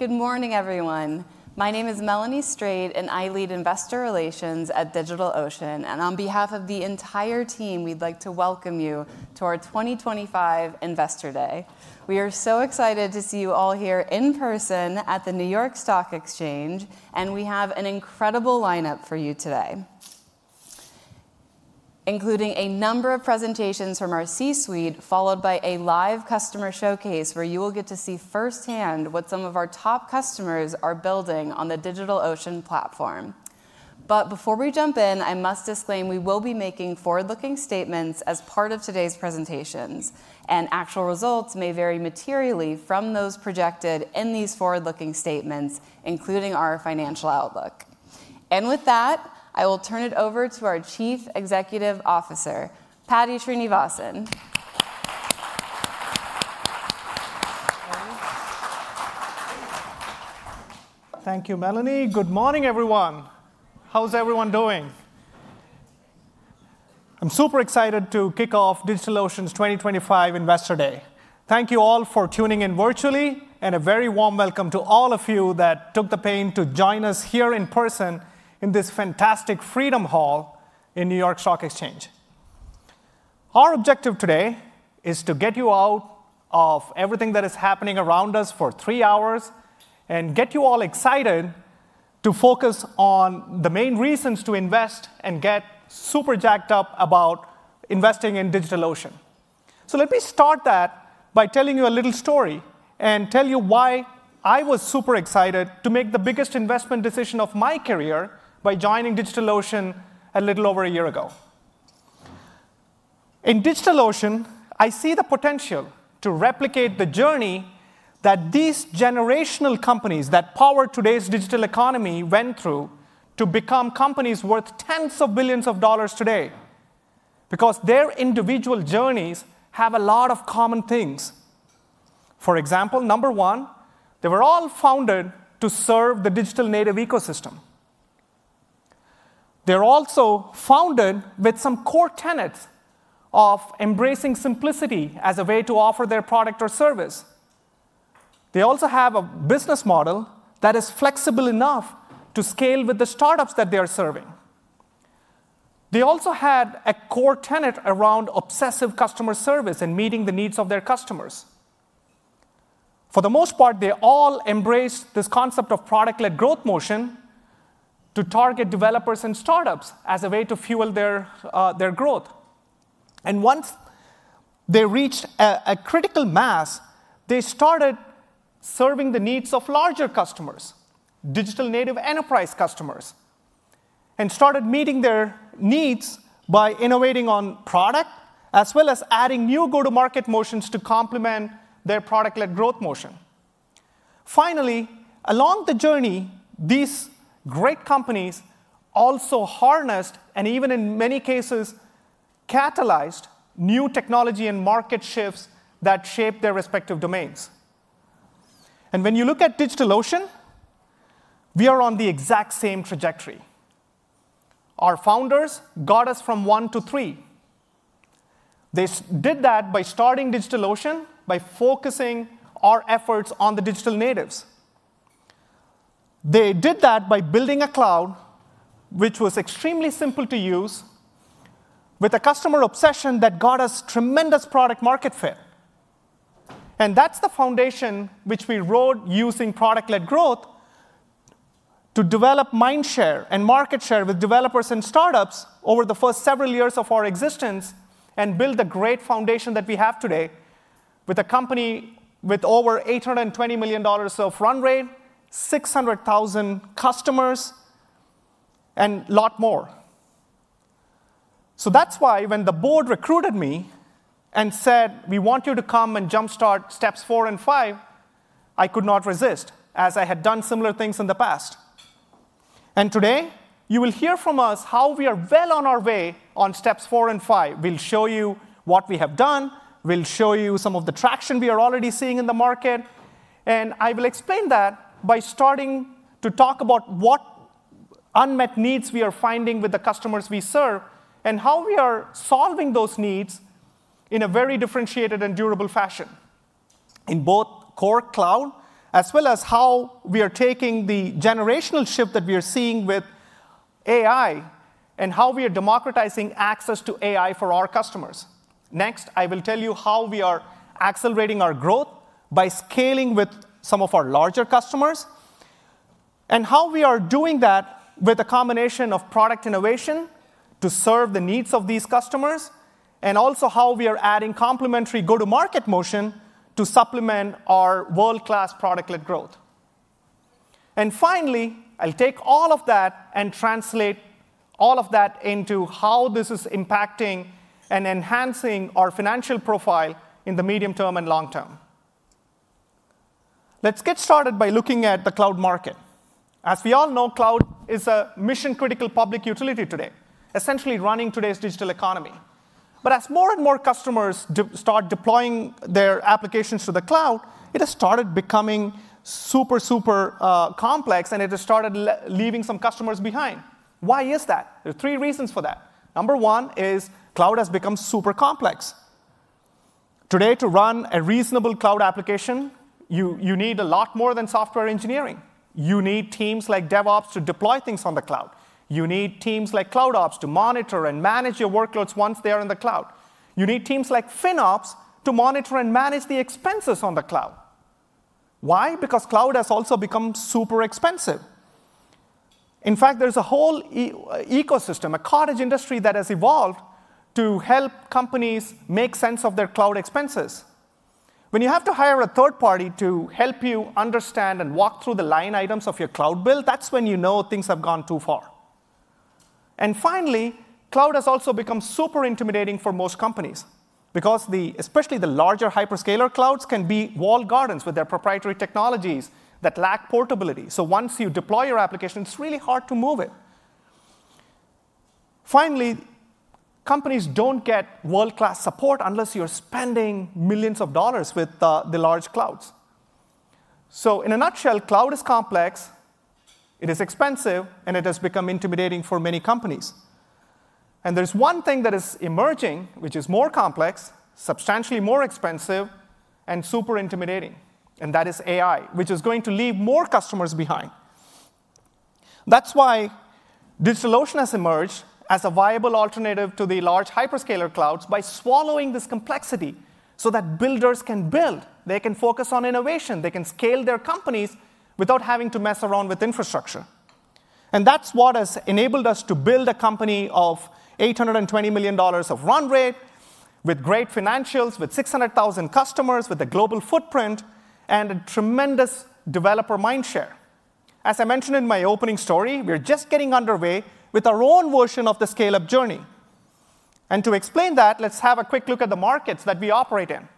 Good morning, everyone. My name is Melanie Strate, and I lead investor relations at DigitalOcean. On behalf of the entire team, we'd like to welcome you to our 2025 Investor Day. We are so excited to see you all here in person at the New York Stock Exchange, and we have an incredible lineup for you today, including a number of presentations from our C-suite, followed by a live customer showcase where you will get to see firsthand what some of our top customers are building on the DigitalOcean platform. Before we jump in, I must disclaim we will be making forward-looking statements as part of today's presentations, and actual results may vary materially from those projected in these forward-looking statements, including our financial outlook. With that, I will turn it over to our Chief Executive Officer, Paddy Srinivasan. Thank you, Melanie. Good morning, everyone. How's everyone doing? I'm super excited to kick off DigitalOcean's 2025 Investor Day. Thank you all for tuning in virtually, and a very warm welcome to all of you that took the pain to join us here in person in this fantastic Freedom Hall in New York Stock Exchange. Our objective today is to get you out of everything that is happening around us for three hours and get you all excited to focus on the main reasons to invest and get super jacked up about investing in DigitalOcean. Let me start that by telling you a little story and tell you why I was super excited to make the biggest investment decision of my career by joining DigitalOcean a little over a year ago. In DigitalOcean, I see the potential to replicate the journey that these generational companies that power today's digital economy went through to become companies worth tens of billions of dollars today, because their individual journeys have a lot of common things. For example, number one, they were all founded to serve the digital native ecosystem. They're also founded with some core tenets of embracing simplicity as a way to offer their product or service. They also have a business model that is flexible enough to scale with the startups that they are serving. They also had a core tenet around obsessive customer service and meeting the needs of their customers. For the most part, they all embraced this concept of product-led growth motion to target developers and startups as a way to fuel their growth. Once they reached a critical mass, they started serving the needs of larger customers, digital native enterprise customers, and started meeting their needs by innovating on product as well as adding new go-to-market motions to complement their product-led growth motion. Finally, along the journey, these great companies also harnessed and even, in many cases, catalyzed new technology and market shifts that shaped their respective domains. When you look at DigitalOcean, we are on the exact same trajectory. Our founders got us from one to three. They did that by starting DigitalOcean by focusing our efforts on the digital natives. They did that by building a cloud, which was extremely simple to use, with a customer obsession that got us tremendous product-market fit. That's the foundation which we rode using product-led growth to develop mind share and market share with developers and startups over the first several years of our existence and build the great foundation that we have today with a company with over $820 million of run rate, 600,000 customers, and a lot more. That is why when the board recruited me and said, "We want you to come and jumpstart steps four and five," I could not resist, as I had done similar things in the past. Today, you will hear from us how we are well on our way on steps four and five. We'll show you what we have done. We'll show you some of the traction we are already seeing in the market. I will explain that by starting to talk about what unmet needs we are finding with the customers we serve and how we are solving those needs in a very differentiated and durable fashion in both core cloud, as well as how we are taking the generational shift that we are seeing with AI and how we are democratizing access to AI for our customers. Next, I will tell you how we are accelerating our growth by scaling with some of our larger customers and how we are doing that with a combination of product innovation to serve the needs of these customers and also how we are adding complementary go-to-market motion to supplement our world-class product-led growth. Finally, I'll take all of that and translate all of that into how this is impacting and enhancing our financial profile in the medium term and long term. Let's get started by looking at the cloud market. As we all know, cloud is a mission-critical public utility today, essentially running today's digital economy. As more and more customers start deploying their applications to the cloud, it has started becoming super, super complex, and it has started leaving some customers behind. Why is that? There are three reasons for that. Number one is cloud has become super complex. Today, to run a reasonable cloud application, you need a lot more than software engineering. You need teams like DevOps to deploy things on the cloud. You need teams like CloudOps to monitor and manage your workloads once they are in the cloud. You need teams like FinOps to monitor and manage the expenses on the cloud. Why? Because cloud has also become super expensive. In fact, there's a whole ecosystem, a cottage industry that has evolved to help companies make sense of their cloud expenses. When you have to hire a third party to help you understand and walk through the line items of your cloud bill, that's when you know things have gone too far. Finally, cloud has also become super intimidating for most companies because especially the larger hyperscaler clouds can be walled gardens with their proprietary technologies that lack portability. Once you deploy your application, it's really hard to move it. Finally, companies don't get world-class support unless you're spending millions of dollars with the large clouds. In a nutshell, cloud is complex, it is expensive, and it has become intimidating for many companies. There is one thing that is emerging, which is more complex, substantially more expensive, and super intimidating, and that is AI, which is going to leave more customers behind. That is why DigitalOcean has emerged as a viable alternative to the large hyperscaler clouds by swallowing this complexity so that builders can build. They can focus on innovation. They can scale their companies without having to mess around with infrastructure. That is what has enabled us to build a company of $820 million of run rate with great financials, with 600,000 customers, with a global footprint, and a tremendous developer mind share. As I mentioned in my opening story, we are just getting underway with our own version of the scale-up journey. To explain that, let's have a quick look at the markets that we operate in.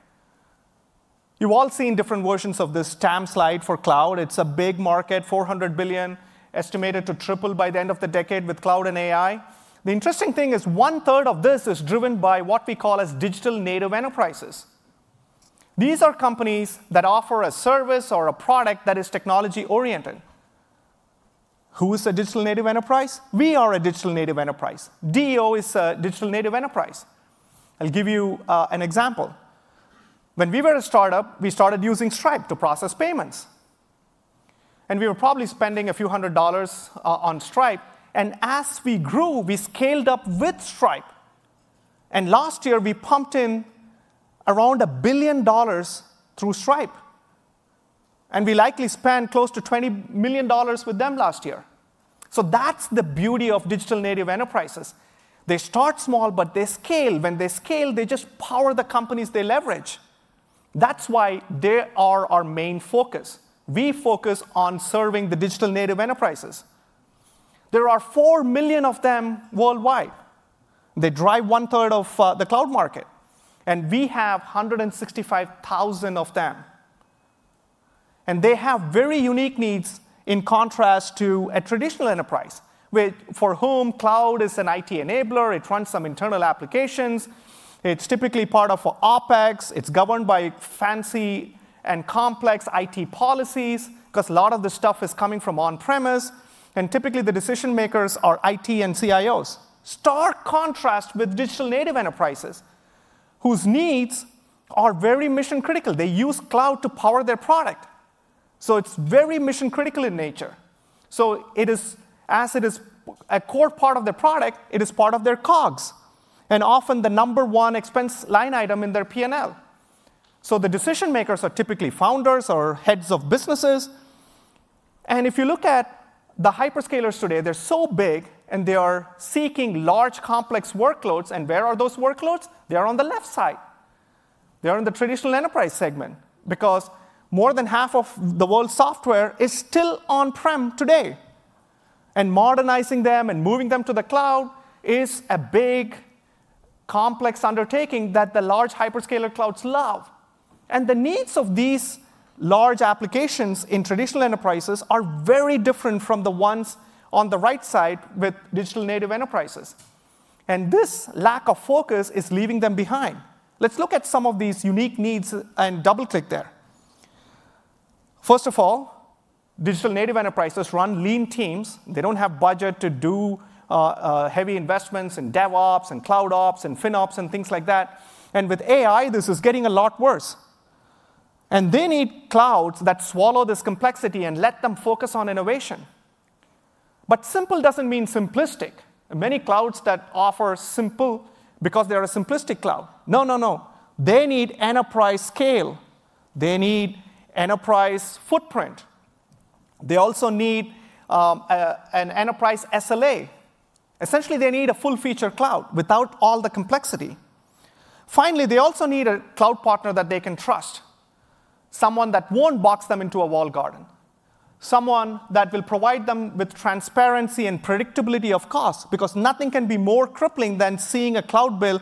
You have all seen different versions of this TAM slide for cloud. It's a big market, $400 billion, estimated to triple by the end of the decade with cloud and AI. The interesting thing is one-third of this is driven by what we call as digital native enterprises. These are companies that offer a service or a product that is technology-oriented. Who is a digital native enterprise? We are a digital native enterprise. DO is a digital native enterprise. I'll give you an example. When we were a startup, we started using Stripe to process payments. We were probably spending a few hundred dollars on Stripe. As we grew, we scaled up with Stripe. Last year, we pumped in around a billion dollars through Stripe. We likely spent close to $20 million with them last year. That's the beauty of digital native enterprises. They start small, but they scale. When they scale, they just power the companies they leverage. That's why they are our main focus. We focus on serving the digital native enterprises. There are 4 million of them worldwide. They drive one-third of the cloud market. We have 165,000 of them. They have very unique needs in contrast to a traditional enterprise, for whom cloud is an IT enabler. It runs some internal applications. It's typically part of OpEx. It's governed by fancy and complex IT policies because a lot of the stuff is coming from on-premise. Typically, the decision makers are IT and CIOs. Stark contrast with digital native enterprises, whose needs are very mission-critical. They use cloud to power their product. It's very mission-critical in nature. As it is a core part of their product, it is part of their COGS and often the number one expense line item in their P&L. The decision makers are typically founders or heads of businesses. If you look at the hyperscalers today, they're so big, and they are seeking large, complex workloads. Where are those workloads? They are on the left side. They are in the traditional enterprise segment because more than half of the world's software is still on-prem today. Modernizing them and moving them to the cloud is a big, complex undertaking that the large hyperscaler clouds love. The needs of these large applications in traditional enterprises are very different from the ones on the right side with digital native enterprises. This lack of focus is leaving them behind. Let's look at some of these unique needs and double-click there. First of all, digital native enterprises run lean teams. They don't have budget to do heavy investments in DevOps and CloudOps and FinOps and things like that. With AI, this is getting a lot worse. They need clouds that swallow this complexity and let them focus on innovation. Simple doesn't mean simplistic. Many clouds offer simple because they are a simplistic cloud. No, no, no. They need enterprise scale. They need enterprise footprint. They also need an enterprise SLA. Essentially, they need a full-feature cloud without all the complexity. Finally, they also need a cloud partner that they can trust, someone that won't box them into a walled garden, someone that will provide them with transparency and predictability of cost because nothing can be more crippling than seeing a cloud bill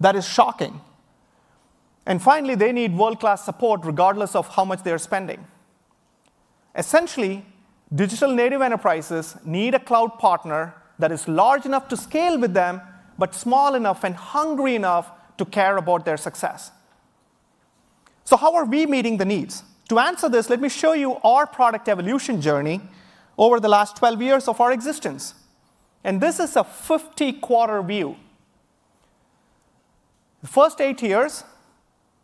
that is shocking. Finally, they need world-class support regardless of how much they are spending. Essentially, digital native enterprises need a cloud partner that is large enough to scale with them but small enough and hungry enough to care about their success. How are we meeting the needs? To answer this, let me show you our product evolution journey over the last 12 years of our existence. This is a 50-quarter view. The first eight years,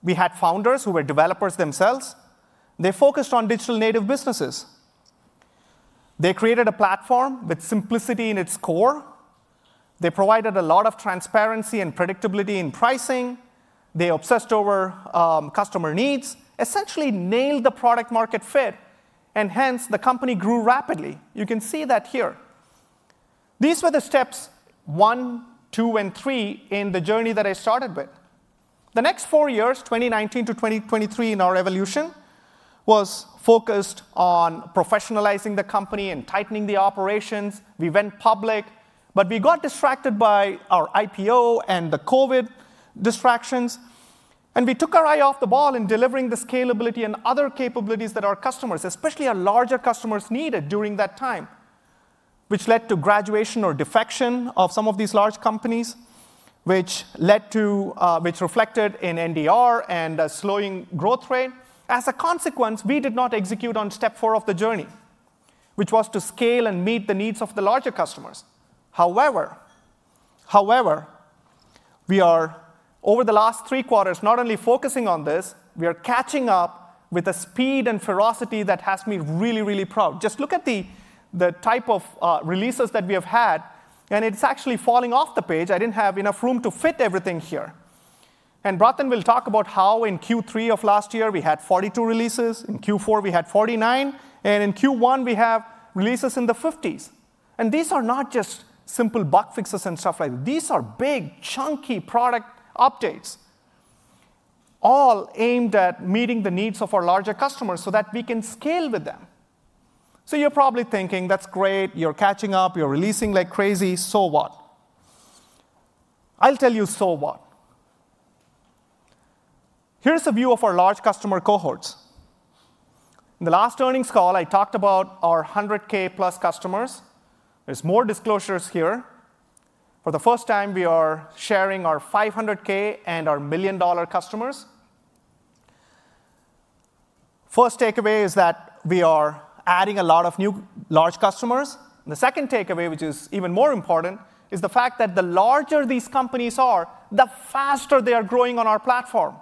we had founders who were developers themselves. They focused on digital native businesses. They created a platform with simplicity in its core. They provided a lot of transparency and predictability in pricing. They obsessed over customer needs, essentially nailed the product-market fit, and hence, the company grew rapidly. You can see that here. These were the steps one, two, and three in the journey that I started with. The next four years, 2019 to 2023 in our evolution, was focused on professionalizing the company and tightening the operations. We went public, but we got distracted by our IPO and the COVID distractions. We took our eye off the ball in delivering the scalability and other capabilities that our customers, especially our larger customers, needed during that time, which led to graduation or defection of some of these large companies, which reflected in NDR and a slowing growth rate. As a consequence, we did not execute on step four of the journey, which was to scale and meet the needs of the larger customers. However, we are, over the last three quarters, not only focusing on this, we are catching up with a speed and ferocity that has made me really, really proud. Just look at the type of releases that we have had, and it's actually falling off the page. I didn't have enough room to fit everything here. Bratin will talk about how in Q3 of last year, we had 42 releases. In Q4, we had 49. In Q1, we have releases in the 50s. These are not just simple bug fixes and stuff like that. These are big, chunky product updates all aimed at meeting the needs of our larger customers so that we can scale with them. You're probably thinking, "That's great. You're catching up. You're releasing like crazy. So what?" I'll tell you so what. Here's a view of our large customer cohorts. In the last earnings call, I talked about our 100,000+ customers. There's more disclosures here. For the first time, we are sharing our 500,000 and our million-dollar customers. First takeaway is that we are adding a lot of new large customers. The second takeaway, which is even more important, is the fact that the larger these companies are, the faster they are growing on our platform.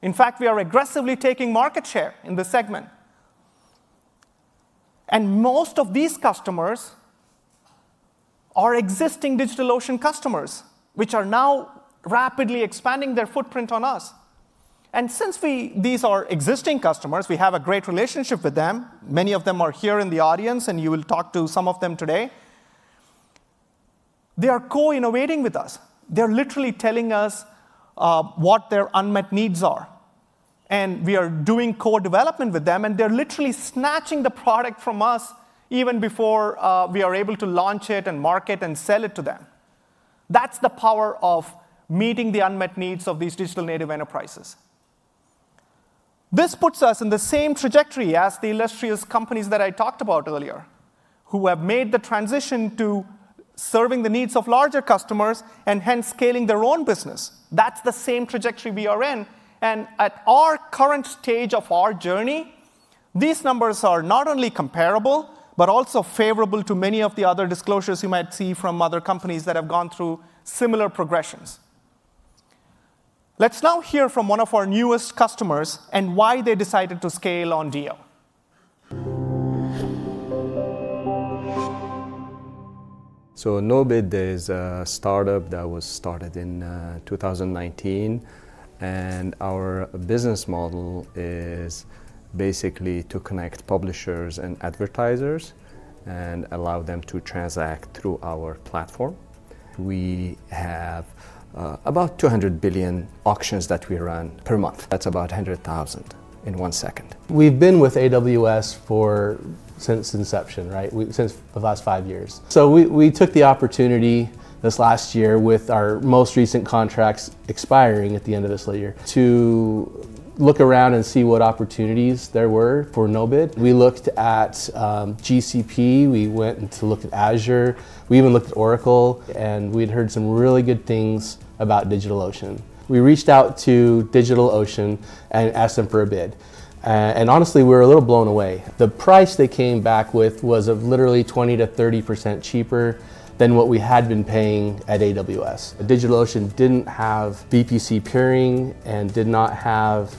In fact, we are aggressively taking market share in the segment. Most of these customers are existing DigitalOcean customers, which are now rapidly expanding their footprint on us. Since these are existing customers, we have a great relationship with them. Many of them are here in the audience, and you will talk to some of them today. They are co-innovating with us. They're literally telling us what their unmet needs are. We are doing co-development with them, and they're literally snatching the product from us even before we are able to launch it and market and sell it to them. That's the power of meeting the unmet needs of these digital native enterprises. This puts us in the same trajectory as the illustrious companies that I talked about earlier, who have made the transition to serving the needs of larger customers and hence scaling their own business. That's the same trajectory we are in. At our current stage of our journey, these numbers are not only comparable but also favorable to many of the other disclosures you might see from other companies that have gone through similar progressions. Let's now hear from one of our newest customers and why they decided to scale on DO. NoBid is a startup that was started in 2019. Our business model is basically to connect publishers and advertisers and allow them to transact through our platform. We have about 200 billion auctions that we run per month. That's about 100,000 in one second. We've been with AWS since inception, right, since the last five years. We took the opportunity this last year with our most recent contracts expiring at the end of this year to look around and see what opportunities there were for NoBid. We looked at GCP. We went to look at Azure. We even looked at Oracle. We'd heard some really good things about DigitalOcean. We reached out to DigitalOcean and asked them for a bid. Honestly, we were a little blown away. The price they came back with was literally 20%-30% cheaper than what we had been paying at AWS. DigitalOcean didn't have VPC peering and did not have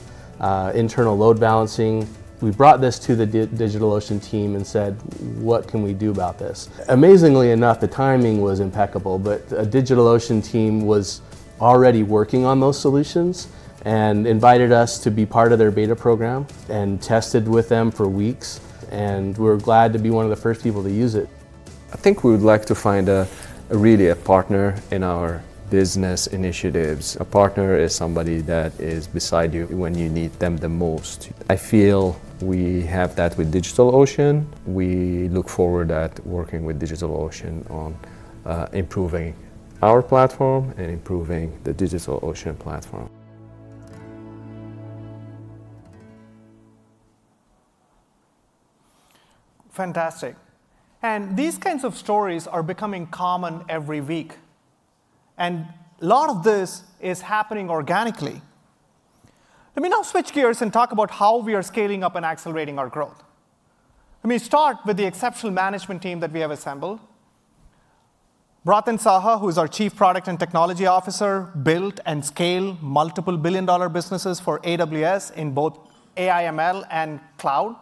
internal load balancing. We brought this to the DigitalOcean team and said, "What can we do about this?" Amazingly enough, the timing was impeccable. The DigitalOcean team was already working on those solutions and invited us to be part of their beta program and tested with them for weeks. We're glad to be one of the first people to use it. I think we would like to find really a partner in our business initiatives. A partner is somebody that is beside you when you need them the most. I feel we have that with DigitalOcean. We look forward to working with DigitalOcean on improving our platform and improving the DigitalOcean platform. Fantastic. These kinds of stories are becoming common every week. A lot of this is happening organically. Let me now switch gears and talk about how we are scaling up and accelerating our growth. Let me start with the exceptional management team that we have assembled. Bratin Saha, who is our Chief Product and Technology Officer, built and scaled multiple billion-dollar businesses for AWS in both AI/ML and cloud.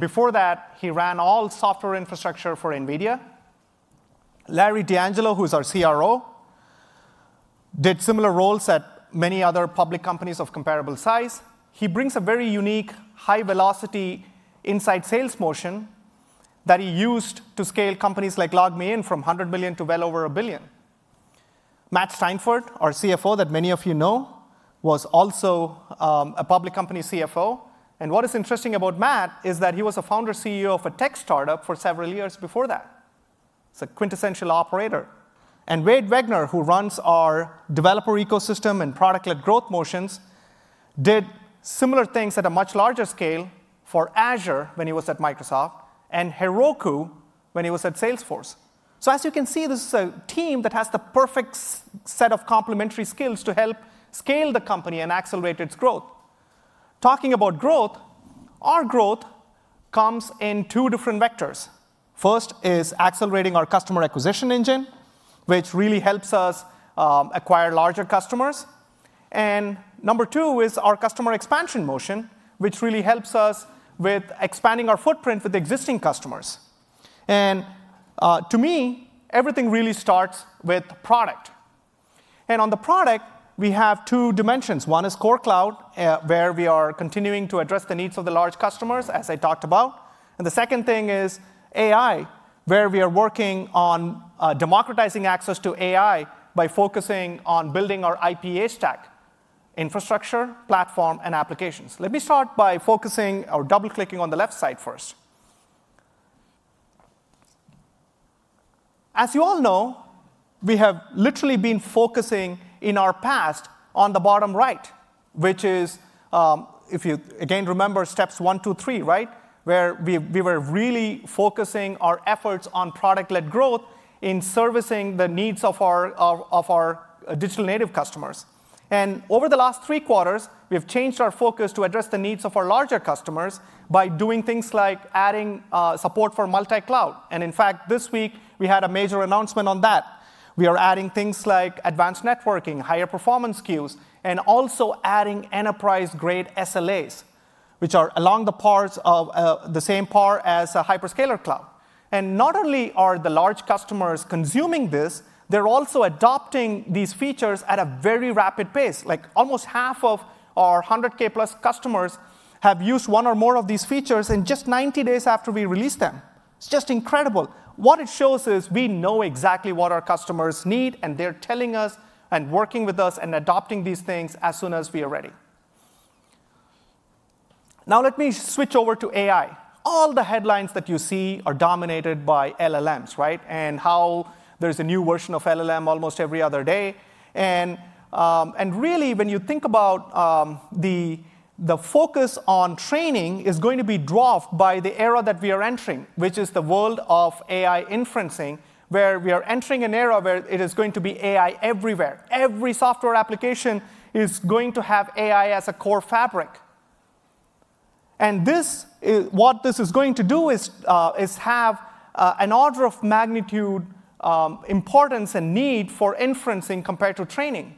Before that, he ran all software infrastructure for NVIDIA. Larry D'Angelo, who is our CRO, did similar roles at many other public companies of comparable size. He brings a very unique high-velocity inside sales motion that he used to scale companies like LogMeIn from $100 million to well over $1 billion. Matt Steinfort, our CFO, that many of you know, was also a public company CFO. What is interesting about Matt is that he was a founder CEO of a tech startup for several years before that. It's a quintessential operator. Wade Wegner, who runs our developer ecosystem and product-led growth motions, did similar things at a much larger scale for Azure when he was at Microsoft and Heroku when he was at Salesforce. As you can see, this is a team that has the perfect set of complementary skills to help scale the company and accelerate its growth. Talking about growth, our growth comes in two different vectors. First is accelerating our customer acquisition engine, which really helps us acquire larger customers. Number two is our customer expansion motion, which really helps us with expanding our footprint with existing customers. To me, everything really starts with product. On the product, we have two dimensions. One is core cloud, where we are continuing to address the needs of the large customers, as I talked about. The second thing is AI, where we are working on democratizing access to AI by focusing on building our IPA stack, infrastructure, platform, and applications. Let me start by focusing or double-clicking on the left side first. As you all know, we have literally been focusing in our past on the bottom right, which is, if you again remember steps one, two, three, right, where we were really focusing our efforts on product-led growth in servicing the needs of our digital native customers. Over the last three quarters, we have changed our focus to address the needs of our larger customers by doing things like adding support for multi-cloud. In fact, this week, we had a major announcement on that. We are adding things like advanced networking, higher performance queues, and also adding enterprise-grade SLAs, which are along the same par as a hyperscaler cloud. Not only are the large customers consuming this, they're also adopting these features at a very rapid pace. Like almost half of our 100,000+ customers have used one or more of these features in just 90 days after we released them. It's just incredible. What it shows is we know exactly what our customers need, and they're telling us and working with us and adopting these things as soon as we are ready. Now let me switch over to AI. All the headlines that you see are dominated by LLMs, right, and how there's a new version of LLM almost every other day. Really, when you think about the focus on training, it is going to be dwarfed by the era that we are entering, which is the world of AI inferencing, where we are entering an era where it is going to be AI everywhere. Every software application is going to have AI as a core fabric. What this is going to do is have an order of magnitude importance and need for inferencing compared to training.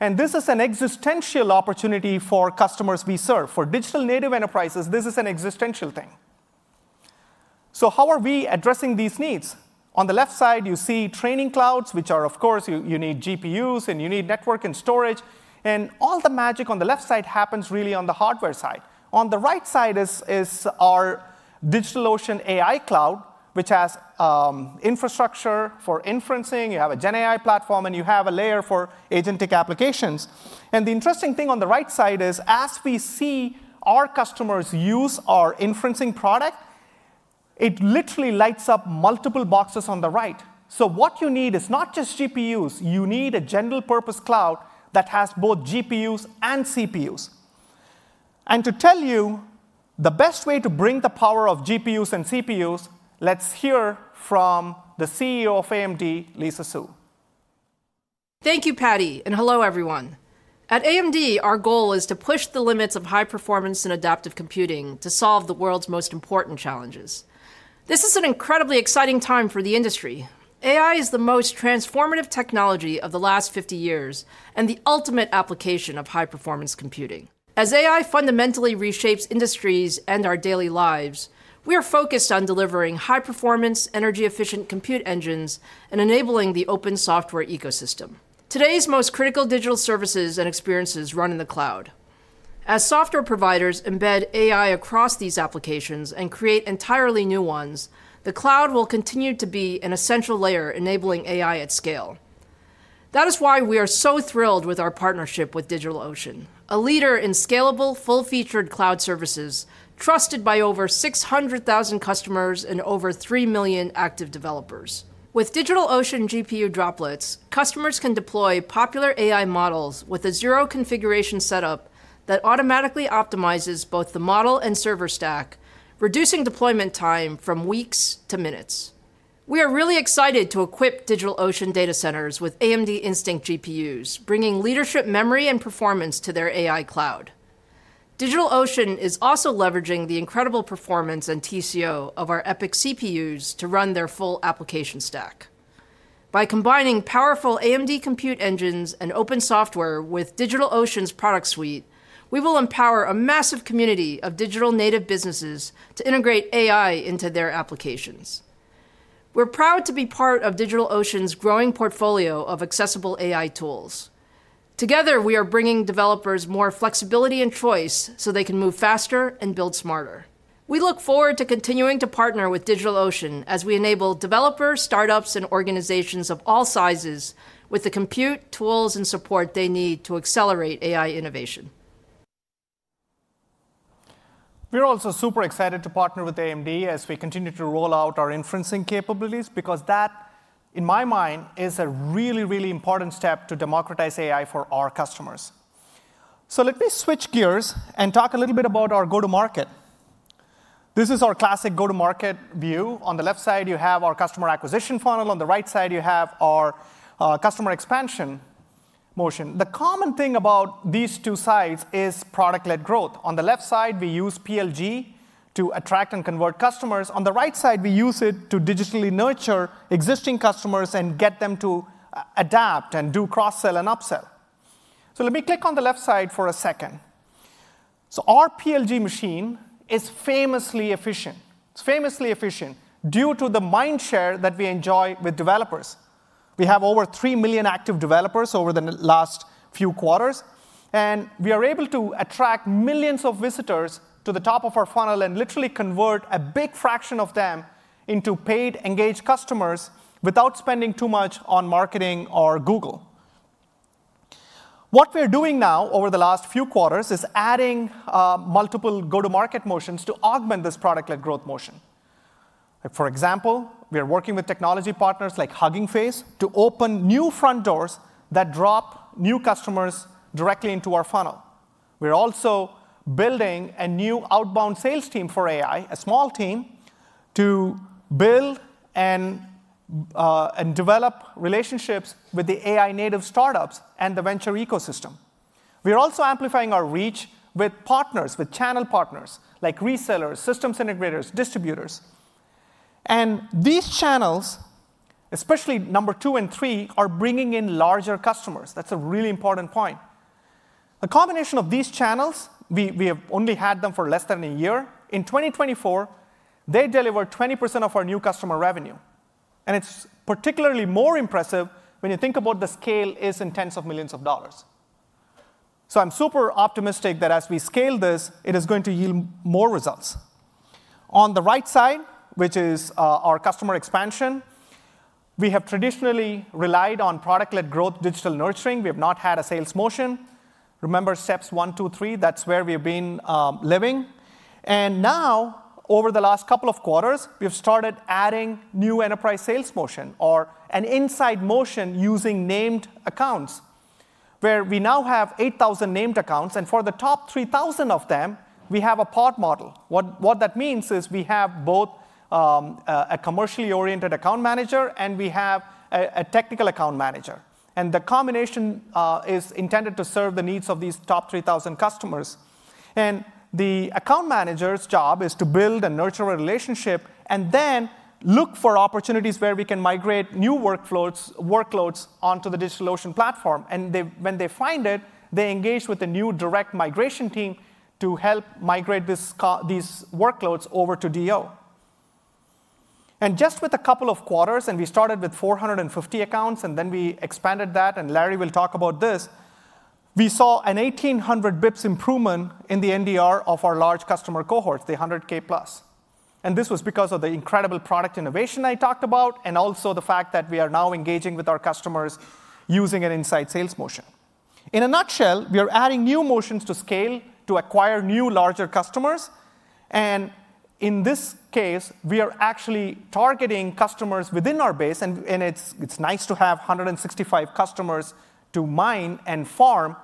This is an existential opportunity for customers we serve. For digital native enterprises, this is an existential thing. How are we addressing these needs? On the left side, you see training clouds, which are, of course, you need GPUs, and you need network and storage. All the magic on the left side happens really on the hardware side. On the right side is our DigitalOcean AI Cloud, which has infrastructure for inferencing. You have a GenAI platform, and you have a layer for agentic applications. The interesting thing on the right side is, as we see our customers use our inferencing product, it literally lights up multiple boxes on the right. What you need is not just GPUs. You need a general-purpose cloud that has both GPUs and CPUs. To tell you the best way to bring the power of GPUs and CPUs, let's hear from the CEO of AMD, Lisa Su. Thank you, Paddy, and hello, everyone. At AMD, our goal is to push the limits of high performance and adaptive computing to solve the world's most important challenges. This is an incredibly exciting time for the industry. AI is the most transformative technology of the last 50 years and the ultimate application of high performance computing. As AI fundamentally reshapes industries and our daily lives, we are focused on delivering high performance, energy efficient compute engines and enabling the open software ecosystem. Today's most critical digital services and experiences run in the cloud. As software providers embed AI across these applications and create entirely new ones, the cloud will continue to be an essential layer enabling AI at scale. That is why we are so thrilled with our partnership with DigitalOcean, a leader in scalable, full-featured cloud services trusted by over 600,000 customers and over 3 million active developers. With DigitalOcean GPU Droplets, customers can deploy popular AI models with a zero configuration setup that automatically optimizes both the model and server stack, reducing deployment time from weeks to minutes. We are really excited to equip DigitalOcean data centers with AMD Instinct GPUs, bringing leadership memory and performance to their AI cloud. DigitalOcean is also leveraging the incredible performance and TCO of our EPYC CPUs to run their full application stack. By combining powerful AMD compute engines and open software with DigitalOcean's product suite, we will empower a massive community of digital native businesses to integrate AI into their applications. We're proud to be part of DigitalOcean's growing portfolio of accessible AI tools. Together, we are bringing developers more flexibility and choice so they can move faster and build smarter. We look forward to continuing to partner with DigitalOcean as we enable developers, startups, and organizations of all sizes with the compute, tools, and support they need to accelerate AI innovation. We're also super excited to partner with AMD as we continue to roll out our inferencing capabilities because that, in my mind, is a really, really important step to democratize AI for our customers. Let me switch gears and talk a little bit about our go-to-market. This is our classic go-to-market view. On the left side, you have our customer acquisition funnel. On the right side, you have our customer expansion motion. The common thing about these two sides is product-led growth. On the left side, we use PLG to attract and convert customers. On the right side, we use it to digitally nurture existing customers and get them to adapt and do cross-sell and upsell. Let me click on the left side for a second. Our PLG machine is famously efficient. It's famously efficient due to the mind share that we enjoy with developers. We have over 3 million active developers over the last few quarters. We are able to attract millions of visitors to the top of our funnel and literally convert a big fraction of them into paid engaged customers without spending too much on marketing or Google. What we are doing now over the last few quarters is adding multiple go-to-market motions to augment this product-led growth motion. For example, we are working with technology partners like Hugging Face to open new front doors that drop new customers directly into our funnel. We are also building a new outbound sales team for AI, a small team, to build and develop relationships with the AI-native startups and the venture ecosystem. We are also amplifying our reach with partners, with channel partners like resellers, systems integrators, distributors. These channels, especially number two and three, are bringing in larger customers. That's a really important point. The combination of these channels, we have only had them for less than a year. In 2024, they deliver 20% of our new customer revenue. It is particularly more impressive when you think about the scale is in tens of millions of dollars. I am super optimistic that as we scale this, it is going to yield more results. On the right side, which is our customer expansion, we have traditionally relied on product-led growth, digital nurturing. We have not had a sales motion. Remember steps one, two, three? That is where we have been living. Now, over the last couple of quarters, we have started adding new enterprise sales motion or an inside motion using named accounts, where we now have 8,000 named accounts. For the top 3,000 of them, we have a pod model. What that means is we have both a commercially oriented account manager and we have a technical account manager. The combination is intended to serve the needs of these top 3,000 customers. The account manager's job is to build and nurture a relationship and then look for opportunities where we can migrate new workloads onto the DigitalOcean platform. When they find it, they engage with a new direct migration team to help migrate these workloads over to DO. In just a couple of quarters, and we started with 450 accounts, and then we expanded that, and Larry will talk about this, we saw an 1,800 basis points improvement in the NDR of our large customer cohorts, the 100,000+. This was because of the incredible product innovation I talked about and also the fact that we are now engaging with our customers using an inside sales motion. In a nutshell, we are adding new motions to scale to acquire new larger customers. In this case, we are actually targeting customers within our base. It's nice to have 165 customers to mine and farm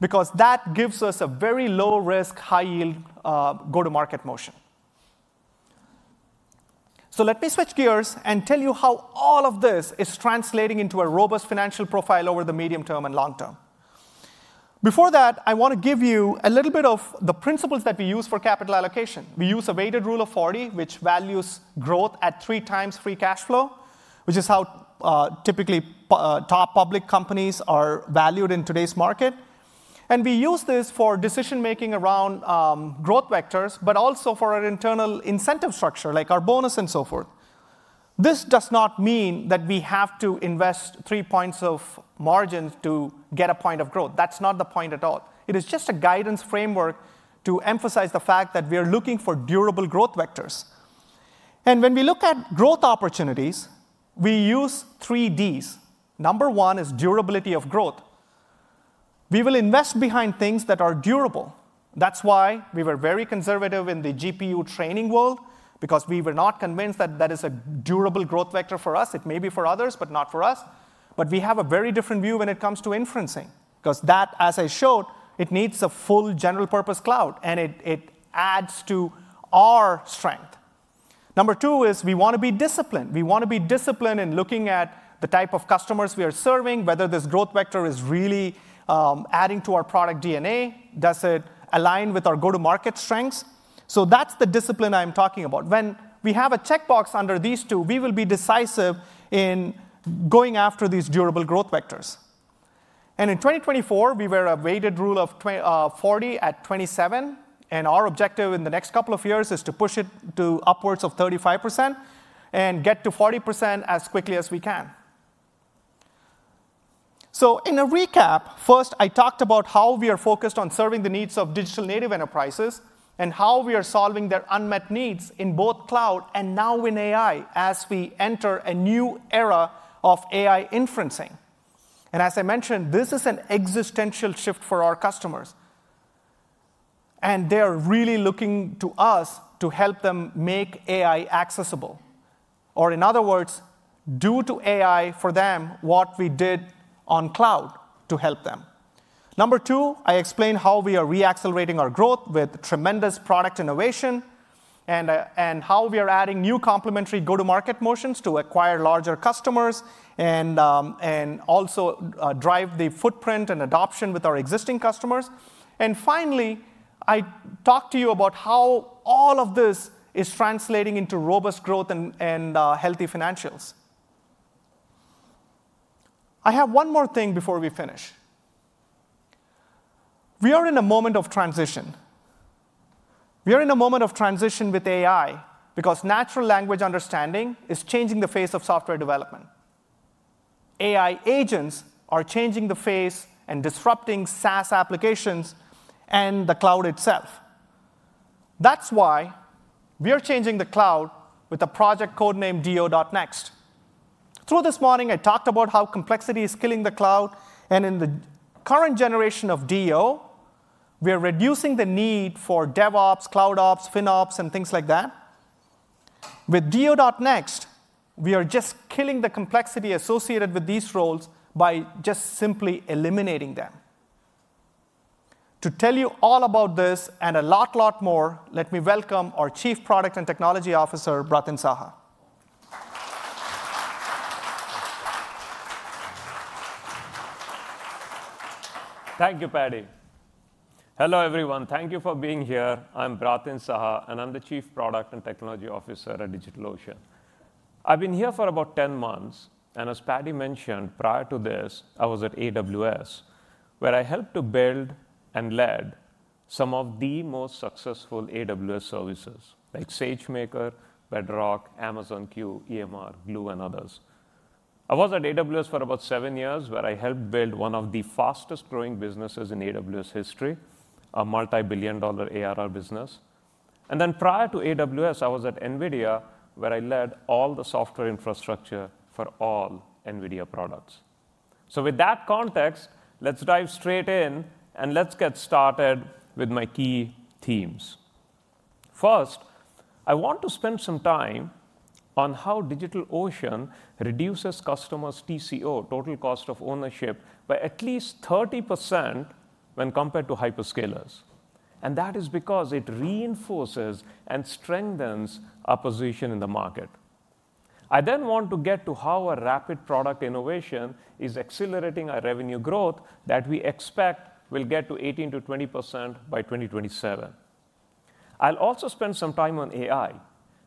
because that gives us a very low-risk, high-yield go-to-market motion. Let me switch gears and tell you how all of this is translating into a robust financial profile over the medium term and long term. Before that, I want to give you a little bit of the principles that we use for capital allocation. We use a weighted rule of 40, which values growth at three times free cash flow, which is how typically top public companies are valued in today's market. We use this for decision-making around growth vectors, but also for our internal incentive structure, like our bonus and so forth. This does not mean that we have to invest three points of margin to get a point of growth. That is not the point at all. It is just a guidance framework to emphasize the fact that we are looking for durable growth vectors. When we look at growth opportunities, we use three Ds. Number one is durability of growth. We will invest behind things that are durable. That is why we were very conservative in the GPU training world, because we were not convinced that that is a durable growth vector for us. It may be for others, but not for us. We have a very different view when it comes to inferencing, because that, as I showed, it needs a full general-purpose cloud, and it adds to our strength. Number two is we want to be disciplined. We want to be disciplined in looking at the type of customers we are serving, whether this growth vector is really adding to our product DNA. Does it align with our go-to-market strengths? That is the discipline I'm talking about. When we have a checkbox under these two, we will be decisive in going after these durable growth vectors. In 2024, we were a weighted rule of 40 at 27. Our objective in the next couple of years is to push it to upwards of 35% and get to 40% as quickly as we can. In a recap, first, I talked about how we are focused on serving the needs of digital native enterprises and how we are solving their unmet needs in both cloud and now in AI as we enter a new era of AI inferencing. As I mentioned, this is an existential shift for our customers. They are really looking to us to help them make AI accessible. In other words, to do to AI for them what we did on cloud to help them. Number two, I explained how we are reaccelerating our growth with tremendous product innovation and how we are adding new complementary go-to-market motions to acquire larger customers and also drive the footprint and adoption with our existing customers. Finally, I talked to you about how all of this is translating into robust growth and healthy financials. I have one more thing before we finish. We are in a moment of transition. We are in a moment of transition with AI because natural language understanding is changing the face of software development. AI agents are changing the face and disrupting SaaS applications and the cloud itself. That's why we are changing the cloud with a project code name DO.Next. Through this morning, I talked about how complexity is killing the cloud. In the current generation of DO, we are reducing the need for DevOps, CloudOps, FinOps, and things like that. With DO.Next, we are just killing the complexity associated with these roles by just simply eliminating them. To tell you all about this and a lot, lot more, let me welcome our Chief Product and Technology Officer, Bratin Saha. Thank you, Paddy. Hello, everyone. Thank you for being here. I'm Bratin Saha, and I'm the Chief Product and Technology Officer at DigitalOcean. I've been here for about 10 months. As Paddy mentioned prior to this, I was at AWS, where I helped to build and led some of the most successful AWS services, like SageMaker, Bedrock, Amazon Q, EMR, Glue, and others. I was at AWS for about seven years, where I helped build one of the fastest-growing businesses in AWS history, a multi-billion dollar ARR business. Prior to AWS, I was at NVIDIA, where I led all the software infrastructure for all NVIDIA products. With that context, let's dive straight in and let's get started with my key themes. First, I want to spend some time on how DigitalOcean reduces customers' TCO, total cost of ownership, by at least 30% when compared to hyperscalers. That is because it reinforces and strengthens our position in the market. I then want to get to how our rapid product innovation is accelerating our revenue growth that we expect will get to 18% to 20% by 2027. I'll also spend some time on AI,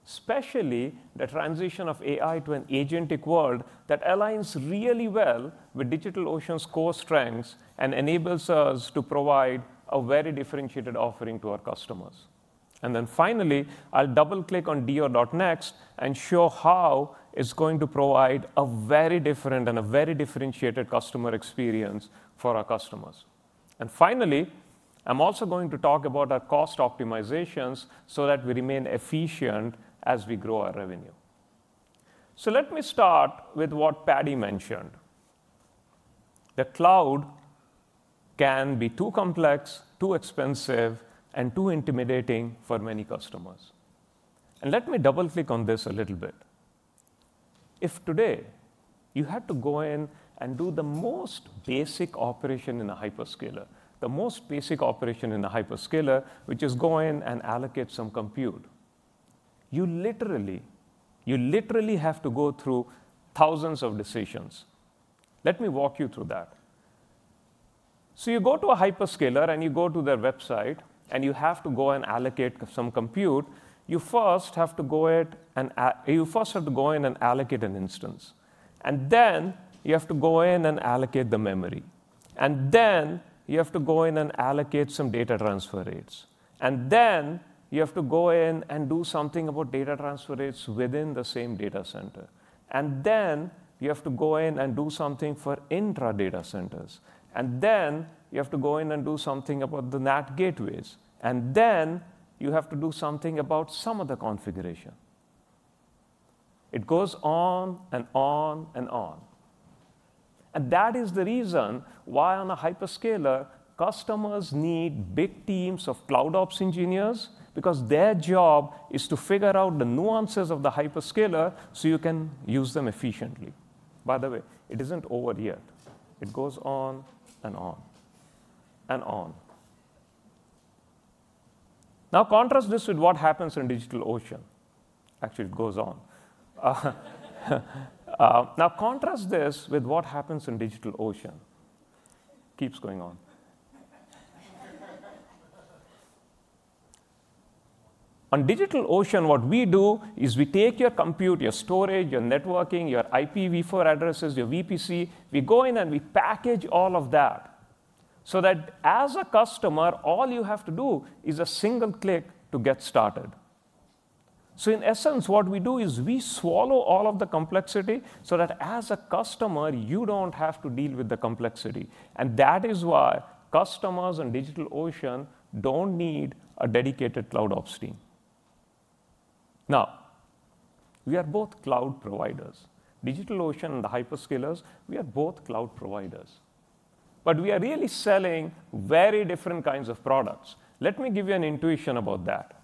especially the transition of AI to an agentic world that aligns really well with DigitalOcean's core strengths and enables us to provide a very differentiated offering to our customers. Then finally, I'll double-click on DO.Next and show how it's going to provide a very different and a very differentiated customer experience for our customers. Finally, I'm also going to talk about our cost optimizations so that we remain efficient as we grow our revenue. Let me start with what Paddy mentioned. The cloud can be too complex, too expensive, and too intimidating for many customers. Let me double-click on this a little bit. If today you had to go in and do the most basic operation in a hyperscaler, the most basic operation in a hyperscaler, which is go in and allocate some compute, you literally have to go through thousands of decisions. Let me walk you through that. You go to a hyperscaler and you go to their website and you have to go and allocate some compute. You first have to go in and allocate an instance. Then you have to go in and allocate the memory. Then you have to go in and allocate some data transfer rates. Then you have to go in and do something about data transfer rates within the same data center. Then you have to go in and do something for intra data centers. You have to go in and do something about the NAT gateways. You have to do something about some of the configuration. It goes on and on and on. That is the reason why on a hyperscaler, customers need big teams of CloudOps engineers, because their job is to figure out the nuances of the hyperscaler so you can use them efficiently. By the way, it isn't over yet. It goes on and on and on. Now contrast this with what happens in DigitalOcean. Actually, it goes on. Now contrast this with what happens in DigitalOcean. Keeps going on. On DigitalOcean, what we do is we take your compute, your storage, your networking, your IPv4 addresses, your VPC. We go in and we package all of that so that as a customer, all you have to do is a single click to get started. In essence, what we do is we swallow all of the complexity so that as a customer, you do not have to deal with the complexity. That is why customers on DigitalOcean do not need a dedicated CloudOps team. Now, we are both cloud providers. DigitalOcean and the hyperscalers, we are both cloud providers. We are really selling very different kinds of products. Let me give you an intuition about that.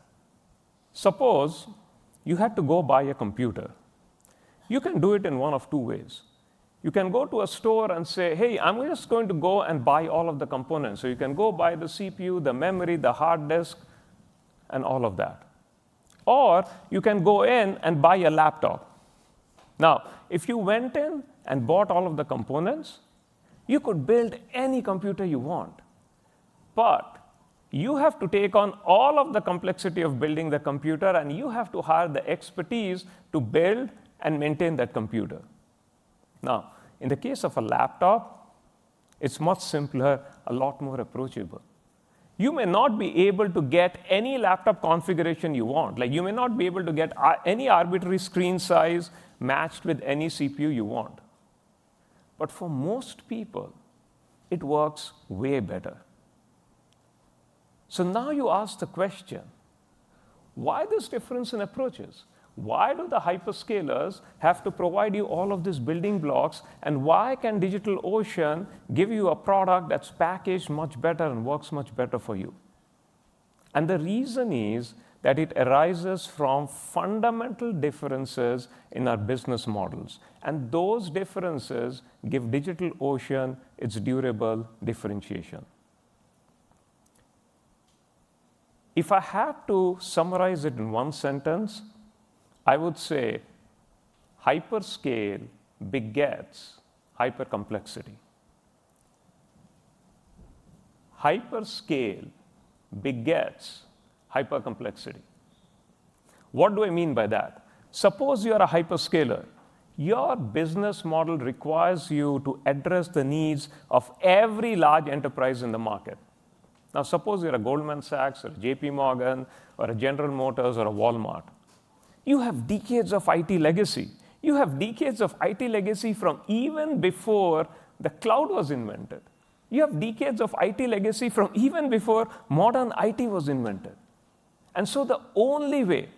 Suppose you had to go buy a computer. You can do it in one of two ways. You can go to a store and say, hey, I am just going to go and buy all of the components. You can go buy the CPU, the memory, the hard disk, and all of that. Or you can go in and buy a laptop. Now, if you went in and bought all of the components, you could build any computer you want. But you have to take on all of the complexity of building the computer, and you have to hire the expertise to build and maintain that computer. Now, in the case of a laptop, it's much simpler, a lot more approachable. You may not be able to get any laptop configuration you want. You may not be able to get any arbitrary screen size matched with any CPU you want. For most people, it works way better. Now you ask the question, why this difference in approaches? Why do the hyperscalers have to provide you all of these building blocks? Why can DigitalOcean give you a product that's packaged much better and works much better for you? The reason is that it arises from fundamental differences in our business models. Those differences give DigitalOcean its durable differentiation. If I had to summarize it in one sentence, I would say hyperscale begets hypercomplexity. Hyperscale begets hypercomplexity. What do I mean by that? Suppose you are a hyperscaler. Your business model requires you to address the needs of every large enterprise in the market. Now, suppose you're a Goldman Sachs or a JPMorgan or a General Motors or a Walmart. You have decades of IT legacy. You have decades of IT legacy from even before the cloud was invented. You have decades of IT legacy from even before modern IT was invented. The only way,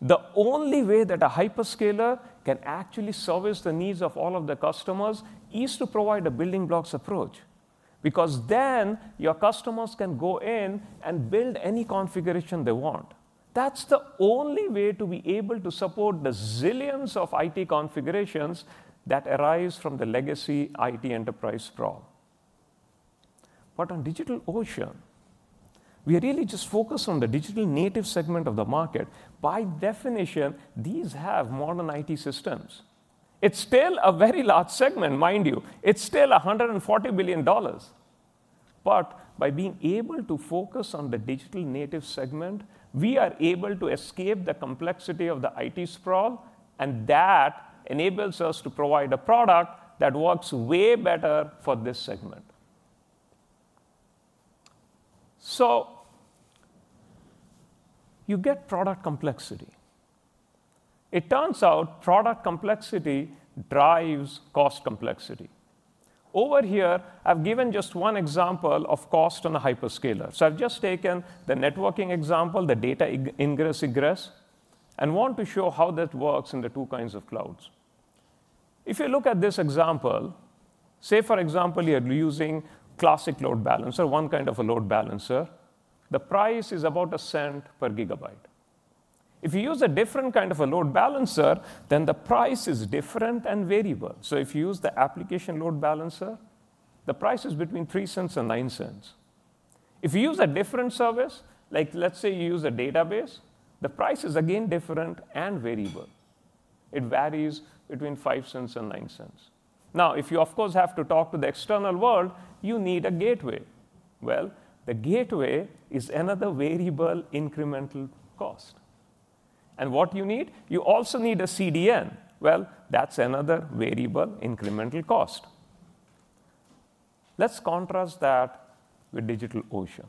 the only way that a hyperscaler can actually service the needs of all of the customers is to provide a building blocks approach, because then your customers can go in and build any configuration they want. That's the only way to be able to support the zillions of IT configurations that arise from the legacy IT enterprise problem. On DigitalOcean, we are really just focused on the digital native segment of the market. By definition, these have modern IT systems. It's still a very large segment, mind you. It's still $140 billion. By being able to focus on the digital native segment, we are able to escape the complexity of the IT sprawl. That enables us to provide a product that works way better for this segment. You get product complexity. It turns out product complexity drives cost complexity. Over here, I've given just one example of cost on a hyperscaler. I've just taken the networking example, the data ingress/egress, and want to show how that works in the two kinds of clouds. If you look at this example, say, for example, you're using classic load balancer, one kind of a load balancer. The price is about $0.01 per gigabyte. If you use a different kind of a load balancer, then the price is different and variable. If you use the application load balancer, the price is between $0.03 and $0.09. If you use a different service, like let's say you use a database, the price is again different and variable. It varies between $0.05 and $0.09. Now, if you, of course, have to talk to the external world, you need a gateway. The gateway is another variable incremental cost. What do you need? You also need a CDN. That's another variable incremental cost. Let's contrast that with DigitalOcean.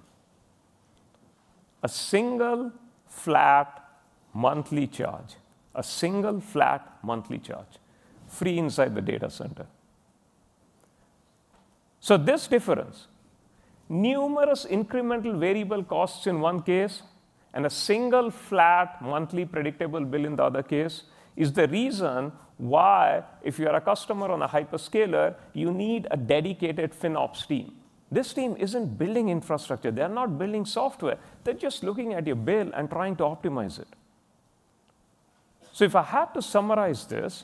A single flat monthly charge, a single flat monthly charge free inside the data center. This difference, numerous incremental variable costs in one case and a single flat monthly predictable bill in the other case, is the reason why if you are a customer on a hyperscaler, you need a dedicated FinOps team. This team isn't building infrastructure. They're not building software. They're just looking at your bill and trying to optimize it. If I had to summarize this,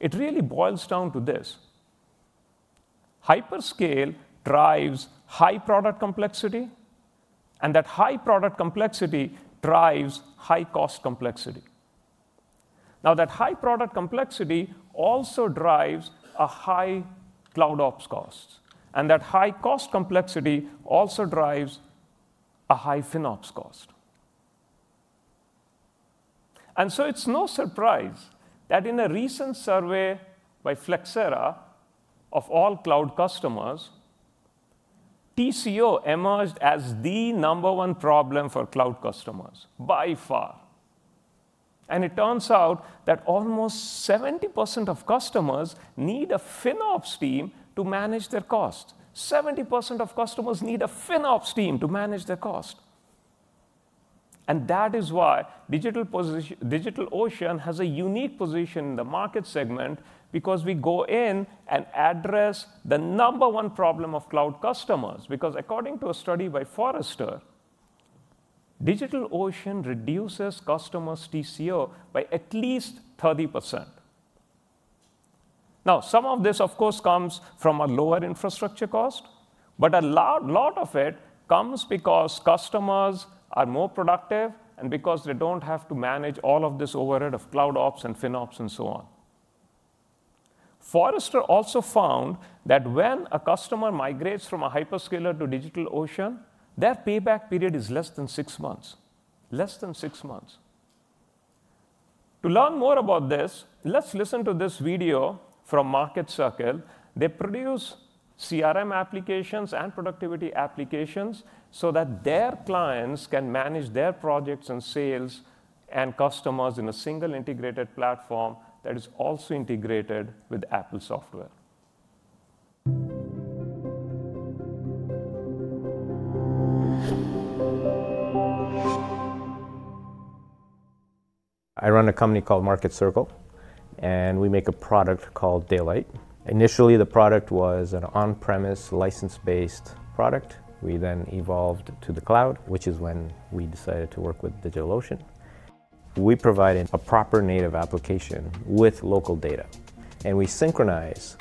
it really boils down to this. Hyperscale drives high product complexity, and that high product complexity drives high cost complexity. Now, that high product complexity also drives a high CloudOps cost. That high cost complexity also drives a high FinOps cost. It is no surprise that in a recent survey by Flexera of all cloud customers, TCO emerged as the number one problem for cloud customers by far. It turns out that almost 70% of customers need a FinOps team to manage their cost. 70% of customers need a FinOps team to manage their cost. That is why DigitalOcean has a unique position in the market segment, because we go in and address the number one problem of cloud customers. According to a study by Forrester, DigitalOcean reduces customers' TCO by at least 30%. Now, some of this, of course, comes from a lower infrastructure cost, but a lot of it comes because customers are more productive and because they do not have to manage all of this overhead of CloudOps and FinOps and so on. Forrester also found that when a customer migrates from a hyperscaler to DigitalOcean, their payback period is less than six months, less than six months. To learn more about this, let's listen to this video from Market Circle. They produce CRM applications and productivity applications so that their clients can manage their projects and sales and customers in a single integrated platform that is also integrated with Apple software. I run a company called Market Circle, and we make a product called Daylight. Initially, the product was an on-premise license-based product. We then evolved to the cloud, which is when we decided to work with DigitalOcean. We provide a proper native application with local data, and we synchronize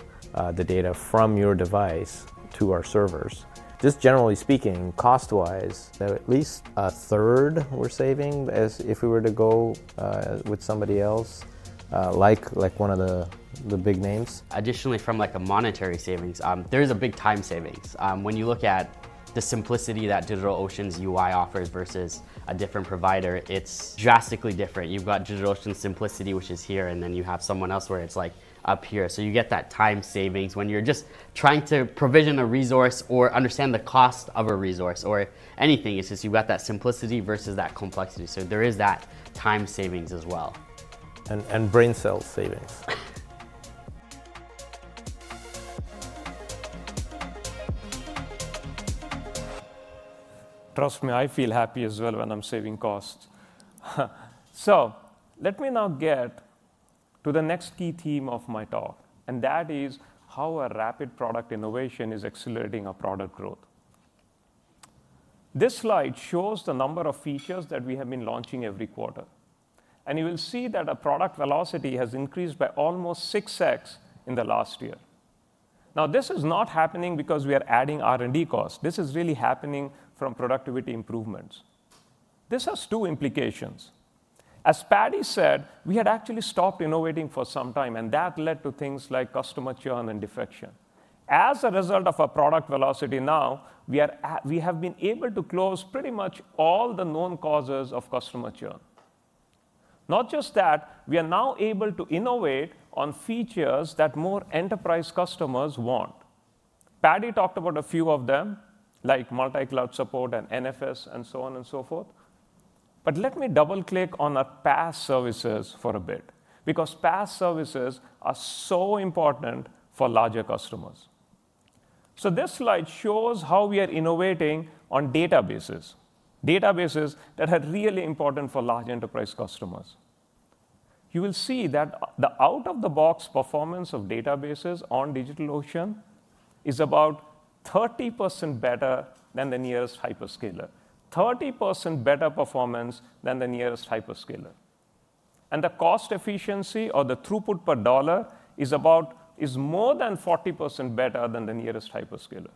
the data from your device to our servers. Just generally speaking, cost-wise, at least a third we're saving as if we were to go with somebody else like one of the big names. Additionally, from like a monetary savings, there is a big time savings. When you look at the simplicity that DigitalOcean's UI offers versus a different provider, it's drastically different. You've got DigitalOcean's simplicity, which is here, and then you have someone else where it's like up here. You get that time savings when you're just trying to provision a resource or understand the cost of a resource or anything. It's just you've got that simplicity versus that complexity. There is that time savings as well. And brain cell savings. Trust me, I feel happy as well when I'm saving costs. Let me now get to the next key theme of my talk, and that is how rapid product innovation is accelerating our product growth. This slide shows the number of features that we have been launching every quarter. You will see that our product velocity has increased by almost 6x in the last year. This is not happening because we are adding R&D costs. This is really happening from productivity improvements. This has two implications. As Paddy said, we had actually stopped innovating for some time, and that led to things like customer churn and defection. As a result of our product velocity now, we have been able to close pretty much all the known causes of customer churn. Not just that, we are now able to innovate on features that more enterprise customers want. Paddy talked about a few of them, like multi-cloud support and NFS and so on and so forth. Let me double-click on our PaaS services for a bit, because PaaS services are so important for larger customers. This slide shows how we are innovating on databases, databases that are really important for large enterprise customers. You will see that the out-of-the-box performance of databases on DigitalOcean is about 30% better than the nearest hyperscaler, 30% better performance than the nearest hyperscaler. The cost efficiency or the throughput per dollar is about more than 40% better than the nearest hyperscaler,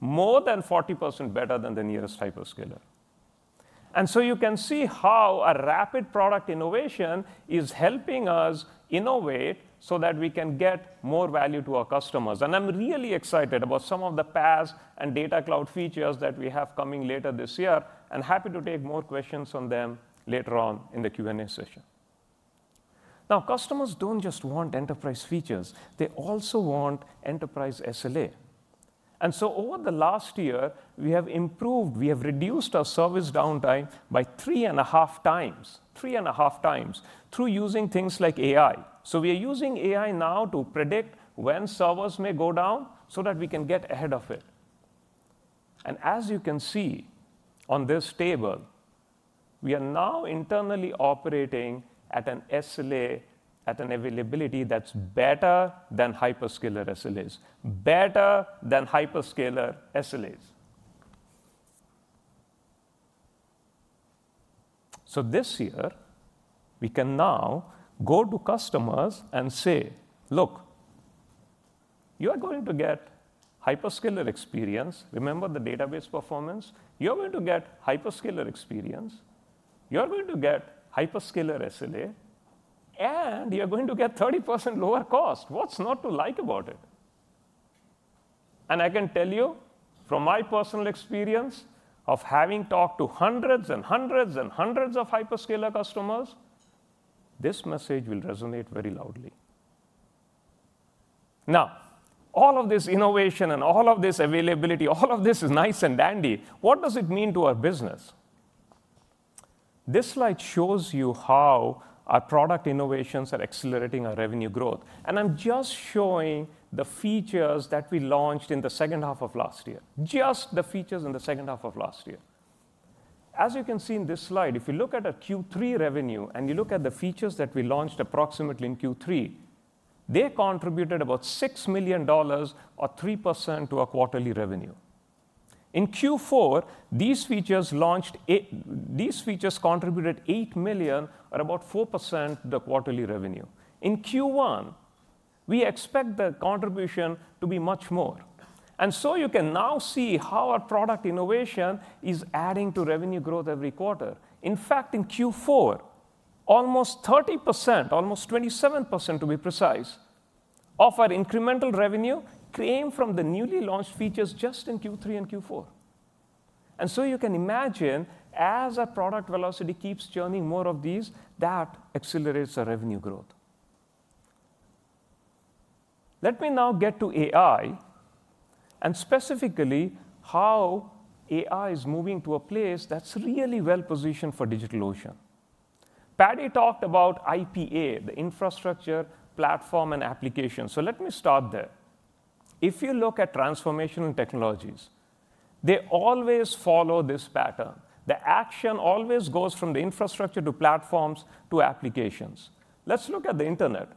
more than 40% better than the nearest hyperscaler. You can see how a rapid product innovation is helping us innovate so that we can get more value to our customers. I'm really excited about some of the PaaS and data cloud features that we have coming later this year, and happy to take more questions on them later on in the Q&A session. Customers do not just want enterprise features. They also want enterprise SLA. Over the last year, we have improved. We have reduced our service downtime by three and a half times, three and a half times through using things like AI. We are using AI now to predict when servers may go down so that we can get ahead of it. As you can see on this table, we are now internally operating at an SLA, at an availability that is better than hyperscaler SLAs, better than hyperscaler SLAs. This year, we can now go to customers and say, look, you are going to get hyperscaler experience. Remember the database performance. You're going to get hyperscaler experience. You're going to get hyperscaler SLA, and you're going to get 30% lower cost. What's not to like about it? I can tell you from my personal experience of having talked to hundreds and hundreds and hundreds of hyperscaler customers, this message will resonate very loudly. Now, all of this innovation and all of this availability, all of this is nice and dandy. What does it mean to our business? This slide shows you how our product innovations are accelerating our revenue growth. I'm just showing the features that we launched in the second half of last year, just the features in the second half of last year. As you can see in this slide, if you look at our Q3 revenue and you look at the features that we launched approximately in Q3, they contributed about $6 million or 3% to our quarterly revenue. In Q4, these features contributed $8 million or about 4% to the quarterly revenue. In Q1, we expect the contribution to be much more. You can now see how our product innovation is adding to revenue growth every quarter. In fact, in Q4, almost 30%, almost 27% to be precise, of our incremental revenue came from the newly launched features just in Q3 and Q4. You can imagine as our product velocity keeps churning more of these, that accelerates our revenue growth. Let me now get to AI and specifically how AI is moving to a place that's really well positioned for DigitalOcean. Paddy talked about IPA, the Infrastructure Platform and Application. Let me start there. If you look at transformational technologies, they always follow this pattern. The action always goes from the infrastructure to platforms to applications. Let's look at the internet.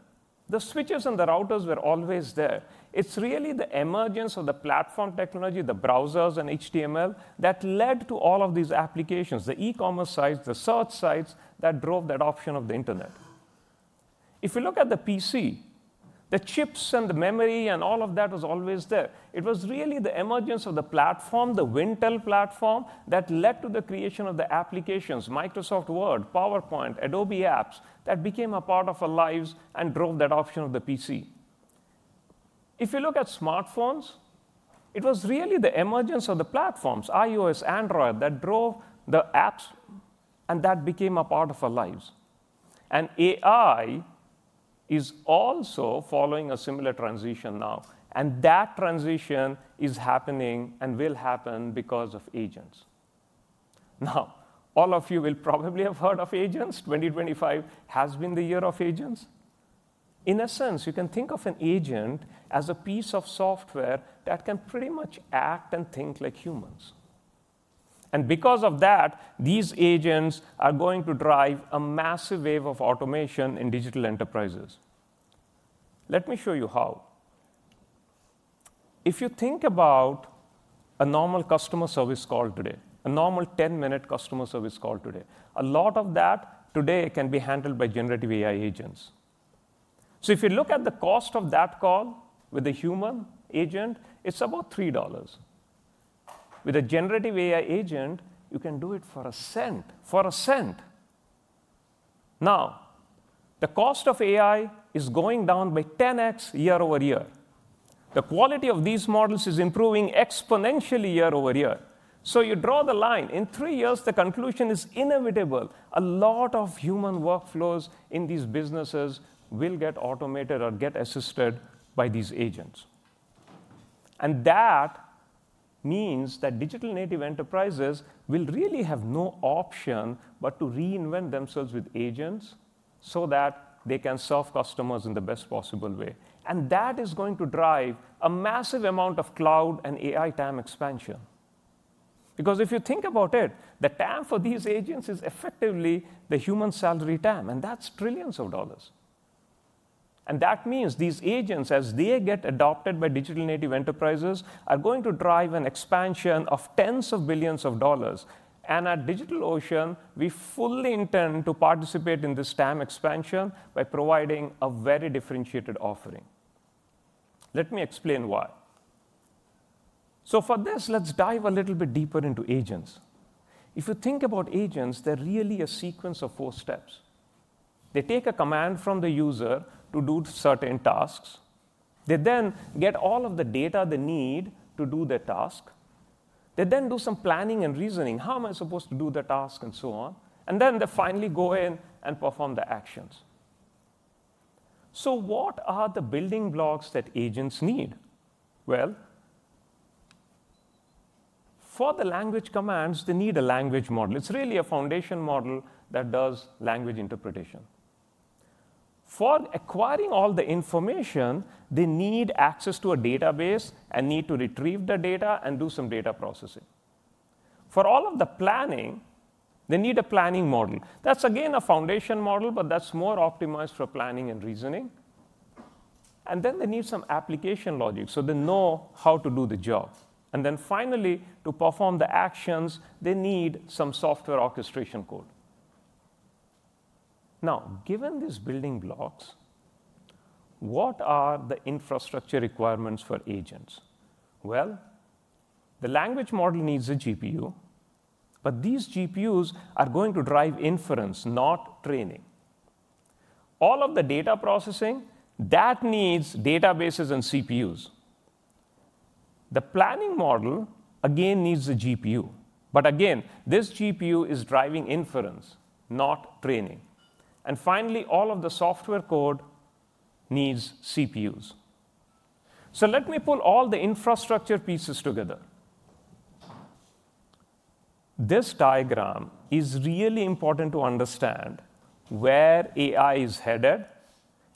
The switches and the routers were always there. It's really the emergence of the platform technology, the browsers and HTML, that led to all of these applications, the e-commerce sites, the search sites that drove that option of the internet. If you look at the PC, the chips and the memory and all of that was always there. It was really the emergence of the platform, the Wintel platform, that led to the creation of the applications, Microsoft Word, PowerPoint, Adobe Apps that became a part of our lives and drove that option of the PC. If you look at smartphones, it was really the emergence of the platforms, iOS, Android, that drove the apps and that became a part of our lives. AI is also following a similar transition now. That transition is happening and will happen because of agents. All of you will probably have heard of agents. 2025 has been the year of agents. In a sense, you can think of an agent as a piece of software that can pretty much act and think like humans. Because of that, these agents are going to drive a massive wave of automation in digital enterprises. Let me show you how. If you think about a normal customer service call today, a normal 10-minute customer service call today, a lot of that today can be handled by generative AI agents. If you look at the cost of that call with a human agent, it's about $3. With a generative AI agent, you can do it for a cent, for a cent. Now, the cost of AI is going down by 10x year-over-year. The quality of these models is improving exponentially year-over-year. You draw the line. In three years, the conclusion is inevitable. A lot of human workflows in these businesses will get automated or get assisted by these agents. That means that digital native enterprises will really have no option but to reinvent themselves with agents so that they can serve customers in the best possible way. That is going to drive a massive amount of cloud and AI time expansion. Because if you think about it, the time for these agents is effectively the human salary time, and that's trillions of dollars. That means these agents, as they get adopted by digital native enterprises, are going to drive an expansion of tens of billions of dollars. At DigitalOcean, we fully intend to participate in this time expansion by providing a very differentiated offering. Let me explain why. For this, let's dive a little bit deeper into agents. If you think about agents, they're really a sequence of four steps. They take a command from the user to do certain tasks. They then get all of the data they need to do their task. They then do some planning and reasoning, how am I supposed to do the task and so on. They finally go in and perform the actions. What are the building blocks that agents need? For the language commands, they need a language model. It's really a foundation model that does language interpretation. For acquiring all the information, they need access to a database and need to retrieve the data and do some data processing. For all of the planning, they need a planning model. That's again a foundation model, but that's more optimized for planning and reasoning. They need some application logic so they know how to do the job. Finally, to perform the actions, they need some software orchestration code. Given these building blocks, what are the infrastructure requirements for agents? The language model needs a GPU, but these GPUs are going to drive inference, not training. All of the data processing needs databases and CPUs. The planning model, again, needs a GPU. Again, this GPU is driving inference, not training. Finally, all of the software code needs CPUs. Let me pull all the infrastructure pieces together. This diagram is really important to understand where AI is headed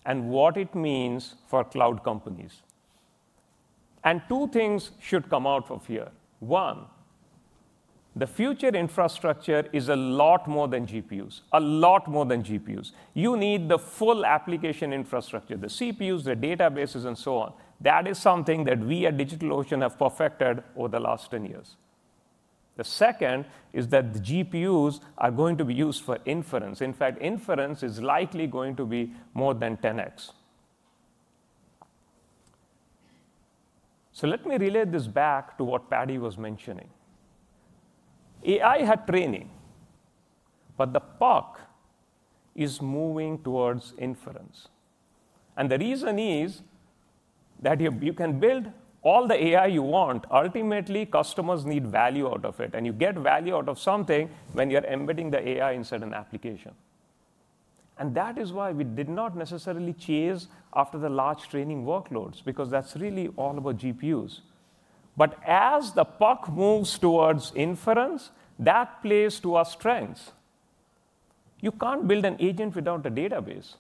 and what it means for cloud companies. Two things should come out of here. One, the future infrastructure is a lot more than GPUs, a lot more than GPUs. You need the full application infrastructure, the CPUs, the databases, and so on. That is something that we at DigitalOcean have perfected over the last 10 years. The second is that the GPUs are going to be used for inference. In fact, inference is likely going to be more than 10x. Let me relate this back to what Paddy was mentioning. AI had training, but the puck is moving towards inference. The reason is that you can build all the AI you want. Ultimately, customers need value out of it. You get value out of something when you're embedding the AI in a certain application. That is why we did not necessarily chase after the large training workloads, because that's really all about GPUs. As the puck moves towards inference, that plays to our strengths. You can't build an agent without a database.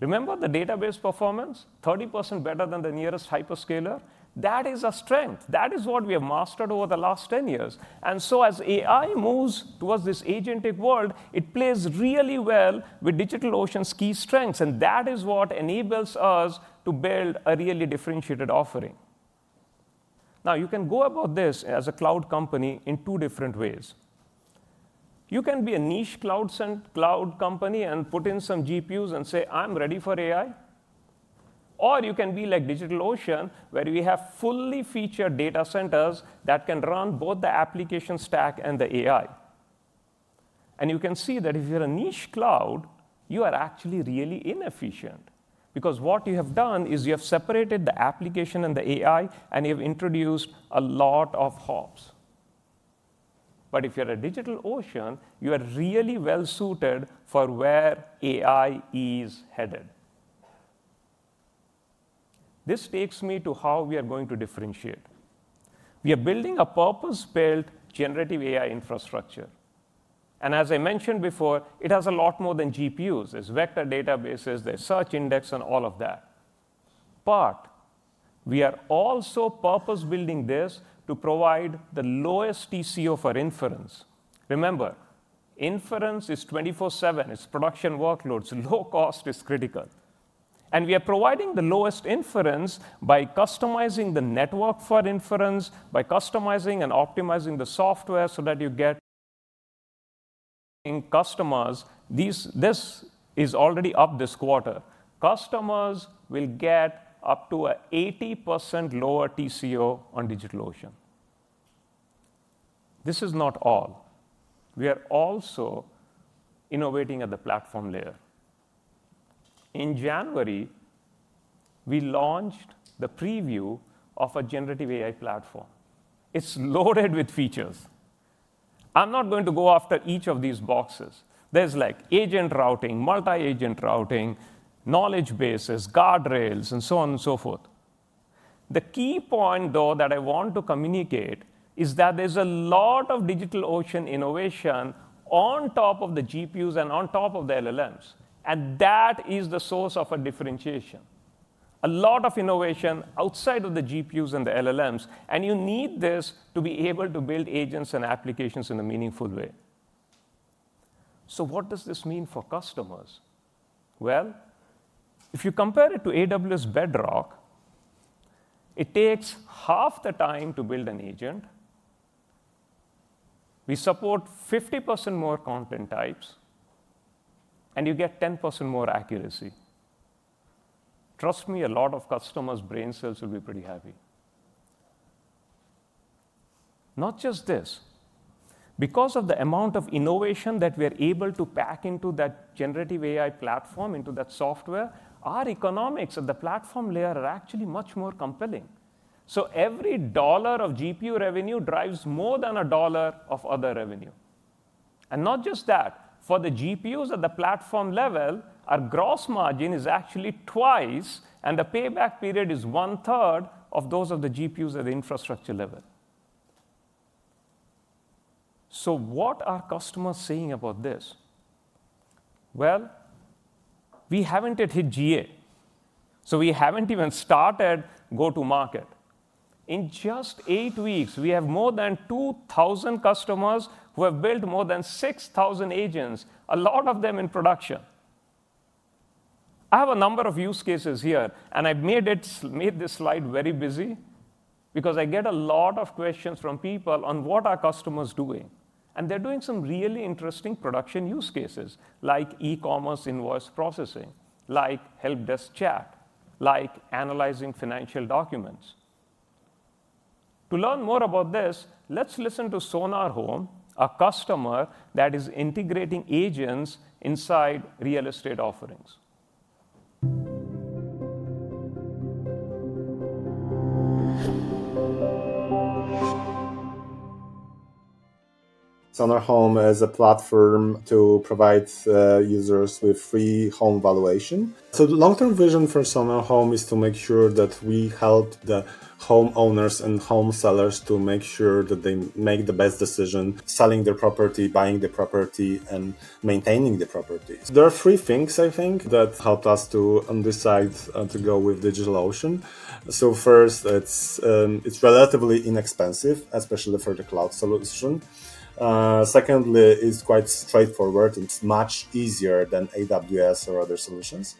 Remember the database performance? 30% better than the nearest hyperscaler. That is a strength. That is what we have mastered over the last 10 years. As AI moves towards this agentic world, it plays really well with DigitalOcean's key strengths. That is what enables us to build a really differentiated offering. You can go about this as a cloud company in two different ways. You can be a niche cloud company and put in some GPUs and say, I'm ready for AI. Or you can be like DigitalOcean, where we have fully featured data centers that can run both the application stack and the AI. You can see that if you're a niche cloud, you are actually really inefficient, because what you have done is you have separated the application and the AI, and you've introduced a lot of hops. If you're a DigitalOcean, you are really well suited for where AI is headed. This takes me to how we are going to differentiate. We are building a purpose-built generative AI infrastructure. As I mentioned before, it has a lot more than GPUs. There's vector databases, there's search index, and all of that. We are also purpose-building this to provide the lowest TCO for inference. Remember, inference is 24/7. It's production workloads. Low cost is critical. We are providing the lowest inference by customizing the network for inference, by customizing and optimizing the software so that you get customers. This is already up this quarter. Customers will get up to an 80% lower TCO on DigitalOcean. This is not all. We are also innovating at the platform layer. In January, we launched the preview of a generative AI platform. It's loaded with features. I'm not going to go after each of these boxes. There's like agent routing, multi-agent routing, knowledge bases, guardrails, and so on and so forth. The key point, though, that I want to communicate is that there's a lot of DigitalOcean innovation on top of the GPUs and on top of the LLMs. That is the source of our differentiation. A lot of innovation outside of the GPUs and the LLMs. You need this to be able to build agents and applications in a meaningful way. What does this mean for customers? If you compare it to AWS Bedrock, it takes half the time to build an agent. We support 50% more content types, and you get 10% more accuracy. Trust me, a lot of customers' brain cells will be pretty happy. Not just this. Because of the amount of innovation that we are able to pack into that generative AI platform, into that software, our economics at the platform layer are actually much more compelling. Every dollar of GPU revenue drives more than a dollar of other revenue. Not just that. For the GPUs at the platform level, our gross margin is actually twice, and the payback period is one-third of those of the GPUs at the infrastructure level. What are customers saying about this? We have not hit GA. We have not even started go-to-market. In just eight weeks, we have more than 2,000 customers who have built more than 6,000 agents, a lot of them in production. I have a number of use cases here, and I made this slide very busy because I get a lot of questions from people on what are customers doing. They are doing some really interesting production use cases, like e-commerce invoice processing, like helpdesk chat, like analyzing financial documents. To learn more about this, let's listen to SonarHome, a customer that is integrating agents inside real estate offerings. SonarHome is a platform to provide users with free home valuation. The long-term vision for SonarHome is to make sure that we help the homeowners and home sellers to make sure that they make the best decision selling their property, buying the property, and maintaining the property. There are three things, I think, that helped us to decide to go with DigitalOcean. First, it's relatively inexpensive, especially for the cloud solution. Secondly, it's quite straightforward. It's much easier than AWS or other solutions.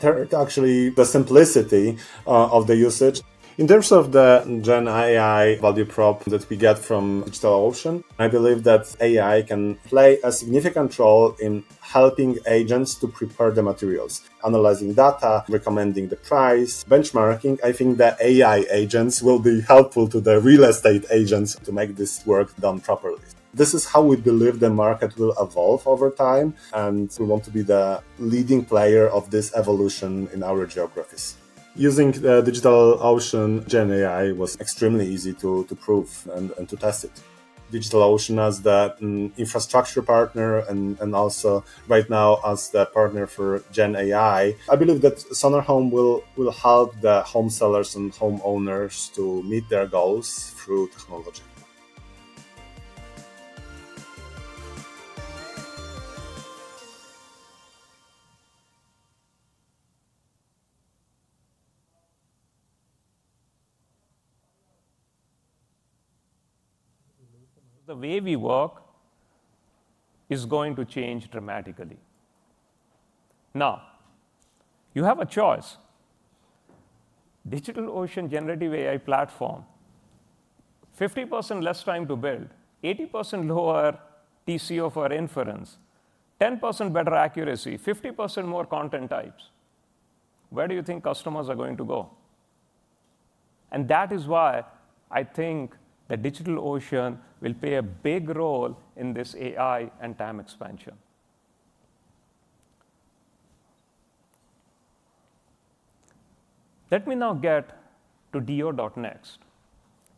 Third, actually, the simplicity of the usage. In terms of the GenAI value prop that we get from DigitalOcean, I believe that AI can play a significant role in helping agents to prepare the materials, analyzing data, recommending the price, benchmarking. I think the AI agents will be helpful to the real estate agents to make this work done properly. This is how we believe the market will evolve over time, and we want to be the leading player of this evolution in our geographies. Using DigitalOcean, GenAI was extremely easy to prove and to test it. DigitalOcean as the infrastructure partner and also right now as the partner for GenAI, I believe that SonarHome will help the home sellers and homeowners to meet their goals through technology. The way we work is going to change dramatically. Now, you have a choice. DigitalOcean generative AI platform, 50% less time to build, 80% lower TCO for inference, 10% better accuracy, 50% more content types. Where do you think customers are going to go? That is why I think that DigitalOcean will play a big role in this AI and time expansion. Let me now get to DO.Next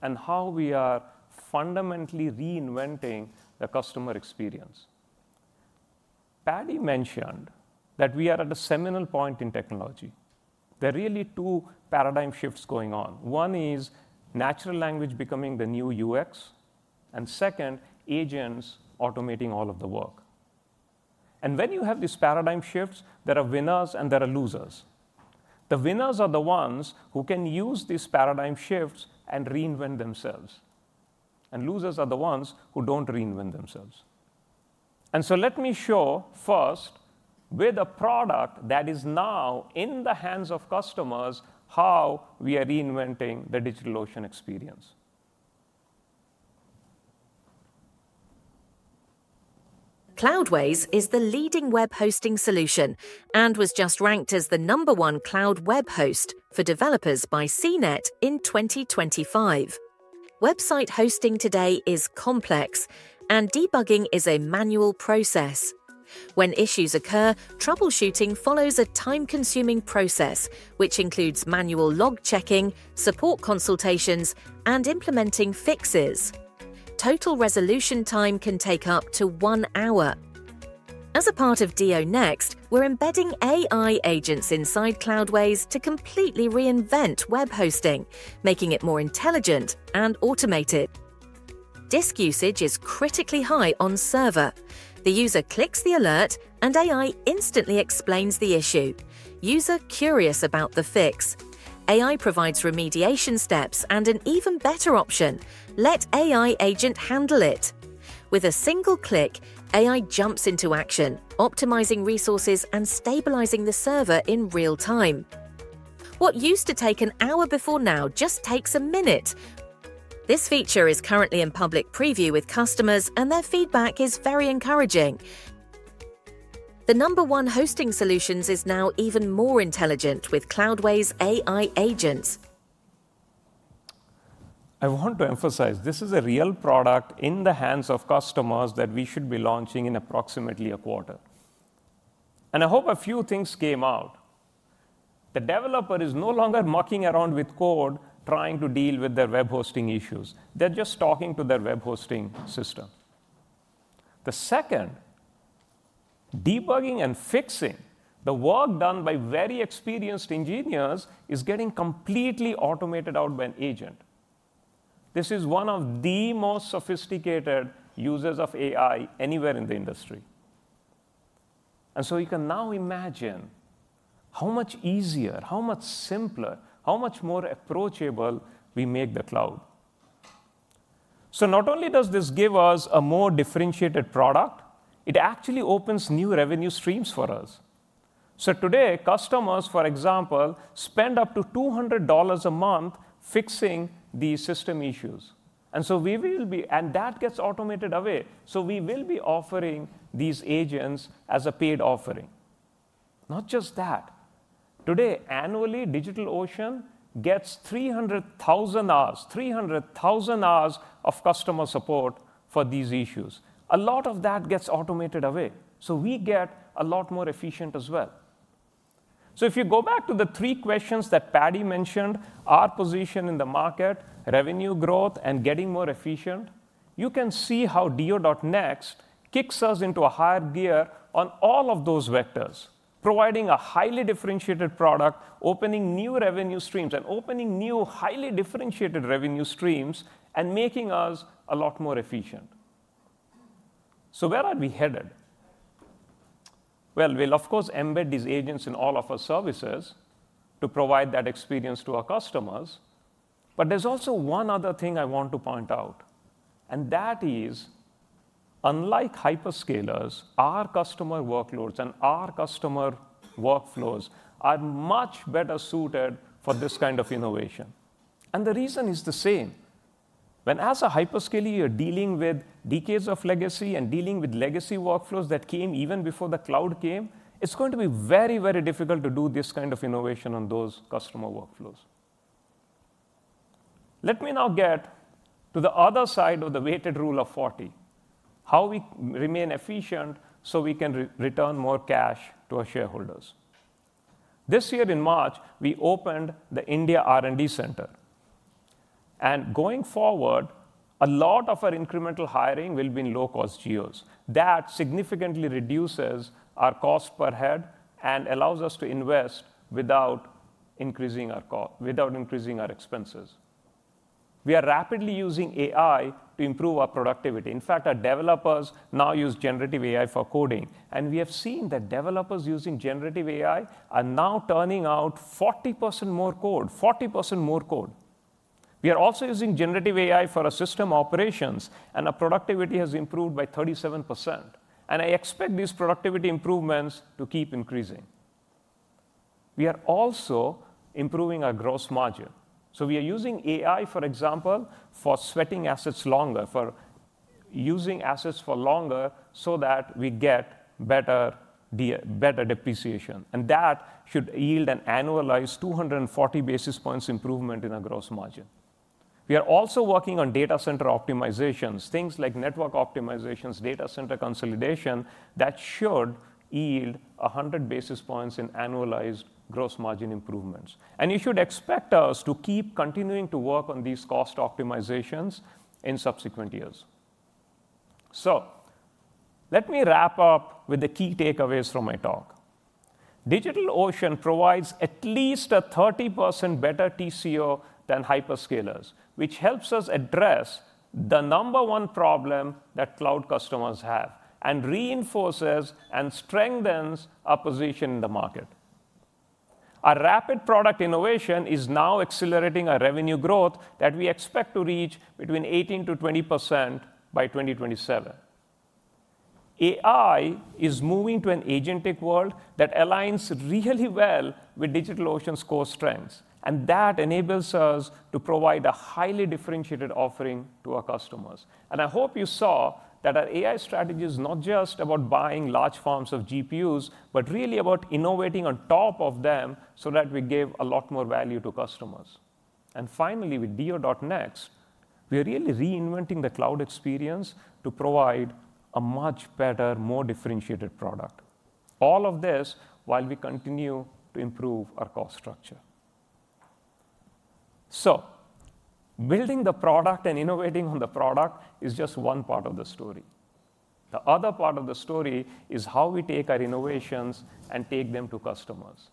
and how we are fundamentally reinventing the customer experience. Paddy mentioned that we are at a seminal point in technology. There are really two paradigm shifts going on. One is natural language becoming the new UX, and second, agents automating all of the work. When you have these paradigm shifts, there are winners and there are losers. The winners are the ones who can use these paradigm shifts and reinvent themselves. Losers are the ones who do not reinvent themselves. Let me show first, with a product that is now in the hands of customers, how we are reinventing the DigitalOcean experience. Cloudways is the leading web hosting solution and was just ranked as the number one cloud web host for developers by CNET in 2025. Website hosting today is complex, and debugging is a manual process. When issues occur, troubleshooting follows a time-consuming process, which includes manual log checking, support consultations, and implementing fixes. Total resolution time can take up to one hour. As a part of DO.Next, we're embedding AI agents inside Cloudways to completely reinvent web hosting, making it more intelligent and automated. Disk usage is critically high on server. The user clicks the alert, and AI instantly explains the issue. User curious about the fix. AI provides remediation steps and an even better option: let AI agent handle it. With a single click, AI jumps into action, optimizing resources and stabilizing the server in real time. What used to take an hour before now just takes a minute. This feature is currently in public preview with customers, and their feedback is very encouraging. The number one hosting solutions is now even more intelligent with Cloudways AI agents. I want to emphasize this is a real product in the hands of customers that we should be launching in approximately a quarter. I hope a few things came out. The developer is no longer mucking around with code, trying to deal with their web hosting issues. They're just talking to their web hosting system. The second, debugging and fixing the work done by very experienced engineers is getting completely automated out by an agent. This is one of the most sophisticated users of AI anywhere in the industry. You can now imagine how much easier, how much simpler, how much more approachable we make the cloud. Not only does this give us a more differentiated product, it actually opens new revenue streams for us. Today, customers, for example, spend up to $200 a month fixing these system issues. That gets automated away. We will be offering these agents as a paid offering. Not just that. Today, annually, DigitalOcean gets 300,000 hours, 300,000 hours of customer support for these issues. A lot of that gets automated away. We get a lot more efficient as well. If you go back to the three questions that Paddy mentioned, our position in the market, revenue growth, and getting more efficient, you can see how DO.Next kicks us into a higher gear on all of those vectors, providing a highly differentiated product, opening new revenue streams, and opening new highly differentiated revenue streams and making us a lot more efficient. Where are we headed? Of course, we'll embed these agents in all of our services to provide that experience to our customers. There is also one other thing I want to point out. That is, unlike hyperscalers, our customer workloads and our customer workflows are much better suited for this kind of innovation. The reason is the same. When as a hyperscaler, you're dealing with decades of legacy and dealing with legacy workflows that came even before the cloud came, it's going to be very, very difficult to do this kind of innovation on those customer workflows. Let me now get to the other side of the weighted rule of 40, how we remain efficient so we can return more cash to our shareholders. This year in March, we opened the India R&D Center. Going forward, a lot of our incremental hiring will be in low-cost GEOs. That significantly reduces our cost per head and allows us to invest without increasing our expenses. We are rapidly using AI to improve our productivity. In fact, our developers now use generative AI for coding. We have seen that developers using generative AI are now turning out 40% more code, 40% more code. We are also using generative AI for our system operations, and our productivity has improved by 37%. I expect these productivity improvements to keep increasing. We are also improving our gross margin. We are using AI, for example, for sweating assets longer, for using assets for longer so that we get better depreciation. That should yield an annualized 240 basis points improvement in our gross margin. We are also working on data center optimizations, things like network optimizations, data center consolidation that should yield 100 basis points in annualized gross margin improvements. You should expect us to keep continuing to work on these cost optimizations in subsequent years. Let me wrap up with the key takeaways from my talk. DigitalOcean provides at least a 30% better TCO than hyperscalers, which helps us address the number one problem that cloud customers have and reinforces and strengthens our position in the market. Our rapid product innovation is now accelerating our revenue growth that we expect to reach between 18% to 20% by 2027. AI is moving to an agentic world that aligns really well with DigitalOcean's core strengths. That enables us to provide a highly differentiated offering to our customers. I hope you saw that our AI strategy is not just about buying large forms of GPUs, but really about innovating on top of them so that we give a lot more value to customers. Finally, with DO.Next, we are really reinventing the cloud experience to provide a much better, more differentiated product. All of this while we continue to improve our cost structure. Building the product and innovating on the product is just one part of the story. The other part of the story is how we take our innovations and take them to customers.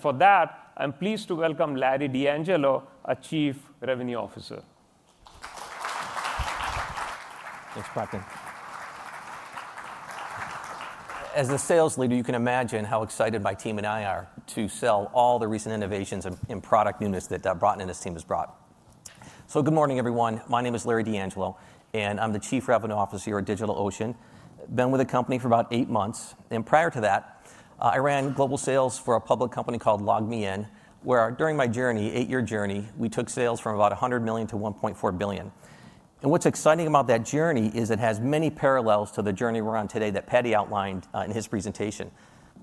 For that, I'm pleased to welcome Larry D'Angelo, our Chief Revenue Officer. Thanks, Bratin. As a sales leader, you can imagine how excited my team and I are to sell all the recent innovations and product newness that Bratin and his team has brought. Good morning, everyone. My name is Larry D'Angelo, and I'm the Chief Revenue Officer here at DigitalOcean. I've been with the company for about eight months. Prior to that, I ran global sales for a public company called LogMeIn, where during my journey, eight-year journey, we took sales from about $100 million to $1.4 billion. What's exciting about that journey is it has many parallels to the journey we're on today that Paddy outlined in his presentation.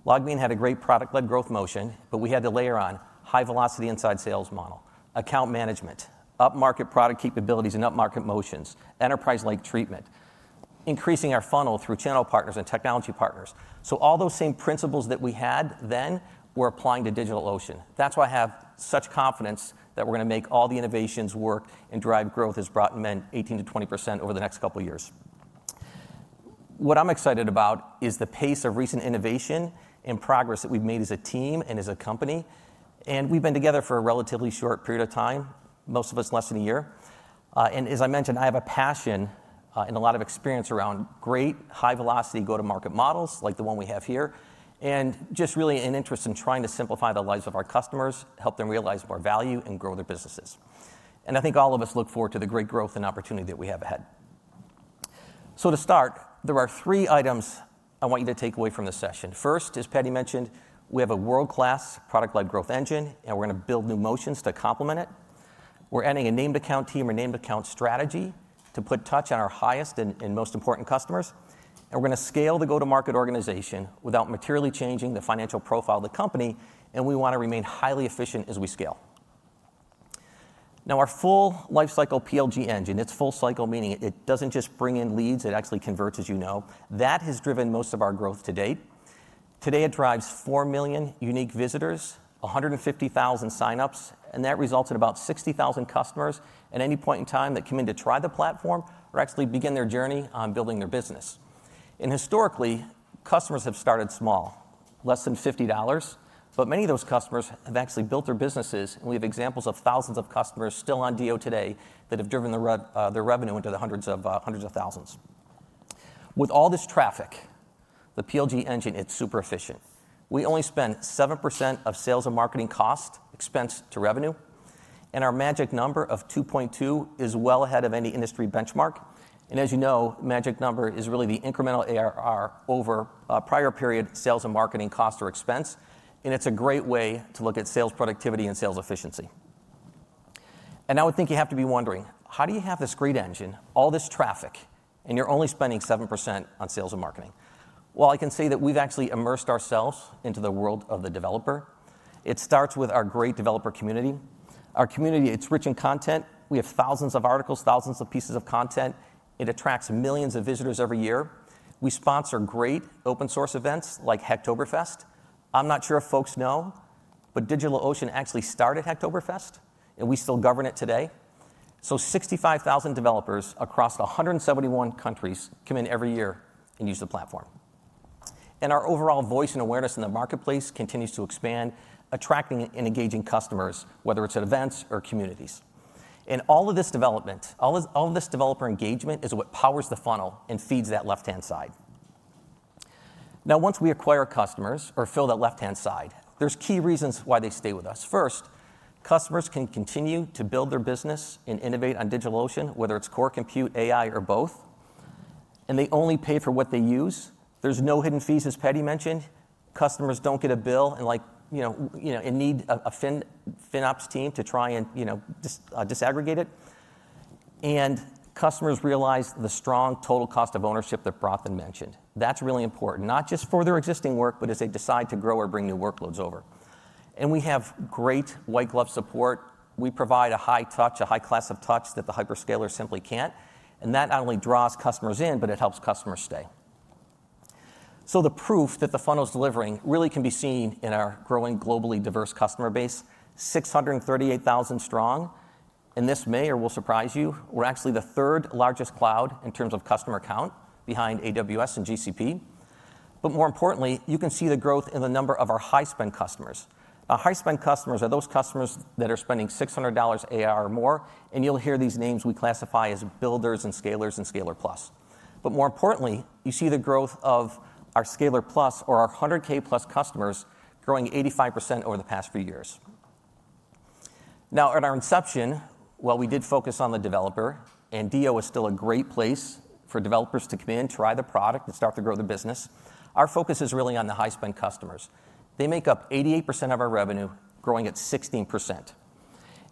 LogMeIn had a great product-led growth motion, but we had to layer on a high-velocity inside sales model, account management, up-market product capabilities and up-market motions, enterprise-like treatment, increasing our funnel through channel partners and technology partners. All those same principles that we had then we're applying to DigitalOcean. That's why I have such confidence that we're going to make all the innovations work and drive growth as Bratin meant 18% to 20% over the next couple of years. What I'm excited about is the pace of recent innovation and progress that we've made as a team and as a company. We've been together for a relatively short period of time, most of us less than a year. As I mentioned, I have a passion and a lot of experience around great high-velocity go-to-market models like the one we have here, and just really an interest in trying to simplify the lives of our customers, help them realize more value, and grow their businesses. I think all of us look forward to the great growth and opportunity that we have ahead. To start, there are three items I want you to take away from this session. First, as Paddy mentioned, we have a world-class product-led growth engine, and we're going to build new motions to complement it. We're adding a named account team or named account strategy to put touch on our highest and most important customers. We're going to scale the go-to-market organization without materially changing the financial profile of the company. We want to remain highly efficient as we scale. Now, our full-life cycle PLG engine, its full cycle meaning it doesn't just bring in leads, it actually converts, as you know. That has driven most of our growth to date. Today, it drives 4 million unique visitors, 150,000 sign-ups, and that results in about 60,000 customers at any point in time that come in to try the platform or actually begin their journey on building their business. Historically, customers have started small, less than $50, but many of those customers have actually built their businesses. We have examples of thousands of customers still on DO today that have driven their revenue into the hundreds of thousands. With all this traffic, the PLG engine, it's super efficient. We only spend 7% of sales and marketing cost expense to revenue, and our magic number of 2.2 is well ahead of any industry benchmark. As you know, the magic number is really the incremental ARR over prior period sales and marketing cost or expense. It's a great way to look at sales productivity and sales efficiency. I would think you have to be wondering, how do you have this great engine, all this traffic, and you're only spending 7% on sales and marketing? I can say that we've actually immersed ourselves into the world of the developer. It starts with our great developer community. Our community, it's rich in content. We have thousands of articles, thousands of pieces of content. It attracts millions of visitors every year. We sponsor great open-source events like Hacktoberfest. I'm not sure if folks know, but DigitalOcean actually started Hacktoberfest, and we still govern it today. 65,000 developers across 171 countries come in every year and use the platform. Our overall voice and awareness in the marketplace continues to expand, attracting and engaging customers, whether it's at events or communities. All of this development, all of this developer engagement is what powers the funnel and feeds that left-hand side. Now, once we acquire customers or fill that left-hand side, there are key reasons why they stay with us. First, customers can continue to build their business and innovate on DigitalOcean, whether it's core compute, AI, or both. They only pay for what they use. There are no hidden fees, as Paddy mentioned. Customers do not get a bill and need a FinOps team to try and disaggregate it. Customers realize the strong total cost of ownership that Bratin mentioned. That is really important, not just for their existing work, but as they decide to grow or bring new workloads over. We have great white-glove support. We provide a high touch, a high class of touch that the hyperscalers simply can't. That not only draws customers in, but it helps customers stay. The proof that the funnel's delivering really can be seen in our growing globally diverse customer base, 638,000 strong. This may or will surprise you. We're actually the third largest cloud in terms of customer count behind AWS and GCP. More importantly, you can see the growth in the number of our high-spend customers. High-spend customers are those customers that are spending $600 ARR or more. You'll hear these names we classify as builders and scalers and scaler-plus. More importantly, you see the growth of our scaler-plus or our 100,000+ customers growing 85% over the past few years. Now, at our inception, while we did focus on the developer and DO was still a great place for developers to come in, try the product, and start to grow the business, our focus is really on the high-spend customers. They make up 88% of our revenue, growing at 16%.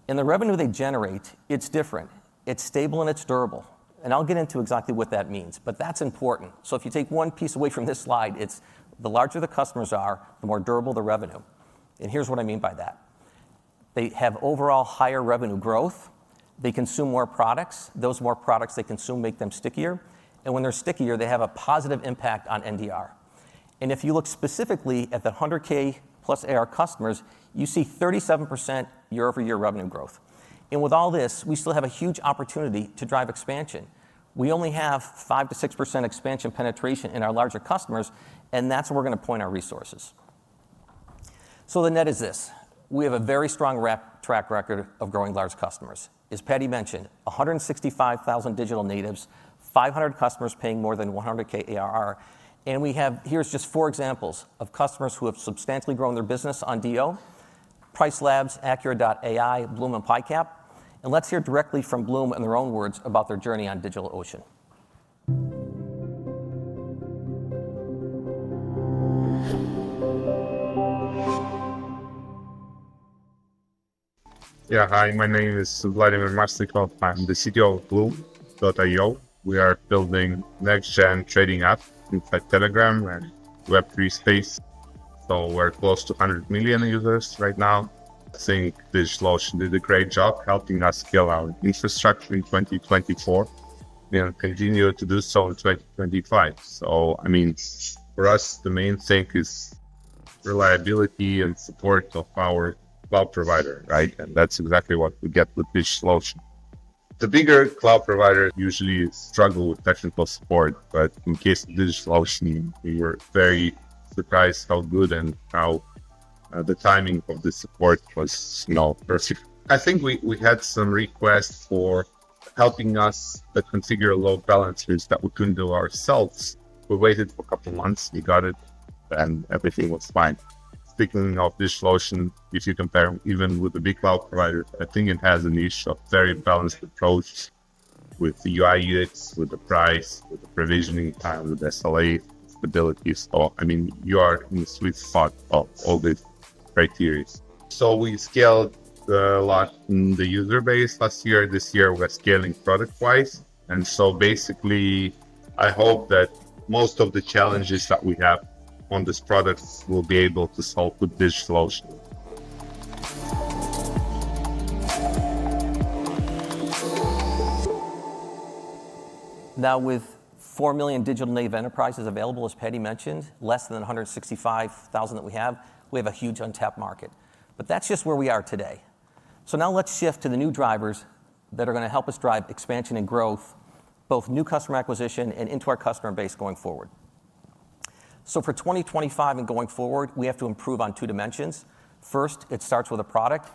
The revenue they generate, it's different. It's stable and it's durable. I'll get into exactly what that means, but that's important. If you take one piece away from this slide, it's the larger the customers are, the more durable the revenue. Here's what I mean by that. They have overall higher revenue growth. They consume more products. Those more products they consume make them stickier. When they're stickier, they have a positive impact on NDR. If you look specifically at the 100,000+ AR customers, you see 37% year-over-year revenue growth. With all this, we still have a huge opportunity to drive expansion. We only have 5%-6% expansion penetration in our larger customers, and that's where we're going to point our resources. The net is this. We have a very strong track record of growing large customers. As Paddy mentioned, 165,000 digital natives, 500 customers paying more than $100,000 ARR. Here are just four examples of customers who have substantially grown their business on DigitalOcean: PriceLabs, Acura.ai, Blum, and Picap. Let's hear directly from Blum in their own words about their journey on DigitalOcean. Yeah, hi. My name is Vladimir Marslyakov. I'm the CTO of Blum.io. We are building next-gen trading apps in Telegram and Web3 space. We're close to 100 million users right now. I think DigitalOcean did a great job helping us scale our infrastructure in 2024 and continue to do so in 2025. I mean, for us, the main thing is reliability and support of our cloud provider, right? That is exactly what we get with DigitalOcean. The bigger cloud providers usually struggle with technical support. In the case of DigitalOcean, we were very surprised how good and how the timing of the support was perfect. I think we had some requests for helping us configure load balancers that we could not do ourselves. We waited for a couple of months. We got it, and everything was fine. Speaking of DigitalOcean, if you compare even with the big cloud providers, I think it has a niche of very balanced approach with the UI/UX, with the price, with the provisioning time, with SLA stability. I mean, you are in the sweet spot of all these criteria. We scaled a lot in the user base last year. This year, we're scaling product-wise. Basically, I hope that most of the challenges that we have on this product we'll be able to solve with DigitalOcean. Now, with 4 million digital-native enterprises available, as Paddy mentioned, less than 165,000 that we have, we have a huge untapped market. That's just where we are today. Now let's shift to the new drivers that are going to help us drive expansion and growth, both new customer acquisition and into our customer base going forward. For 2025 and going forward, we have to improve on two dimensions. First, it starts with a product.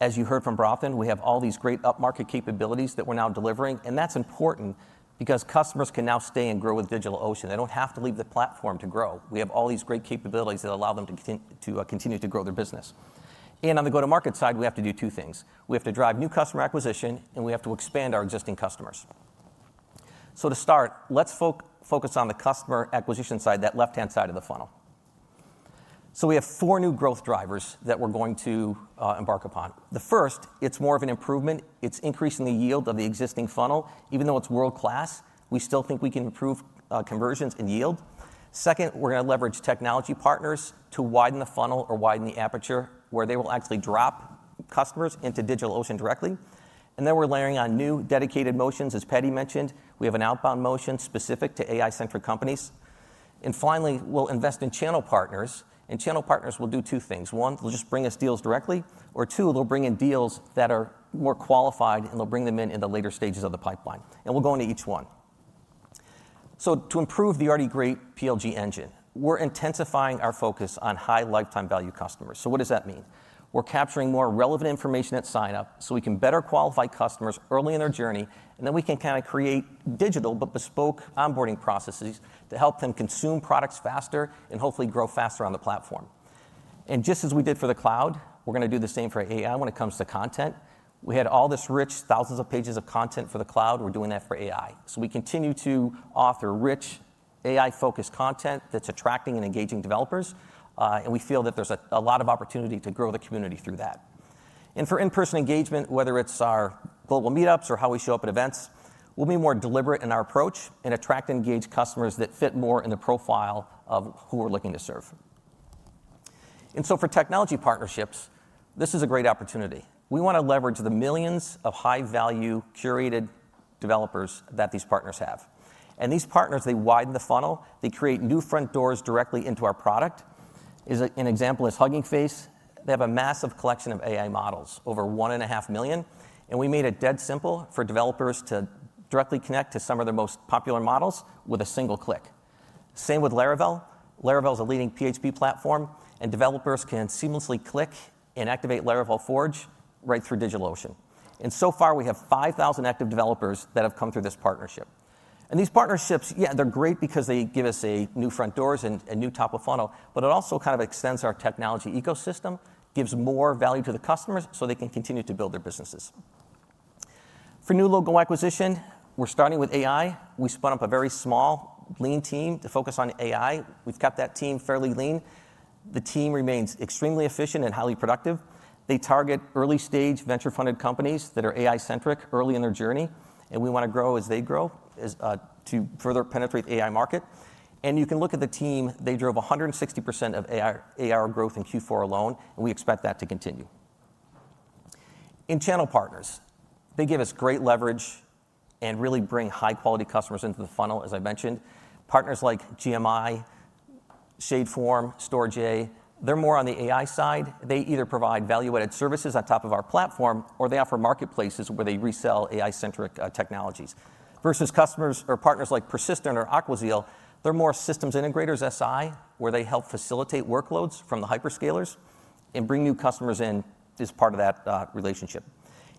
As you heard from Bratin, we have all these great up-market capabilities that we're now delivering. That is important because customers can now stay and grow with DigitalOcean. They do not have to leave the platform to grow. We have all these great capabilities that allow them to continue to grow their business. On the go-to-market side, we have to do two things. We have to drive new customer acquisition, and we have to expand our existing customers. To start, let's focus on the customer acquisition side, that left-hand side of the funnel. We have four new growth drivers that we are going to embark upon. The first, it is more of an improvement. It is increasing the yield of the existing funnel. Even though it is world-class, we still think we can improve conversions and yield. Second, we are going to leverage technology partners to widen the funnel or widen the aperture, where they will actually drop customers into DigitalOcean directly. We are layering on new dedicated motions, as Paddy mentioned. We have an outbound motion specific to AI-centric companies. Finally, we will invest in channel partners. Channel partners will do two things. One, they will just bring us deals directly. Two, they will bring in deals that are more qualified, and they will bring them in in the later stages of the pipeline. We will go into each one. To improve the already great PLG engine, we are intensifying our focus on high lifetime value customers. What does that mean? We are capturing more relevant information at sign-up so we can better qualify customers early in their journey. We can kind of create digital but bespoke onboarding processes to help them consume products faster and hopefully grow faster on the platform. Just as we did for the cloud, we're going to do the same for AI when it comes to content. We had all this rich, thousands of pages of content for the cloud. We're doing that for AI. We continue to author rich, AI-focused content that's attracting and engaging developers. We feel that there's a lot of opportunity to grow the community through that. For in-person engagement, whether it's our global meetups or how we show up at events, we'll be more deliberate in our approach and attract and engage customers that fit more in the profile of who we're looking to serve. For technology partnerships, this is a great opportunity. We want to leverage the millions of high-value curated developers that these partners have. These partners widen the funnel. They create new front doors directly into our product. An example is Hugging Face. They have a massive collection of AI models, over 1.5 million. We made it dead simple for developers to directly connect to some of their most popular models with a single click. Same with Laravel. Laravel is a leading PHP platform, and developers can seamlessly click and activate Laravel Forge right through DigitalOcean. So far, we have 5,000 active developers that have come through this partnership. These partnerships, yeah, they're great because they give us new front doors and a new top of funnel, but it also kind of extends our technology ecosystem, gives more value to the customers so they can continue to build their businesses. For new local acquisition, we're starting with AI. We spun up a very small, lean team to focus on AI. We've kept that team fairly lean. The team remains extremely efficient and highly productive. They target early-stage venture-funded companies that are AI-centric early in their journey. We want to grow as they grow to further penetrate the AI market. You can look at the team. They drove 160% of ARR growth in Q4 alone, and we expect that to continue. In channel partners, they give us great leverage and really bring high-quality customers into the funnel, as I mentioned. Partners like GMI, ShadeForm, StorageA, they're more on the AI side. They either provide value-added services on top of our platform, or they offer marketplaces where they resell AI-centric technologies. Versus customers or partners like Persistent or Aquazeel, they're more systems integrators, SI, where they help facilitate workloads from the hyperscalers and bring new customers in as part of that relationship.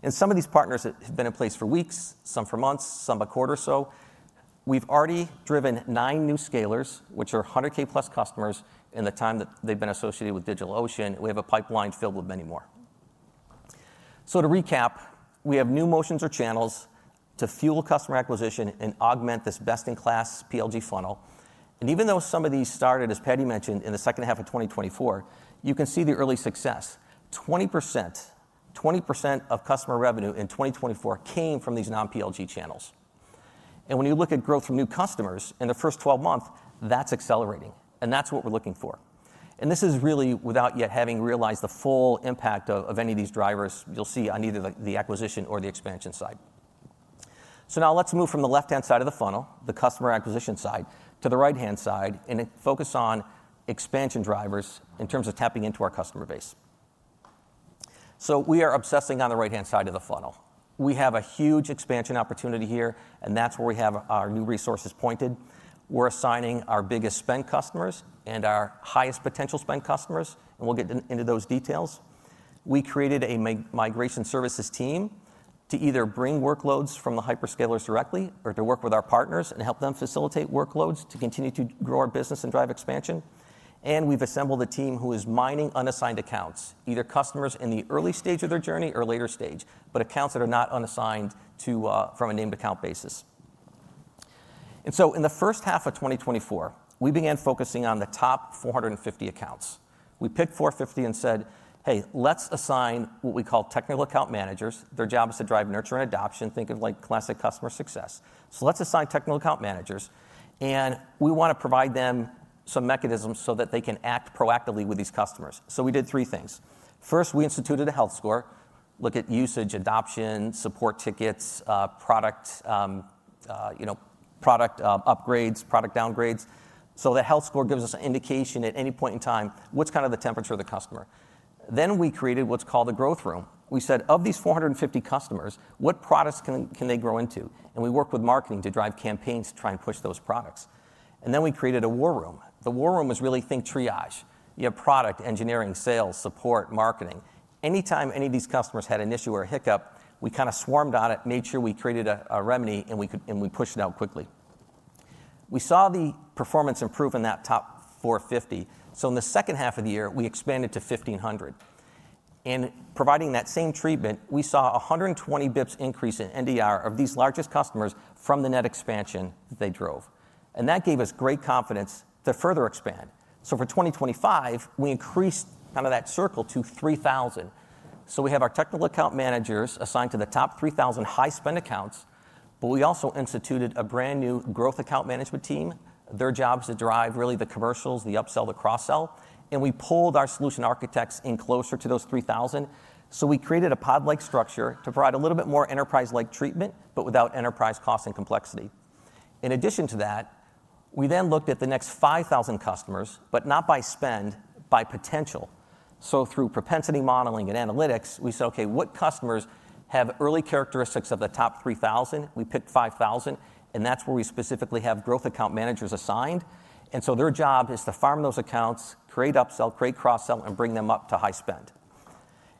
Some of these partners have been in place for weeks, some for months, some a quarter or so. We've already driven nine new scalers, which are 100,000+ customers in the time that they've been associated with DigitalOcean. We have a pipeline filled with many more. To recap, we have new motions or channels to fuel customer acquisition and augment this best-in-class PLG funnel. Even though some of these started, as Paddy mentioned, in the second half of 2024, you can see the early success. 20% of customer revenue in 2024 came from these non-PLG channels. When you look at growth from new customers in the first 12 months, that's accelerating. That's what we're looking for. This is really without yet having realized the full impact of any of these drivers you'll see on either the acquisition or the expansion side. Now let's move from the left-hand side of the funnel, the customer acquisition side, to the right-hand side and focus on expansion drivers in terms of tapping into our customer base. We are obsessing on the right-hand side of the funnel. We have a huge expansion opportunity here, and that's where we have our new resources pointed. We're assigning our biggest spend customers and our highest potential spend customers, and we'll get into those details. We created a migration services team to either bring workloads from the hyperscalers directly or to work with our partners and help them facilitate workloads to continue to grow our business and drive expansion. We've assembled a team who is mining unassigned accounts, either customers in the early stage of their journey or later stage, but accounts that are not unassigned from a named account basis. In the first half of 2024, we began focusing on the top 450 accounts. We picked 450 and said, "Hey, let's assign what we call technical account managers." Their job is to drive nurture and adoption. Think of like classic customer success. Let's assign technical account managers. We want to provide them some mechanisms so that they can act proactively with these customers. We did three things. First, we instituted a health score, look at usage, adoption, support tickets, product upgrades, product downgrades. The health score gives us an indication at any point in time what's kind of the temperature of the customer. We created what's called the growth room. We said, "Of these 450 customers, what products can they grow into?" We worked with marketing to drive campaigns to try and push those products. We created a war room. The war room was really think triage. You have product, engineering, sales, support, marketing. Anytime any of these customers had an issue or a hiccup, we kind of swarmed on it, made sure we created a remedy, and we pushed it out quickly. We saw the performance improve in that top 450. In the second half of the year, we expanded to 1,500. Providing that same treatment, we saw a 120 bps increase in NDR of these largest customers from the net expansion that they drove. That gave us great confidence to further expand. For 2025, we increased kind of that circle to 3,000. We have our technical account managers assigned to the top 3,000 high-spend accounts, but we also instituted a brand new growth account management team. Their job is to drive really the commercials, the upsell, the cross-sell. We pulled our solution architects in closer to those 3,000. We created a pod-like structure to provide a little bit more enterprise-like treatment, but without enterprise cost and complexity. In addition to that, we then looked at the next 5,000 customers, but not by spend, by potential. Through propensity modeling and analytics, we said, "Okay, what customers have early characteristics of the top 3,000?" We picked 5,000, and that is where we specifically have growth account managers assigned. Their job is to farm those accounts, create upsell, create cross-sell, and bring them up to high spend.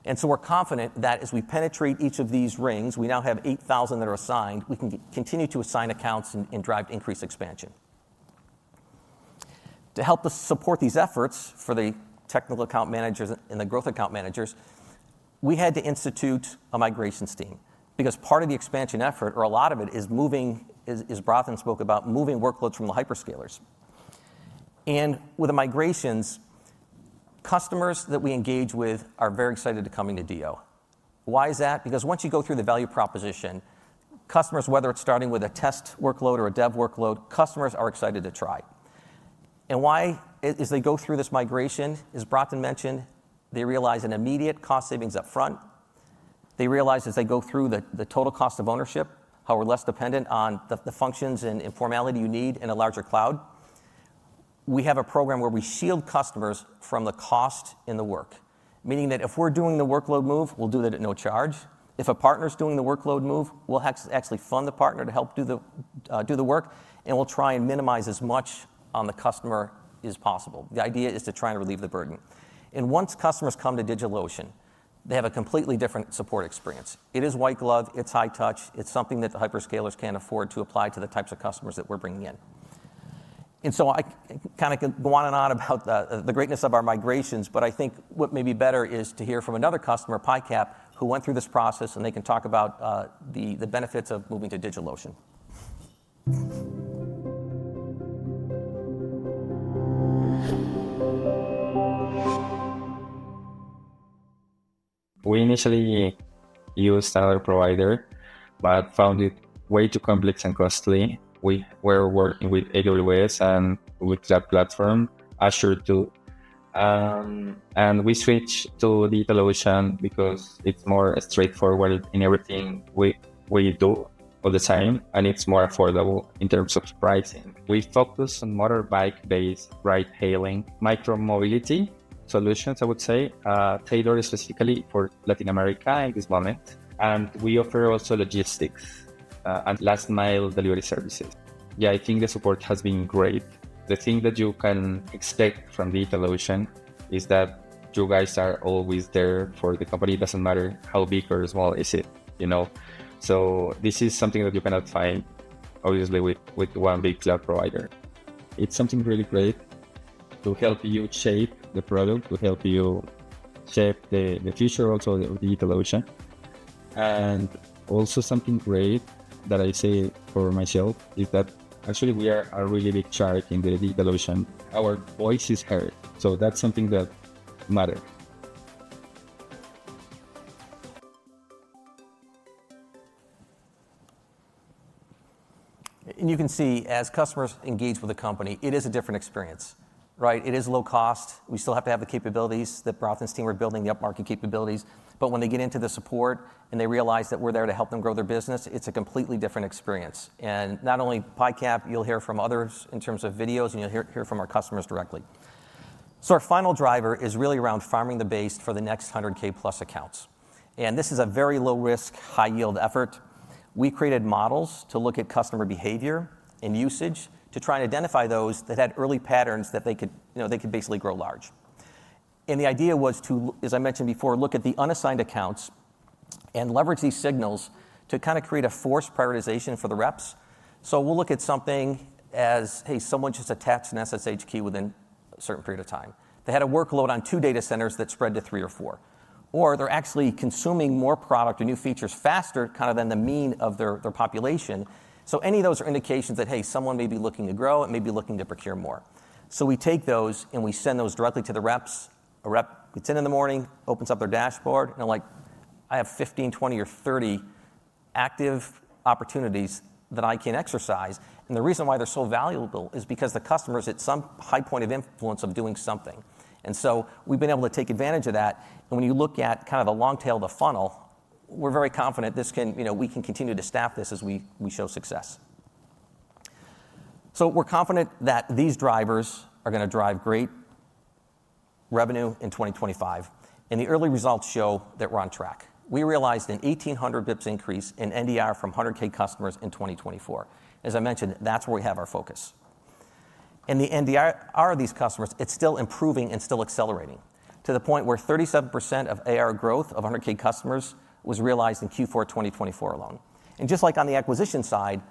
We are confident that as we penetrate each of these rings, we now have 8,000 that are assigned. We can continue to assign accounts and drive increased expansion. To help support these efforts for the technical account managers and the growth account managers, we had to institute a migrations team because part of the expansion effort, or a lot of it, as Bratin spoke about, is moving workloads from the hyperscalers. With the migrations, customers that we engage with are very excited to come into DigitalOcean. Why is that? Because once you go through the value proposition, customers, whether it is starting with a test workload or a dev workload, are excited to try. Why? As they go through this migration, as Bratin mentioned, they realize an immediate cost savings upfront. They realize as they go through the total cost of ownership how we are less dependent on the functions and formality you need in a larger cloud. We have a program where we shield customers from the cost in the work, meaning that if we're doing the workload move, we'll do that at no charge. If a partner is doing the workload move, we'll actually fund the partner to help do the work, and we'll try and minimize as much on the customer as possible. The idea is to try and relieve the burden. Once customers come to DigitalOcean, they have a completely different support experience. It is white glove. It's high touch. It's something that the hyperscalers can't afford to apply to the types of customers that we're bringing in. I kind of can go on and on about the greatness of our migrations, but I think what may be better is to hear from another customer, Picap, who went through this process, and they can talk about the benefits of moving to DigitalOcean. We initially used another provider, but found it way too complex and costly. We were working with AWS and with that platform, Azure too. We switched to DigitalOcean because it's more straightforward in everything we do all the time, and it's more affordable in terms of pricing. We focus on motorbike-based ride-hailing, micromobility solutions, I would say, tailored specifically for Latin America at this moment. We offer also logistics and last-mile delivery services. Yeah, I think the support has been great. The thing that you can expect from DigitalOcean is that you guys are always there for the company. It doesn't matter how big or small it is. This is something that you cannot find, obviously, with one big cloud provider. It's something really great to help you shape the product, to help you shape the future also of DigitalOcean. Also, something great that I say for myself is that actually we are a really big shark in DigitalOcean. Our voice is heard. So that's something that matters. You can see as customers engage with a company, it is a different experience, right? It is low cost. We still have to have the capabilities that Bratin's team were building, the upmarket capabilities. When they get into the support and they realize that we're there to help them grow their business, it's a completely different experience. Not only Picap, you'll hear from others in terms of videos, and you'll hear from our customers directly. Our final driver is really around farming the base for the next 100,000+ accounts. This is a very low-risk, high-yield effort. We created models to look at customer behavior and usage to try and identify those that had early patterns that they could basically grow large. The idea was to, as I mentioned before, look at the unassigned accounts and leverage these signals to kind of create a forced prioritization for the reps. We'll look at something as, hey, someone just attached an SSH key within a certain period of time. They had a workload on two data centers that spread to three or four. Or they're actually consuming more product or new features faster kind of than the mean of their population. Any of those are indications that, hey, someone may be looking to grow. It may be looking to procure more. We take those and we send those directly to the reps. A rep, we send in the morning, opens up their dashboard, and they're like, "I have 15, 20, or 30 active opportunities that I can exercise." The reason why they're so valuable is because the customer is at some high point of influence of doing something. We have been able to take advantage of that. When you look at kind of the long tail of the funnel, we're very confident we can continue to staff this as we show success. We are confident that these drivers are going to drive great revenue in 2025. The early results show that we're on track. We realized an 1,800 bps increase in NDR from 100K customers in 2024. As I mentioned, that's where we have our focus. The NDR of these customers, it's still improving and still accelerating to the point where 37% of ARR growth of 100K customers was realized in Q4 2024 alone. Just like on the acquisition side,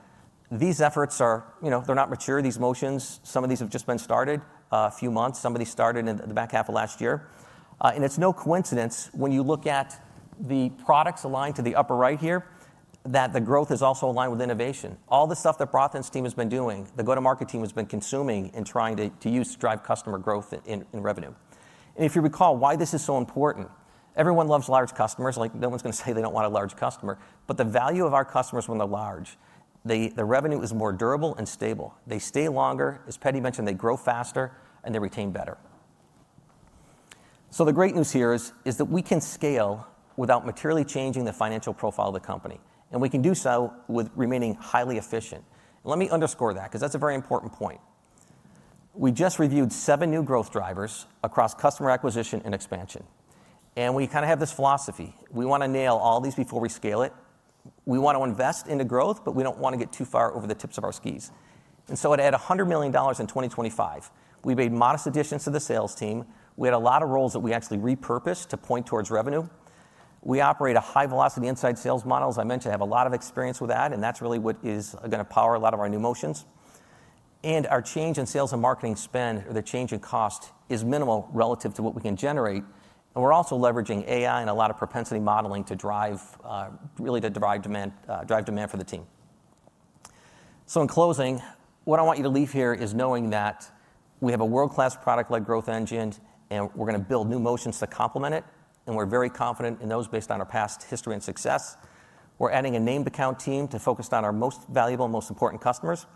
these efforts are, they're not mature, these motions. Some of these have just been started a few months. Some of these started in the back half of last year. It's no coincidence when you look at the products aligned to the upper right here that the growth is also aligned with innovation. All the stuff that Bratin's team has been doing, the go-to-market team has been consuming and trying to use to drive customer growth and revenue. If you recall why this is so important, everyone loves large customers. No one's going to say they don't want a large customer. The value of our customers when they're large, the revenue is more durable and stable. They stay longer. As Paddy mentioned, they grow faster and they retain better. The great news here is that we can scale without materially changing the financial profile of the company. We can do so while remaining highly efficient. Let me underscore that because that's a very important point. We just reviewed seven new growth drivers across customer acquisition and expansion. We kind of have this philosophy. We want to nail all these before we scale it. We want to invest into growth, but we don't want to get too far over the tips of our skis. At $100 million in 2025, we made modest additions to the sales team. We had a lot of roles that we actually repurposed to point towards revenue. We operate a high-velocity inside sales model. As I mentioned, I have a lot of experience with that, and that's really what is going to power a lot of our new motions. Our change in sales and marketing spend or the change in cost is minimal relative to what we can generate. We're also leveraging AI and a lot of propensity modeling to drive demand for the team. In closing, what I want you to leave here is knowing that we have a world-class product-led growth engine, and we're going to build new motions to complement it. We're very confident in those based on our past history and success. We're adding a named account team to focus on our most valuable and most important customers.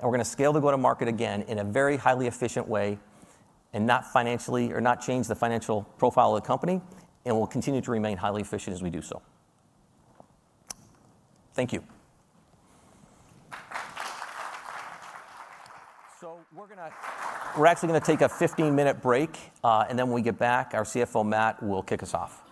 We're going to scale the go-to-market again in a very highly efficient way and not financially or not change the financial profile of the company. We'll continue to remain highly efficient as we do so. Thank you. We're actually going to take a 15-minute break, and then when we get back, our CFO, Matt, will kick us off.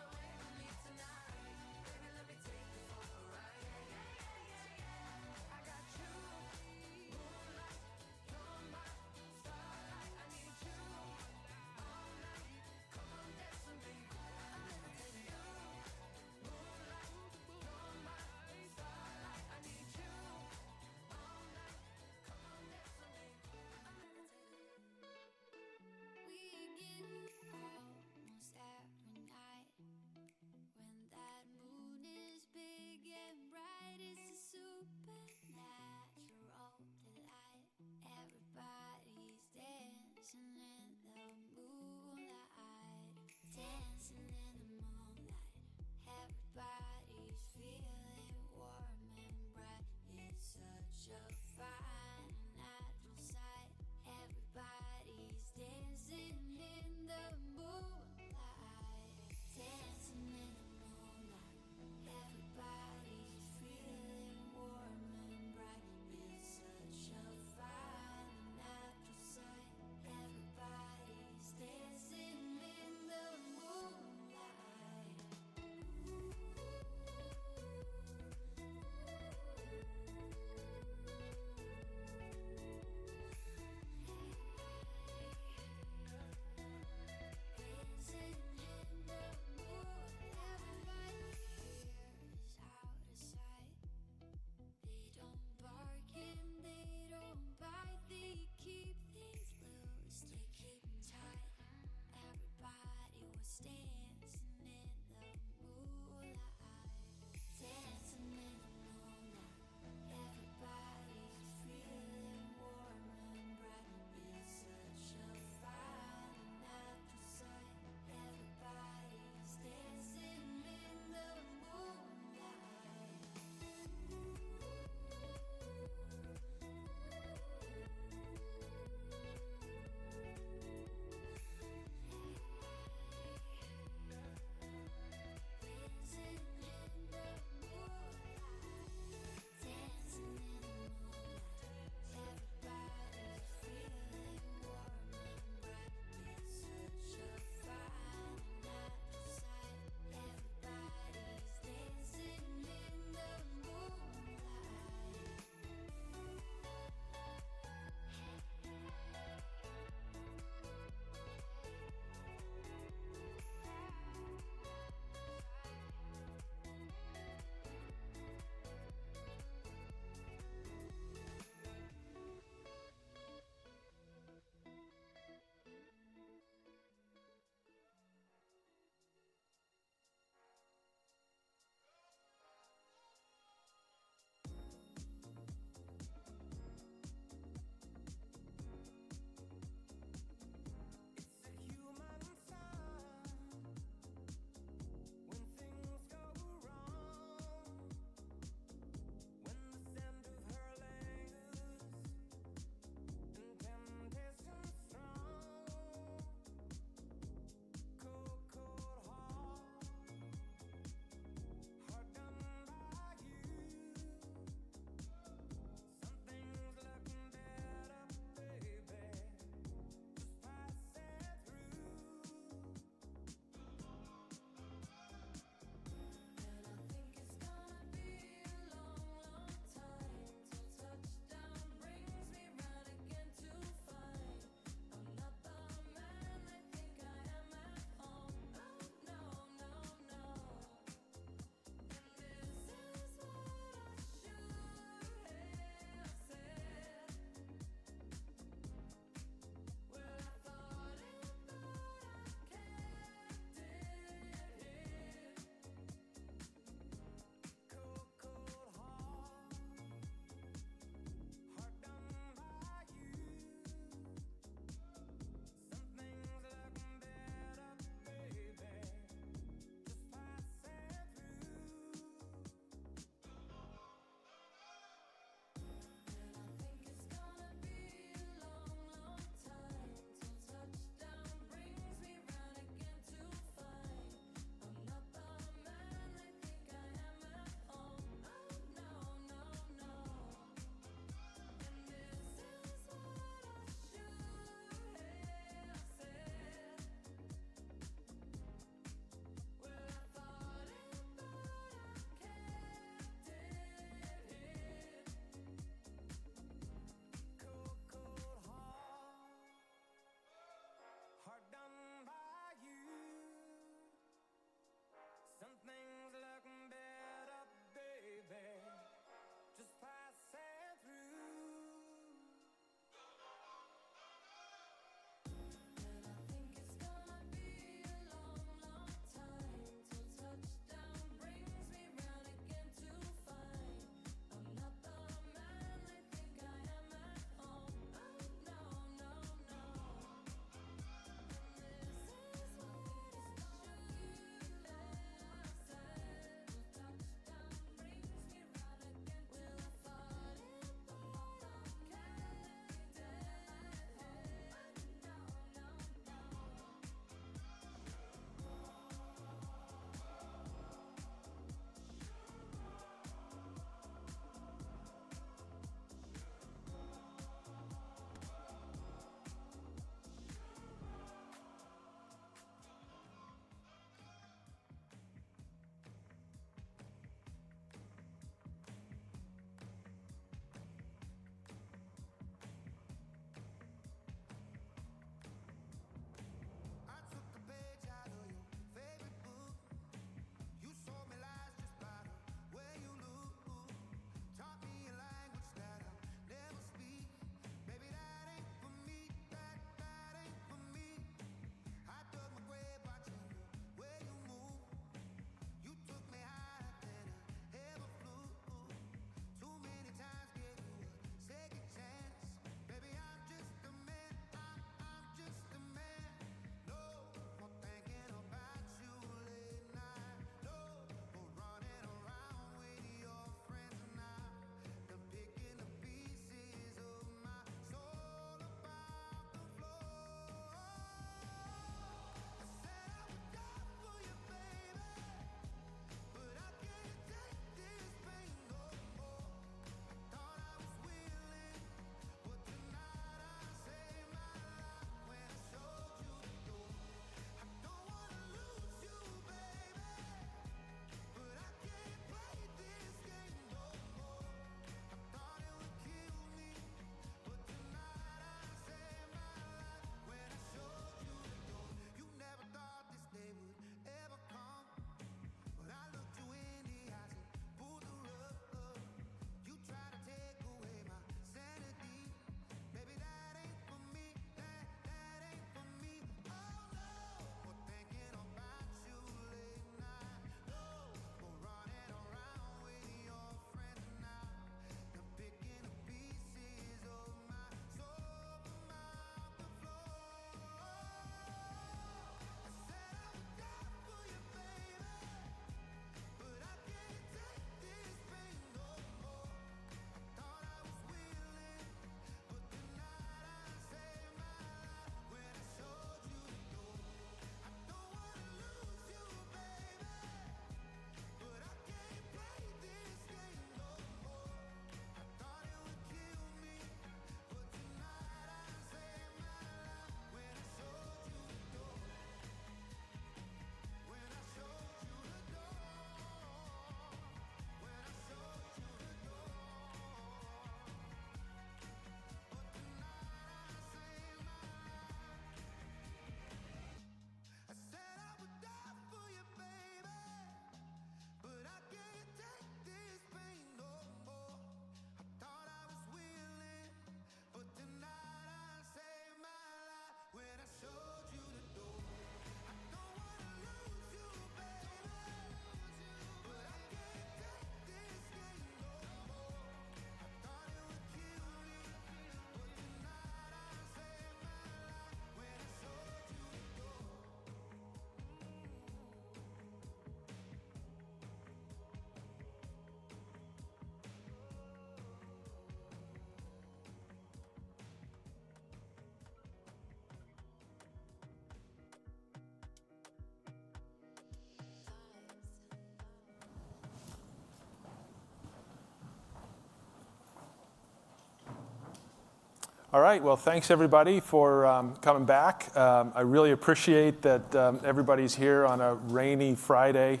All right, thanks everybody for coming back. I really appreciate that everybody's here on a rainy Friday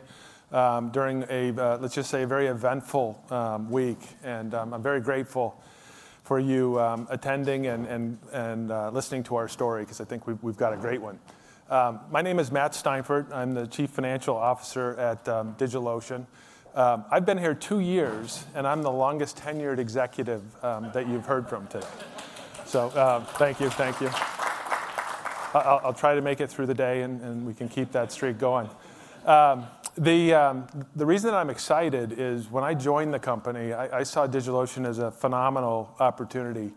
during a, let's just say, a very eventful week. I'm very grateful for you attending and listening to our story because I think we've got a great one. My name is Matt Steinfort. I'm the Chief Financial Officer at DigitalOcean. I've been here two years, and I'm the longest tenured executive that you've heard from today. Thank you, thank you. I'll try to make it through the day, and we can keep that streak going. The reason that I'm excited is when I joined the company, I saw DigitalOcean as a phenomenal opportunity.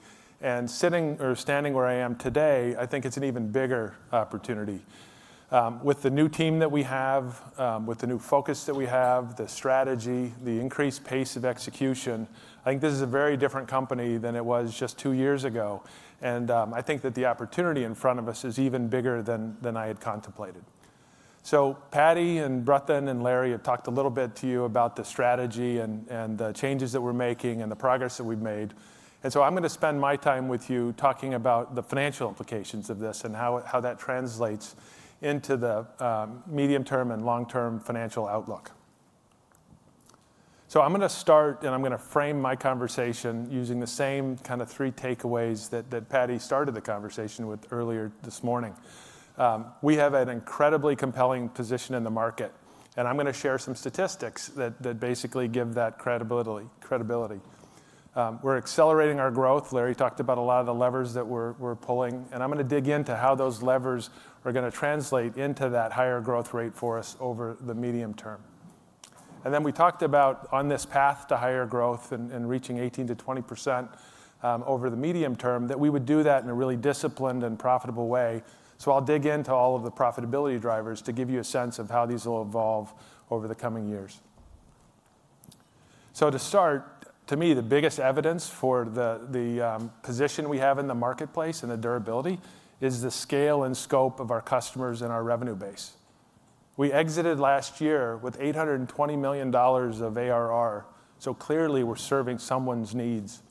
Sitting or standing where I am today, I think it's an even bigger opportunity. With the new team that we have, with the new focus that we have, the strategy, the increased pace of execution, I think this is a very different company than it was just two years ago. I think that the opportunity in front of us is even bigger than I had contemplated. Paddy and Bratin and Larry have talked a little bit to you about the strategy and the changes that we're making and the progress that we've made. I'm going to spend my time with you talking about the financial implications of this and how that translates into the medium-term and long-term financial outlook. I'm going to start, and I'm going to frame my conversation using the same kind of three takeaways that Paddy started the conversation with earlier this morning. We have an incredibly compelling position in the market, and I'm going to share some statistics that basically give that credibility. We're accelerating our growth. Larry talked about a lot of the levers that we're pulling, and I'm going to dig into how those levers are going to translate into that higher growth rate for us over the medium term. We talked about on this path to higher growth and reaching 18% to 20% over the medium term that we would do that in a really disciplined and profitable way. I'll dig into all of the profitability drivers to give you a sense of how these will evolve over the coming years. To start, to me, the biggest evidence for the position we have in the marketplace and the durability is the scale and scope of our customers and our revenue base. We exited last year with $820 million of ARR, so clearly we're serving someone's needs.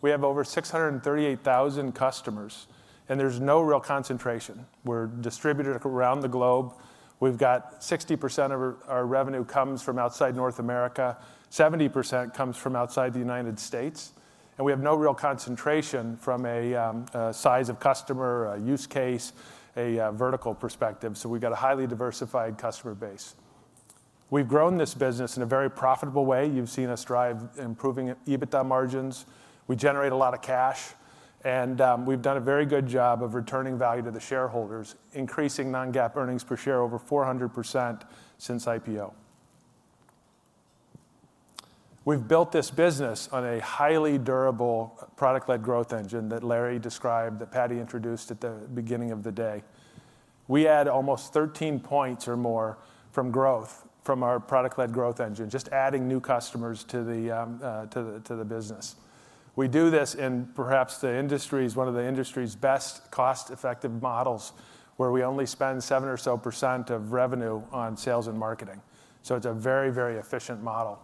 We have over 638,000 customers, and there's no real concentration. We're distributed around the globe. We've got 60% of our revenue comes from outside North America, 70% comes from outside the United States. We have no real concentration from a size of customer, a use case, a vertical perspective. We've got a highly diversified customer base. We've grown this business in a very profitable way. You've seen us drive improving EBITDA margins. We generate a lot of cash, and we've done a very good job of returning value to the shareholders, increasing non-GAAP earnings per share over 400% since IPO. We've built this business on a highly durable product-led growth engine that Larry described, that Paddy introduced at the beginning of the day. We add almost 13 percentage points or more from growth from our product-led growth engine, just adding new customers to the business. We do this in perhaps one of the industry's best cost-effective models where we only spend 7% or so of revenue on sales and marketing. It is a very, very efficient model.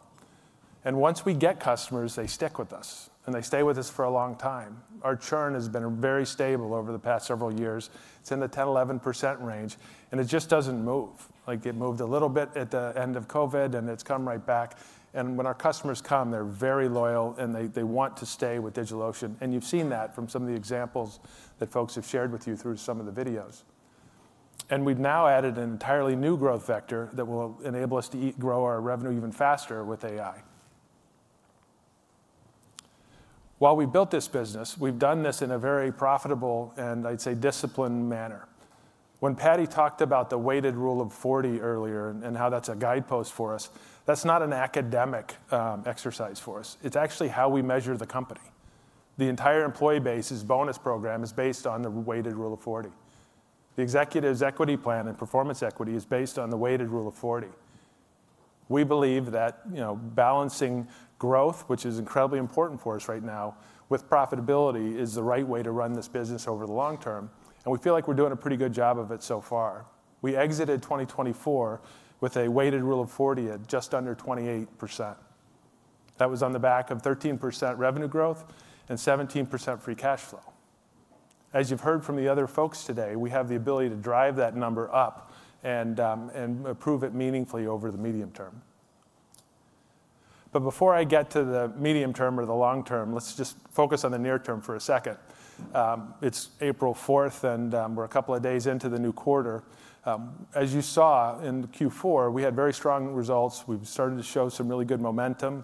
Once we get customers, they stick with us, and they stay with us for a long time. Our churn has been very stable over the past several years. It is in the 10%-11% range, and it just does not move. Like it moved a little bit at the end of COVID, and it has come right back. When our customers come, they are very loyal, and they want to stay with DigitalOcean. You have seen that from some of the examples that folks have shared with you through some of the videos. We have now added an entirely new growth vector that will enable us to grow our revenue even faster with AI. While we built this business, we have done this in a very profitable and, I'd say, disciplined manner. When Paddy talked about the weighted rule of 40 earlier and how that is a guidepost for us, that is not an academic exercise for us. It is actually how we measure the company. The entire employee base's bonus program is based on the weighted rule of 40. The executives' equity plan and performance equity is based on the weighted rule of 40. We believe that balancing growth, which is incredibly important for us right now, with profitability is the right way to run this business over the long term. We feel like we are doing a pretty good job of it so far. We exited 2024 with a weighted rule of 40 at just under 28%. That was on the back of 13% revenue growth and 17% free cash flow. As you've heard from the other folks today, we have the ability to drive that number up and prove it meaningfully over the medium term. Before I get to the medium term or the long term, let's just focus on the near term for a second. It's April 4th, and we're a couple of days into the new quarter. As you saw in Q4, we had very strong results. We've started to show some really good momentum.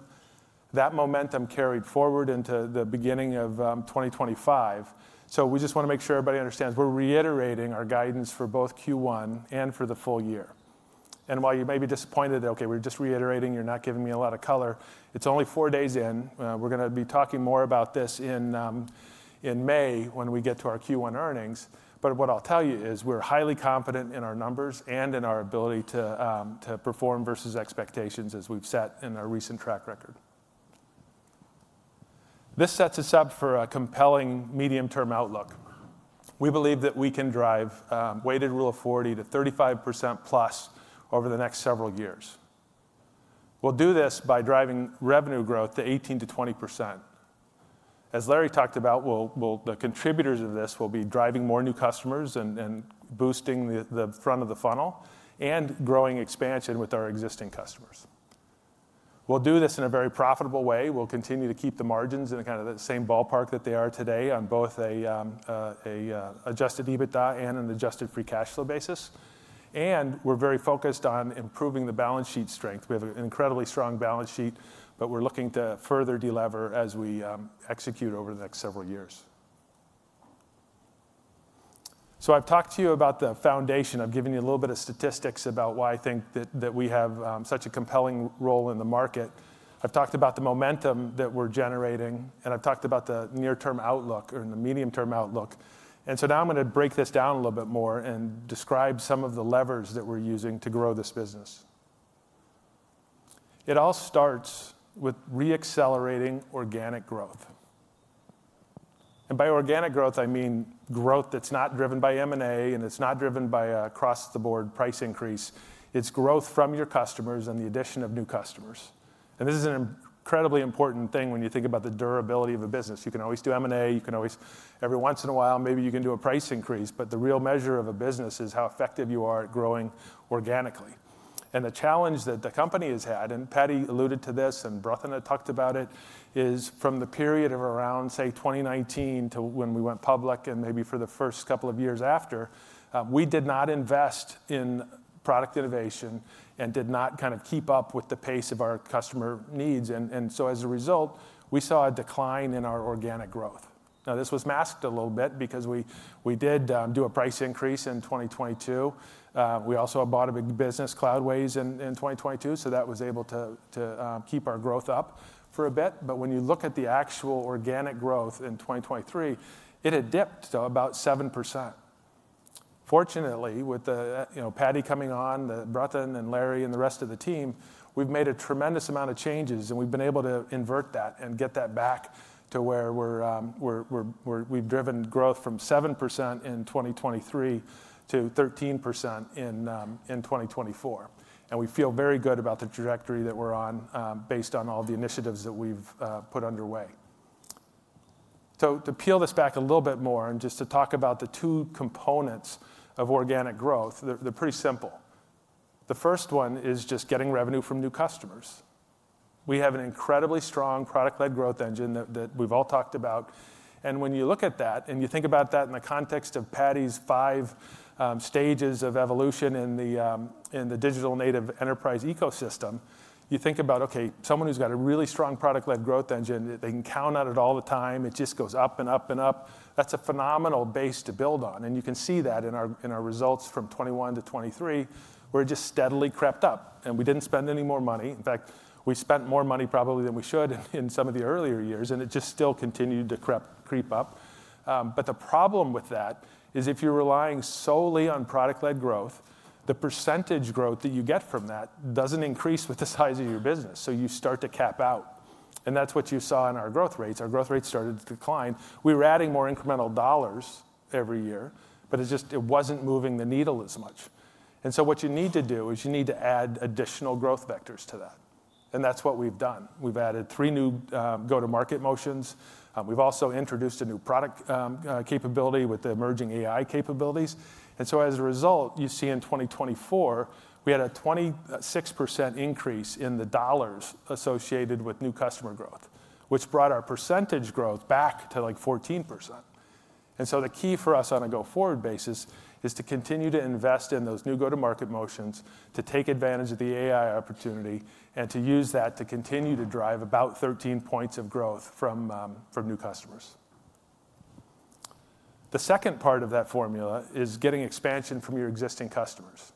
That momentum carried forward into the beginning of 2025. We just want to make sure everybody understands we're reiterating our guidance for both Q1 and for the full year. While you may be disappointed that, okay, we're just reiterating, you're not giving me a lot of color, it's only four days in. We're going to be talking more about this in May when we get to our Q1 earnings. What I'll tell you is we're highly confident in our numbers and in our ability to perform versus expectations as we've set in our recent track record. This sets us up for a compelling medium-term outlook. We believe that we can drive weighted rule of 40 to 35%+ over the next several years. We'll do this by driving revenue growth to 18%-20%. As Larry talked about, the contributors of this will be driving more new customers and boosting the front of the funnel and growing expansion with our existing customers. We'll do this in a very profitable way. We'll continue to keep the margins in kind of the same ballpark that they are today on both an adjusted EBITDA and an adjusted free cash flow basis. We're very focused on improving the balance sheet strength. We have an incredibly strong balance sheet, but we're looking to further delever as we execute over the next several years. I have talked to you about the foundation. I have given you a little bit of statistics about why I think that we have such a compelling role in the market. I have talked about the momentum that we're generating, and I have talked about the near-term outlook or the medium-term outlook. Now I'm going to break this down a little bit more and describe some of the levers that we're using to grow this business. It all starts with re-accelerating organic growth. By organic growth, I mean growth that's not driven by M&A and it's not driven by across-the-board price increase. It's growth from your customers and the addition of new customers. This is an incredibly important thing when you think about the durability of a business. You can always do M&A. You can always, every once in a while, maybe you can do a price increase, but the real measure of a business is how effective you are at growing organically. The challenge that the company has had, and Paddy alluded to this and Bratin had talked about it, is from the period of around, say, 2019 to when we went public and maybe for the first couple of years after, we did not invest in product innovation and did not kind of keep up with the pace of our customer needs. As a result, we saw a decline in our organic growth. This was masked a little bit because we did do a price increase in 2022. We also bought a big business, Cloudways, in 2022, so that was able to keep our growth up for a bit. When you look at the actual organic growth in 2023, it had dipped to about 7%. Fortunately, with Paddy coming on, Bratin and Larry and the rest of the team, we've made a tremendous amount of changes, and we've been able to invert that and get that back to where we've driven growth from 7% in 2023 to 13% in 2024. We feel very good about the trajectory that we're on based on all the initiatives that we've put underway. To peel this back a little bit more and just to talk about the two components of organic growth, they're pretty simple. The first one is just getting revenue from new customers. We have an incredibly strong product-led growth engine that we've all talked about. When you look at that and you think about that in the context of Paddy's five stages of evolution in the digital native enterprise ecosystem, you think about, okay, someone who's got a really strong product-led growth engine, they can count on it all the time. It just goes up and up and up. That's a phenomenal base to build on. You can see that in our results from 2021 to 2023, where it just steadily crept up. We didn't spend any more money. In fact, we spent more money probably than we should in some of the earlier years, and it just still continued to creep up. The problem with that is if you're relying solely on product-led growth, the % growth that you get from that doesn't increase with the size of your business. You start to cap out. That is what you saw in our growth rates. Our growth rates started to decline. We were adding more incremental dollars every year, but it just wasn't moving the needle as much. What you need to do is you need to add additional growth vectors to that. That is what we've done. We've added three new go-to-market motions. We've also introduced a new product capability with the emerging AI capabilities. As a result, you see in 2024, we had a 26% increase in the dollars associated with new customer growth, which brought our percentage growth back to like 14%. The key for us on a go-forward basis is to continue to invest in those new go-to-market motions, to take advantage of the AI opportunity, and to use that to continue to drive about 13 percentage points of growth from new customers. The second part of that formula is getting expansion from your existing customers.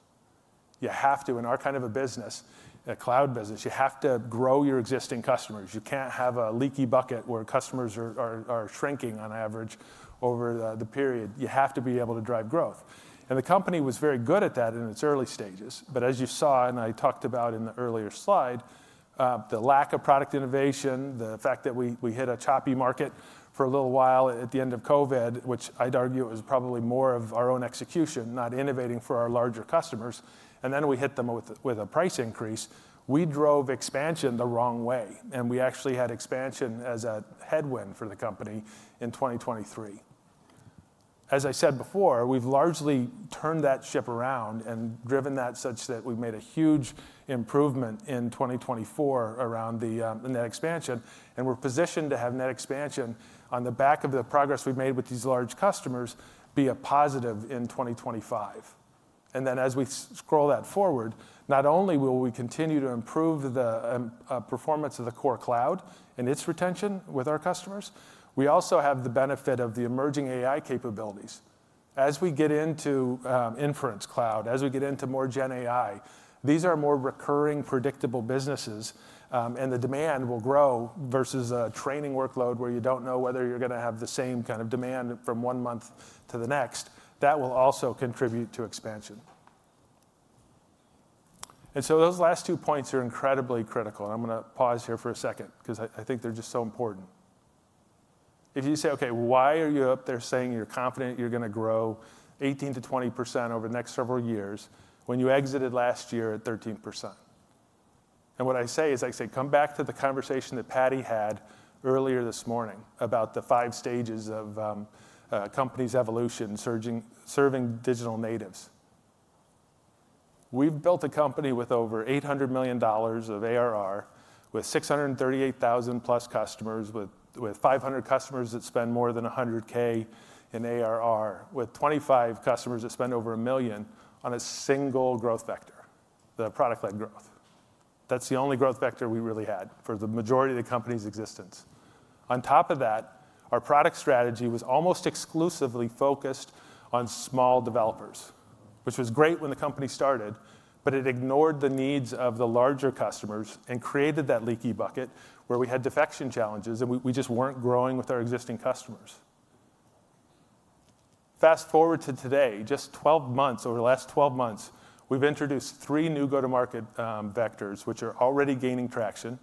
You have to, in our kind of a business, a cloud business, you have to grow your existing customers. You can't have a leaky bucket where customers are shrinking on average over the period. You have to be able to drive growth. The company was very good at that in its early stages. As you saw, and I talked about in the earlier slide, the lack of product innovation, the fact that we hit a choppy market for a little while at the end of COVID, which I'd argue was probably more of our own execution, not innovating for our larger customers, and then we hit them with a price increase, we drove expansion the wrong way. We actually had expansion as a headwind for the company in 2023. As I said before, we've largely turned that ship around and driven that such that we've made a huge improvement in 2024 around the net expansion. We're positioned to have net expansion on the back of the progress we've made with these large customers be a positive in 2025. As we scroll that forward, not only will we continue to improve the performance of the core cloud and its retention with our customers, we also have the benefit of the emerging AI capabilities. As we get into inference cloud, as we get into more GenAI, these are more recurring, predictable businesses, and the demand will grow versus a training workload where you do not know whether you are going to have the same kind of demand from one month to the next. That will also contribute to expansion. Those last two points are incredibly critical. I am going to pause here for a second because I think they are just so important. If you say, okay, why are you up there saying you are confident you are going to grow 18% to 20% over the next several years when you exited last year at 13%? What I say is I say, come back to the conversation that Paddy had earlier this morning about the five stages of a company's evolution, serving digital natives. We've built a company with over $800 million of ARR, with 638,000+ customers, with 500 customers that spend more than $100,000 in ARR, with 25 customers that spend over $1 million on a single growth vector, the product-led growth. That's the only growth vector we really had for the majority of the company's existence. On top of that, our product strategy was almost exclusively focused on small developers, which was great when the company started, but it ignored the needs of the larger customers and created that leaky bucket where we had defection challenges and we just weren't growing with our existing customers. Fast forward to today, just 12 months, over the last 12 months, we've introduced three new go-to-market vectors, which are already gaining traction.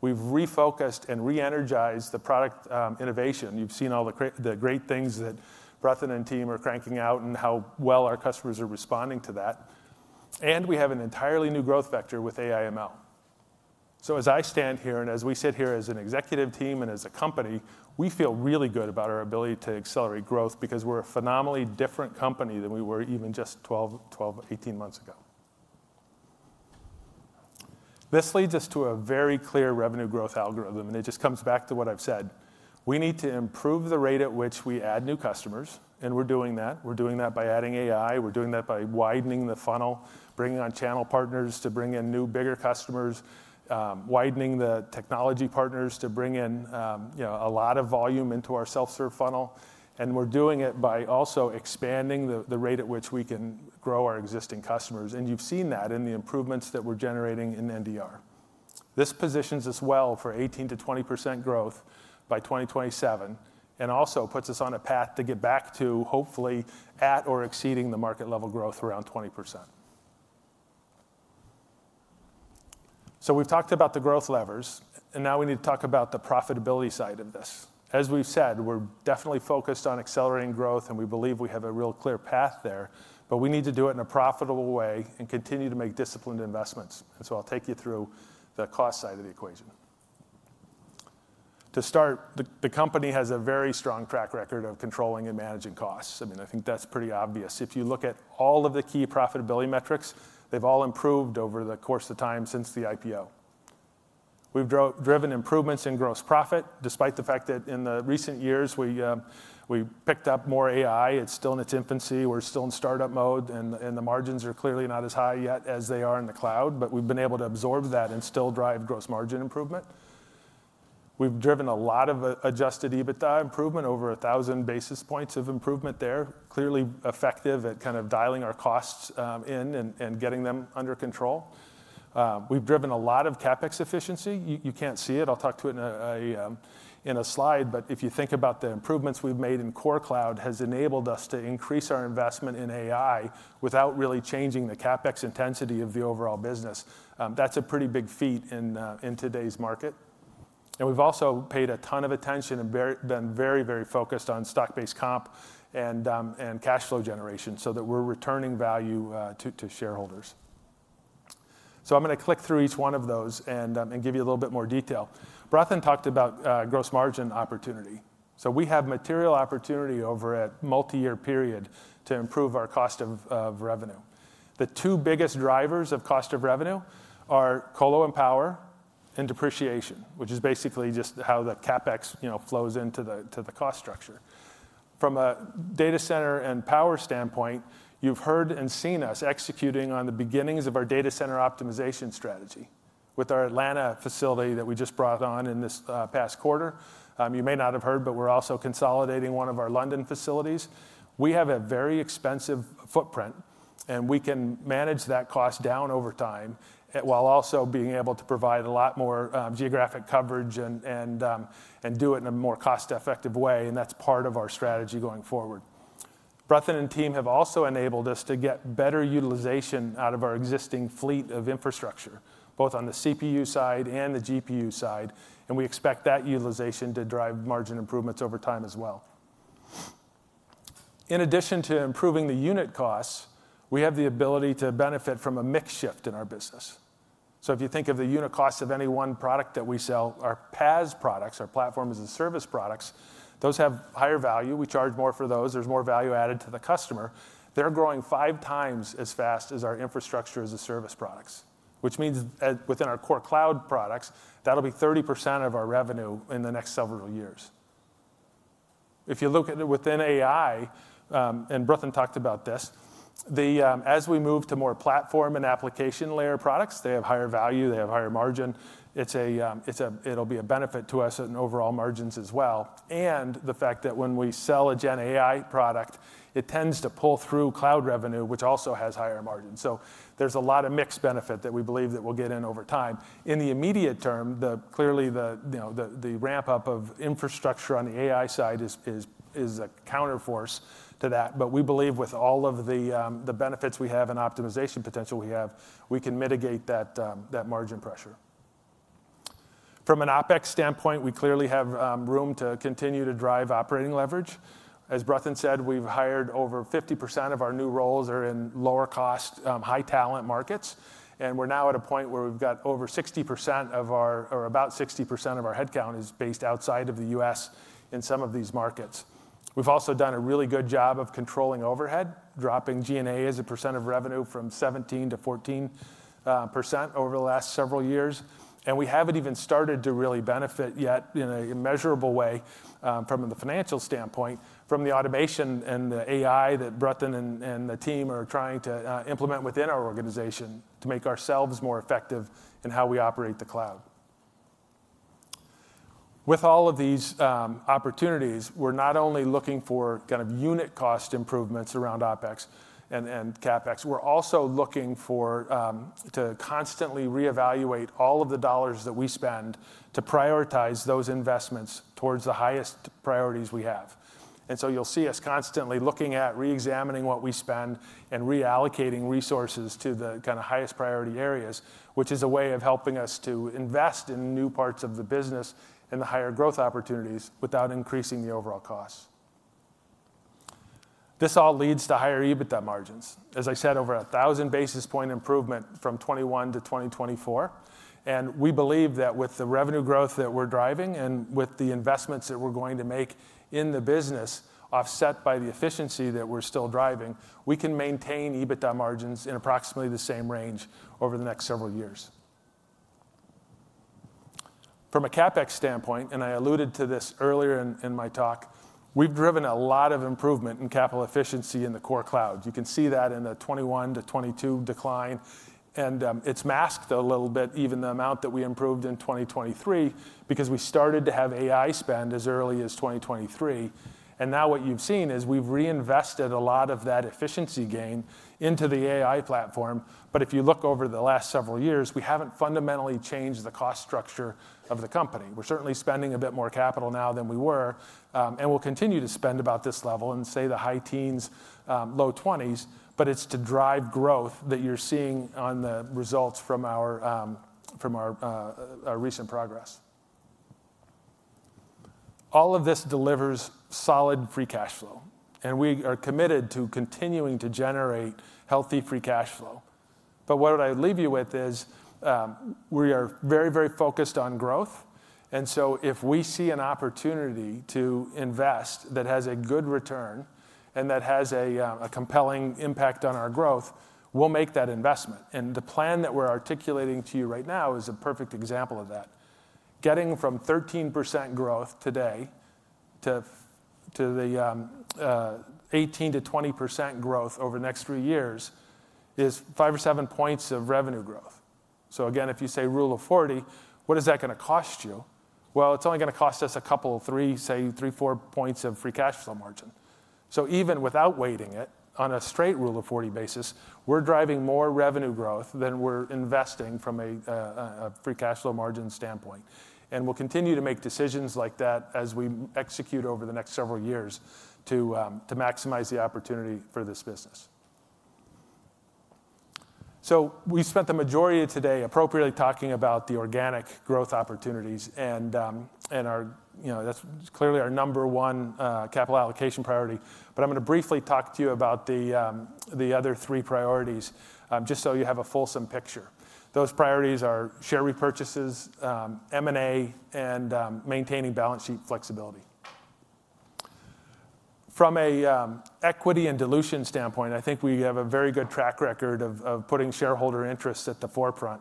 We've refocused and re-energized the product innovation. You've seen all the great things that Bratin and team are cranking out and how well our customers are responding to that. We have an entirely new growth vector with AI/ML. As I stand here and as we sit here as an executive team and as a company, we feel really good about our ability to accelerate growth because we're a phenomenally different company than we were even just 12, 18 months ago. This leads us to a very clear revenue growth algorithm, and it just comes back to what I've said. We need to improve the rate at which we add new customers, and we're doing that. We're doing that by adding AI. We're doing that by widening the funnel, bringing on channel partners to bring in new, bigger customers, widening the technology partners to bring in a lot of volume into our self-serve funnel. We're doing it by also expanding the rate at which we can grow our existing customers. You've seen that in the improvements that we're generating in NDR. This positions us well for 18% to 20% growth by 2027 and also puts us on a path to get back to, hopefully, at or exceeding the market-level growth around 20%. We've talked about the growth levers, and now we need to talk about the profitability side of this. As we've said, we're definitely focused on accelerating growth, and we believe we have a real clear path there, but we need to do it in a profitable way and continue to make disciplined investments. I'll take you through the cost side of the equation. To start, the company has a very strong track record of controlling and managing costs. I mean, I think that's pretty obvious. If you look at all of the key profitability metrics, they've all improved over the course of time since the IPO. We've driven improvements in gross profit despite the fact that in the recent years we picked up more AI. It's still in its infancy. We're still in startup mode, and the margins are clearly not as high yet as they are in the cloud, but we've been able to absorb that and still drive gross margin improvement. We've driven a lot of adjusted EBITDA improvement, over 1,000 basis points of improvement there, clearly effective at kind of dialing our costs in and getting them under control. We've driven a lot of CapEx efficiency. You can't see it. I'll talk to it in a slide, but if you think about the improvements we've made in core cloud, it has enabled us to increase our investment in AI without really changing the CapEx intensity of the overall business. That's a pretty big feat in today's market. We've also paid a ton of attention and been very, very focused on stock-based comp and cash flow generation so that we're returning value to shareholders. I'm going to click through each one of those and give you a little bit more detail. Bratin talked about gross margin opportunity. We have material opportunity over a multi-year period to improve our cost of revenue. The two biggest drivers of cost of revenue are colo and power and depreciation, which is basically just how the CapEx flows into the cost structure. From a data center and power standpoint, you've heard and seen us executing on the beginnings of our data center optimization strategy with our Atlanta facility that we just brought on in this past quarter. You may not have heard, but we're also consolidating one of our London facilities. We have a very expensive footprint, and we can manage that cost down over time while also being able to provide a lot more geographic coverage and do it in a more cost-effective way. That is part of our strategy going forward. Bratin and team have also enabled us to get better utilization out of our existing fleet of infrastructure, both on the CPU side and the GPU side. We expect that utilization to drive margin improvements over time as well. In addition to improving the unit costs, we have the ability to benefit from a mix shift in our business. If you think of the unit cost of any one product that we sell, our PaaS products, our platform as a service products, those have higher value. We charge more for those. There is more value added to the customer. They are growing five times as fast as our infrastructure as a service products, which means within our core cloud products, that will be 30% of our revenue in the next several years. If you look at it within AI, and Bratin talked about this, as we move to more platform and application layer products, they have higher value. They have higher margin. It will be a benefit to us in overall margins as well. The fact that when we sell a GenAI product, it tends to pull through cloud revenue, which also has higher margins. There is a lot of mixed benefit that we believe that we'll get in over time. In the immediate term, clearly the ramp-up of infrastructure on the AI side is a counterforce to that. We believe with all of the benefits we have and optimization potential we have, we can mitigate that margin pressure. From an OpEx standpoint, we clearly have room to continue to drive operating leverage. As Bratin said, we've hired over 50% of our new roles that are in lower-cost, high-talent markets. We are now at a point where we've got over 60% of our, or about 60% of our headcount is based outside of the U.S. in some of these markets. We've also done a really good job of controlling overhead, dropping G&A as a percent of revenue from 17% to 14% over the last several years. We haven't even started to really benefit yet in a measurable way from the financial standpoint, from the automation and the AI that Bratin and the team are trying to implement within our organization to make ourselves more effective in how we operate the cloud. With all of these opportunities, we're not only looking for kind of unit cost improvements around OpEx and CapEx, we're also looking to constantly reevaluate all of the dollars that we spend to prioritize those investments towards the highest priorities we have. You will see us constantly looking at re-examining what we spend and reallocating resources to the kind of highest priority areas, which is a way of helping us to invest in new parts of the business and the higher growth opportunities without increasing the overall costs. This all leads to higher EBITDA margins. As I said, over 1,000 basis point improvement from 2021 to 2024. We believe that with the revenue growth that we are driving and with the investments that we are going to make in the business, offset by the efficiency that we are still driving, we can maintain EBITDA margins in approximately the same range over the next several years. From a CapEx standpoint, and I alluded to this earlier in my talk, we have driven a lot of improvement in capital efficiency in the core cloud. You can see that in the 2021 to 2022 decline. It is masked a little bit, even the amount that we improved in 2023, because we started to have AI spend as early as 2023. What you have seen is we have reinvested a lot of that efficiency gain into the AI platform. If you look over the last several years, we have not fundamentally changed the cost structure of the company. We are certainly spending a bit more capital now than we were, and we will continue to spend about this level in the high teens, low twenties, but it is to drive growth that you are seeing on the results from our recent progress. All of this delivers solid free cash flow, and we are committed to continuing to generate healthy free cash flow. What I would leave you with is we are very, very focused on growth. If we see an opportunity to invest that has a good return and that has a compelling impact on our growth, we'll make that investment. The plan that we're articulating to you right now is a perfect example of that. Getting from 13% growth today to the 18% to 20% growth over the next three years is five or seven percentage points of revenue growth. Again, if you say rule of 40, what is that going to cost you? It's only going to cost us a couple of three, say, three, four points of free cash flow margin. Even without weighting it on a straight rule of 40 basis, we're driving more revenue growth than we're investing from a free cash flow margin standpoint. We will continue to make decisions like that as we execute over the next several years to maximize the opportunity for this business. We spent the majority of today appropriately talking about the organic growth opportunities. That is clearly our number one capital allocation priority. I am going to briefly talk to you about the other three priorities just so you have a fulsome picture. Those priorities are share repurchases, M&A, and maintaining balance sheet flexibility. From an equity and dilution standpoint, I think we have a very good track record of putting shareholder interests at the forefront.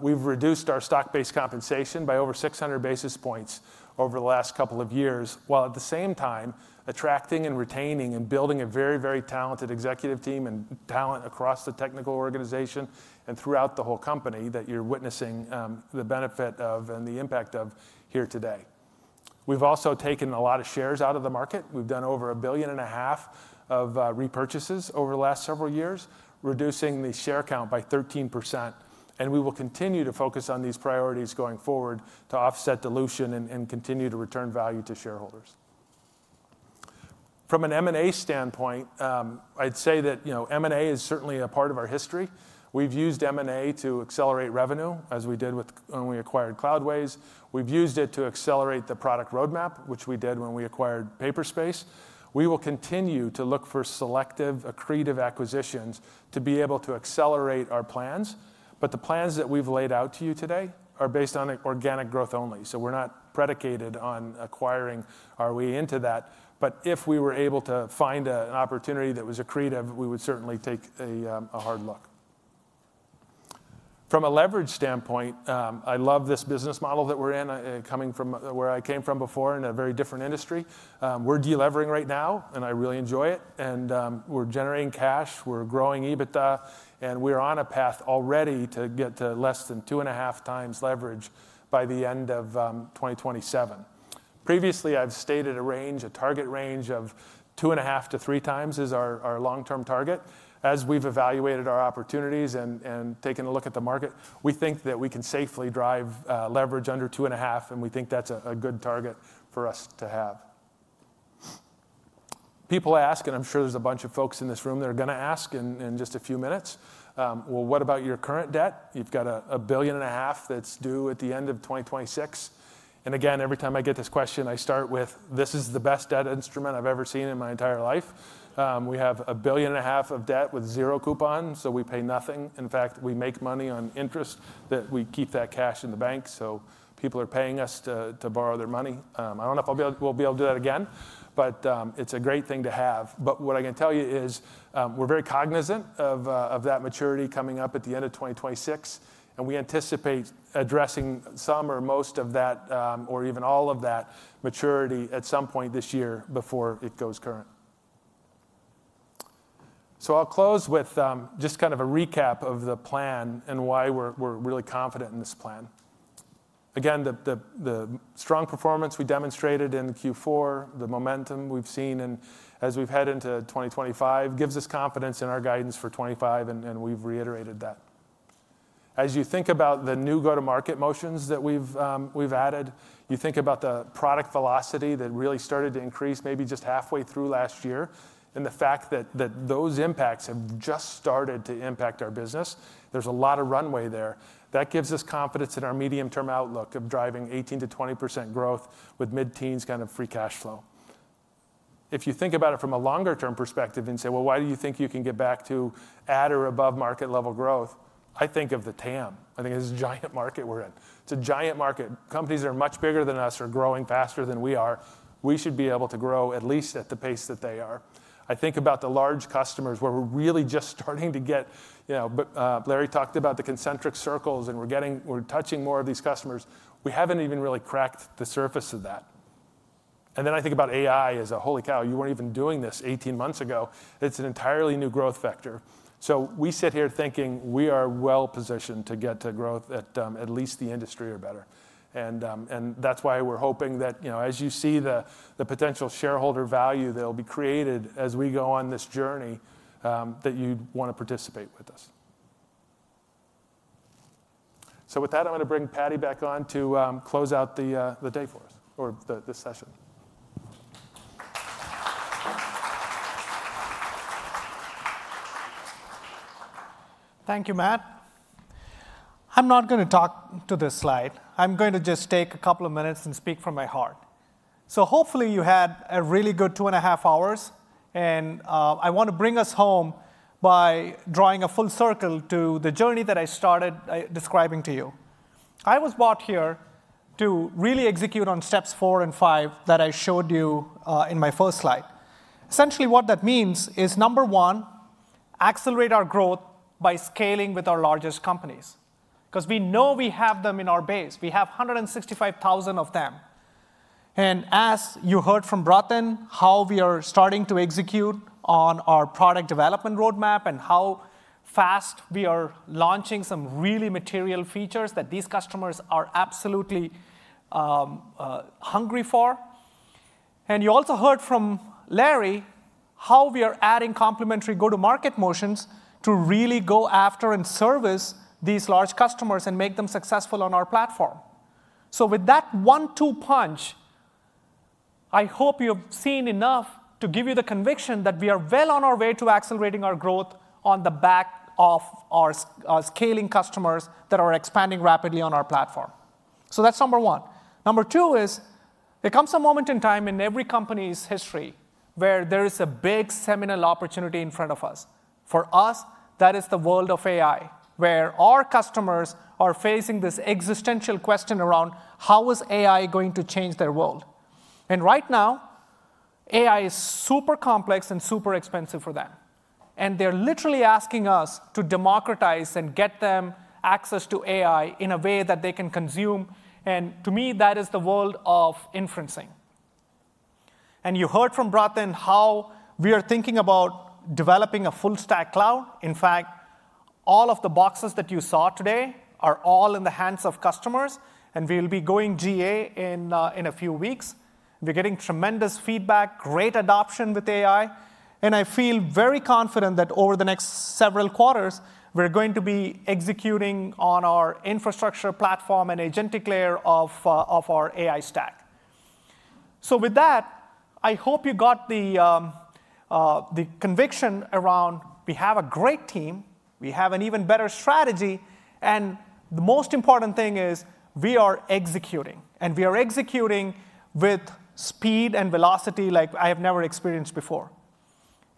We've reduced our stock-based compensation by over 600 basis points over the last couple of years, while at the same time attracting and retaining and building a very, very talented executive team and talent across the technical organization and throughout the whole company that you're witnessing the benefit of and the impact of here today. We've also taken a lot of shares out of the market. We've done over $1.5 billion of repurchases over the last several years, reducing the share count by 13%. We will continue to focus on these priorities going forward to offset dilution and continue to return value to shareholders. From an M&A standpoint, I'd say that M&A is certainly a part of our history. We've used M&A to accelerate revenue, as we did when we acquired Cloudways. We've used it to accelerate the product roadmap, which we did when we acquired Paperspace. We will continue to look for selective, accretive acquisitions to be able to accelerate our plans. The plans that we've laid out to you today are based on organic growth only. We're not predicated on acquiring our way into that. If we were able to find an opportunity that was accretive, we would certainly take a hard look. From a leverage standpoint, I love this business model that we're in, coming from where I came from before in a very different industry. We're delevering right now, and I really enjoy it. We're generating cash. We're growing EBITDA, and we're on a path already to get to less than two and a half times leverage by the end of 2027. Previously, I've stated a range, a target range of two and a half to three times is our long-term target. As we've evaluated our opportunities and taken a look at the market, we think that we can safely drive leverage under two and a half, and we think that's a good target for us to have. People ask, and I'm sure there's a bunch of folks in this room that are going to ask in just a few minutes, "Well, what about your current debt? You've got a billion and a half that's due at the end of 2026." Again, every time I get this question, I start with, "This is the best debt instrument I've ever seen in my entire life." We have a billion and a half of debt with zero coupons, so we pay nothing. In fact, we make money on interest that we keep that cash in the bank. People are paying us to borrow their money. I don't know if we'll be able to do that again, but it's a great thing to have. What I can tell you is we're very cognizant of that maturity coming up at the end of 2026, and we anticipate addressing some or most of that, or even all of that maturity at some point this year before it goes current. I'll close with just kind of a recap of the plan and why we're really confident in this plan. Again, the strong performance we demonstrated in Q4, the momentum we've seen as we've headed into 2025 gives us confidence in our guidance for 2025, and we've reiterated that. As you think about the new go-to-market motions that we've added, you think about the product velocity that really started to increase maybe just halfway through last year, and the fact that those impacts have just started to impact our business. There's a lot of runway there. That gives us confidence in our medium-term outlook of driving 18% to 20% growth with mid-teens kind of free cash flow. If you think about it from a longer-term perspective and say, "Well, why do you think you can get back to at or above market-level growth?" I think of the TAM. I think it's a giant market we're in. It's a giant market. Companies that are much bigger than us are growing faster than we are. We should be able to grow at least at the pace that they are. I think about the large customers where we're really just starting to get. Larry talked about the concentric circles, and we're touching more of these customers. We haven't even really cracked the surface of that. I think about AI as a, "Holy cow, you weren't even doing this 18 months ago." It's an entirely new growth vector. We sit here thinking we are well-positioned to get to growth at least the industry or better. That's why we're hoping that as you see the potential shareholder value that will be created as we go on this journey, that you'd want to participate with us. With that, I'm going to bring Paddy back on to close out the day for us, or the session. Thank you, Matt. I'm not going to talk to this slide. I'm going to just take a couple of minutes and speak from my heart. Hopefully you had a really good two and a half hours, and I want to bring us home by drawing a full circle to the journey that I started describing to you. I was brought here to really execute on steps four and five that I showed you in my first slide. Essentially, what that means is, number one, accelerate our growth by scaling with our largest companies because we know we have them in our base. We have 165,000 of them. As you heard from Bratin, how we are starting to execute on our product development roadmap and how fast we are launching some really material features that these customers are absolutely hungry for. You also heard from Larry how we are adding complementary go-to-market motions to really go after and service these large customers and make them successful on our platform. With that one-two punch, I hope you've seen enough to give you the conviction that we are well on our way to accelerating our growth on the back of our scaling customers that are expanding rapidly on our platform. That's number one. Number two is there comes a moment in time in every company's history where there is a big seminal opportunity in front of us. For us, that is the world of AI, where our customers are facing this existential question around how is AI going to change their world. Right now, AI is super complex and super expensive for them. They are literally asking us to democratize and get them access to AI in a way that they can consume. To me, that is the world of inferencing. You heard from Bratin how we are thinking about developing a full-stack cloud. In fact, all of the boxes that you saw today are all in the hands of customers, and we will be going GA in a few weeks. We are getting tremendous feedback, great adoption with AI. I feel very confident that over the next several quarters, we are going to be executing on our infrastructure platform and agentic layer of our AI stack. I hope you got the conviction around we have a great team, we have an even better strategy, and the most important thing is we are executing. We are executing with speed and velocity like I have never experienced before.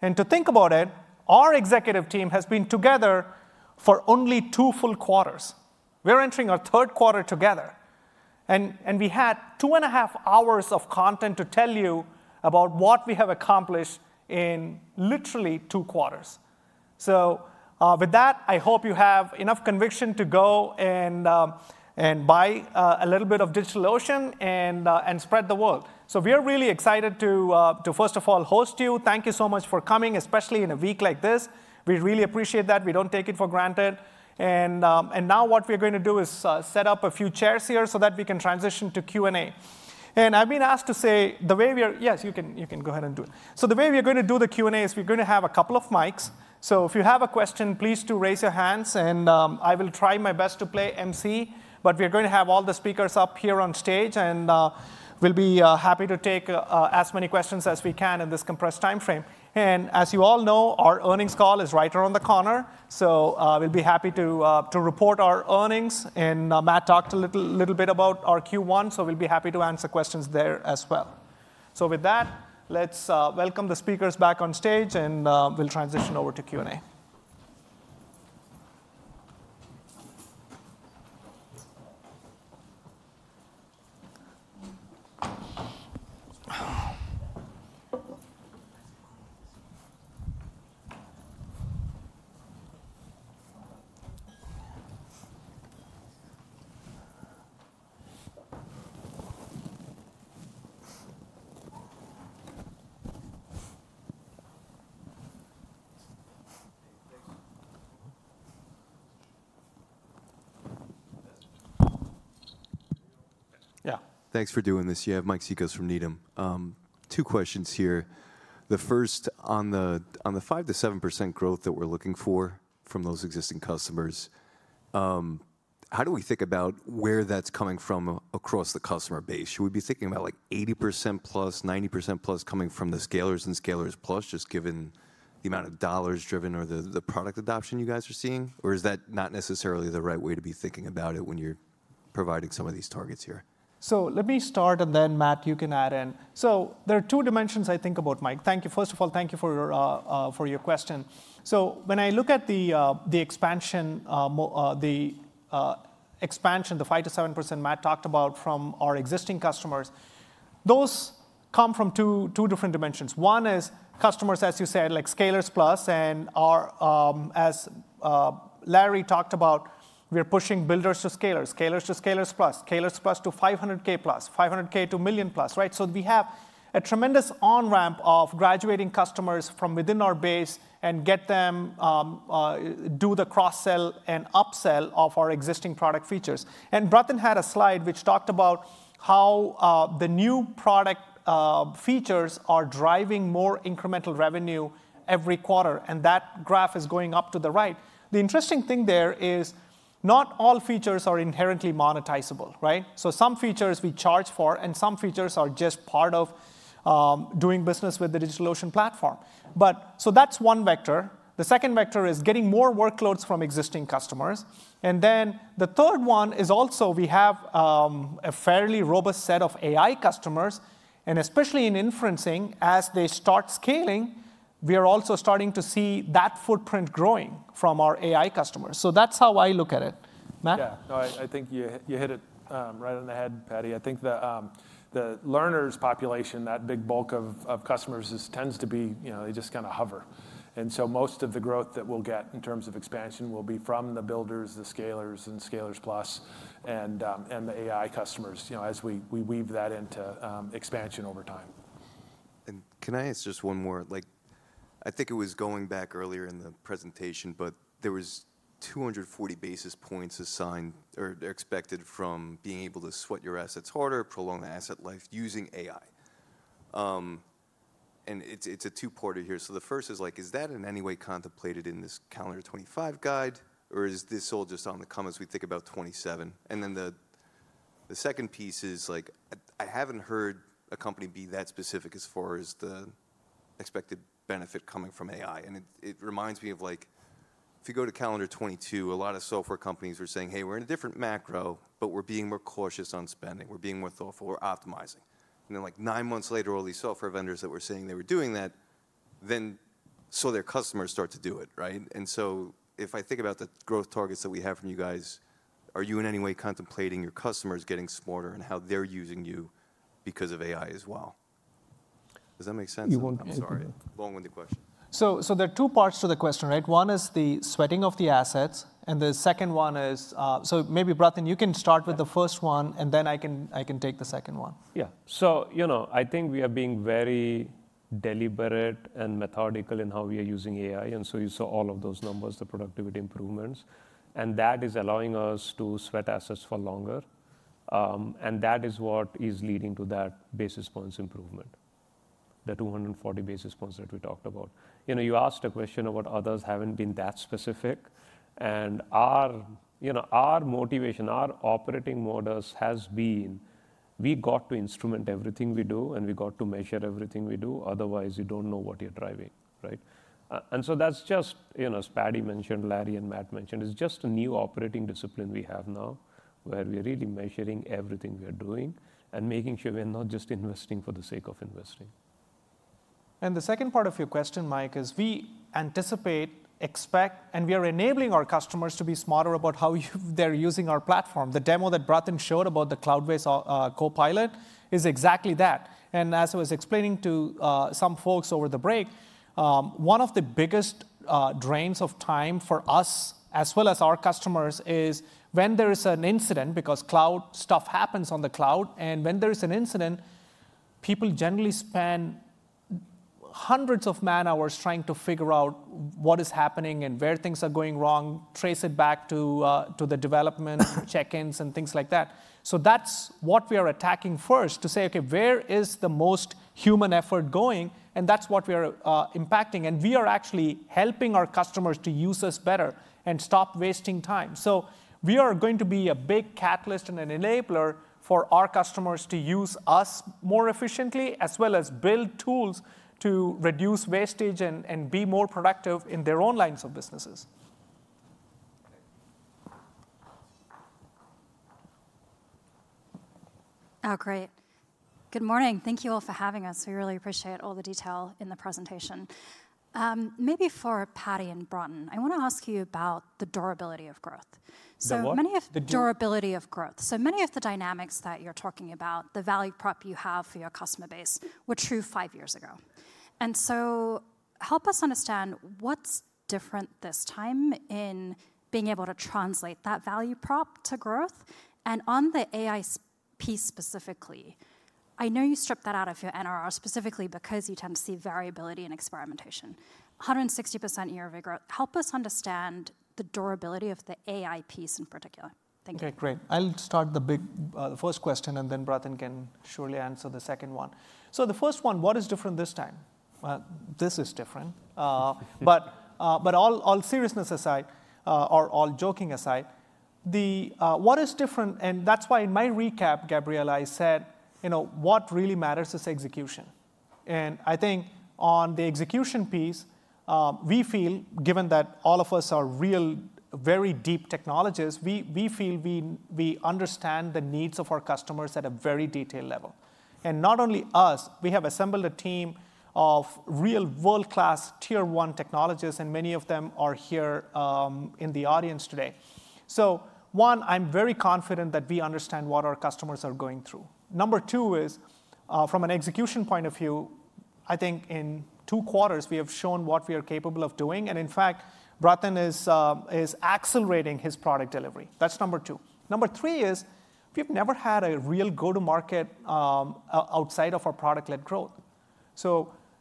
To think about it, our executive team has been together for only two full quarters. We're entering our third quarter together. We had two and a half hours of content to tell you about what we have accomplished in literally two quarters. With that, I hope you have enough conviction to go and buy a little bit of DigitalOcean and spread the word. We are really excited to, first of all, host you. Thank you so much for coming, especially in a week like this. We really appreciate that. We do not take it for granted. Now what we're going to do is set up a few chairs here so that we can transition to Q&A. I have been asked to say the way we are yes, you can go ahead and do it. The way we are going to do the Q&A is we're going to have a couple of mics. If you have a question, please do raise your hands, and I will try my best to play emcee. We're going to have all the speakers up here on stage, and we'll be happy to take as many questions as we can in this compressed timeframe. As you all know, our earnings call is right around the corner. We'll be happy to report our earnings. Matt talked a little bit about our Q1, so we'll be happy to answer questions there as well. With that, let's welcome the speakers back on stage, and we'll transition over to Q&A. Yeah. Thanks for doing this. Yeah, Mike Cikos from Needham. Two questions here. The first, on the 5% to 7% growth that we're looking for from those existing customers, how do we think about where that's coming from across the customer base? Should we be thinking about like 80%+, 90%+ coming from the Scalers and Scalers+, just given the amount of dollars driven or the product adoption you guys are seeing? Or is that not necessarily the right way to be thinking about it when you're providing some of these targets here? Let me start, and then Matt, you can add in. There are two dimensions I think about, Mike. Thank you. First of all, thank you for your question. When I look at the expansion, the 5% to 7% Matt talked about from our existing customers, those come from two different dimensions. One is customers, as you said, like Scalers+. As Larry talked about, we're pushing builders to Scalers, Scalers to Scalers+, Scalers+ to $500,000+, $500,000 to $1 million+. Right? We have a tremendous on-ramp of graduating customers from within our base and get them to do the cross-sell and up-sell of our existing product features. Bratin had a slide which talked about how the new product features are driving more incremental revenue every quarter. That graph is going up to the right. The interesting thing there is not all features are inherently monetizable. Right? Some features we charge for, and some features are just part of doing business with the DigitalOcean platform. That is one vector. The second vector is getting more workloads from existing customers. The third one is also we have a fairly robust set of AI customers. Especially in inferencing, as they start scaling, we are also starting to see that footprint growing from our AI customers. That is how I look at it. Matt? Yeah. No, I think you hit it right on the head, Paddy. I think the learners population, that big bulk of customers, tends to be they just kind of hover. Most of the growth that we'll get in terms of expansion will be from the builders, the scalers, and scalers plus, and the AI customers as we weave that into expansion over time. Can I ask just one more? I think it was going back earlier in the presentation, but there was 240 basis points assigned or expected from being able to sweat your assets harder, prolong the asset life using AI. It is a two-parter here. The first is, is that in any way contemplated in this calendar 2025 guide, or is this all just on the come as we think about 2027? The second piece is, I have not heard a company be that specific as far as the expected benefit coming from AI. It reminds me of, if you go to calendar 2022, a lot of software companies were saying, "Hey, we are in a different macro, but we are being more cautious on spending. We are being more thoughtful. We're optimizing. Nine months later, all these software vendors that were saying they were doing that, their customers start to do it. Right? If I think about the growth targets that we have from you guys, are you in any way contemplating your customers getting smarter and how they're using you because of AI as well? Does that make sense? I'm sorry. Long-winded question. There are two parts to the question. Right? One is the sweating of the assets. The second one is, maybe Bratin, you can start with the first one, and then I can take the second one. Yeah. I think we are being very deliberate and methodical in how we are using AI. You saw all of those numbers, the productivity improvements. That is allowing us to sweat assets for longer. That is what is leading to that basis points improvement, the 240 basis points that we talked about. You asked a question about others having been that specific. Our motivation, our operating modus has been we got to instrument everything we do, and we got to measure everything we do. Otherwise, you do not know what you are driving. Right? That is just as Paddy mentioned, Larry and Matt mentioned. It is just a new operating discipline we have now where we are really measuring everything we are doing and making sure we are not just investing for the sake of investing. The second part of your question, Mike, is we anticipate, expect, and we are enabling our customers to be smarter about how they're using our platform. The demo that Bratin showed about the Cloudways Copilot is exactly that. As I was explaining to some folks over the break, one of the biggest drains of time for us, as well as our customers, is when there is an incident because cloud stuff happens on the cloud. When there is an incident, people generally spend hundreds of man-hours trying to figure out what is happening and where things are going wrong, trace it back to the development check-ins and things like that. That is what we are attacking first to say, "Okay, where is the most human effort going?" That is what we are impacting. We are actually helping our customers to use us better and stop wasting time. We are going to be a big catalyst and an enabler for our customers to use us more efficiently, as well as build tools to reduce wastage and be more productive in their own lines of businesses. Oh, great. Good morning. Thank you all for having us. We really appreciate all the detail in the presentation. Maybe for Paddy and Bratin, I want to ask you about the durability of growth. The what? Many of the durability of growth. So many of the dynamics that you're talking about, the value prop you have for your customer base, were true five years ago. Help us understand what's different this time in being able to translate that value prop to growth. On the AI piece specifically, I know you stripped that out of your NRR specifically because you tend to see variability in experimentation. 160% year-over-year, help us understand the durability of the AI piece in particular. Thank you. Okay. Great. I'll start the first question, and then Bratin can surely answer the second one. The first one, what is different this time? This is different. All joking aside, what is different? That is why in my recap, Gabriela, I said, what really matters is execution. I think on the execution piece, we feel, given that all of us are real, very deep technologists, we feel we understand the needs of our customers at a very detailed level. Not only us, we have assembled a team of real world-class tier-one technologists, and many of them are here in the audience today. One, I'm very confident that we understand what our customers are going through. Number two is, from an execution point of view, I think in two quarters, we have shown what we are capable of doing. In fact, Bratin is accelerating his product delivery. That's number two. Number three is, we've never had a real go-to-market outside of our product-led growth.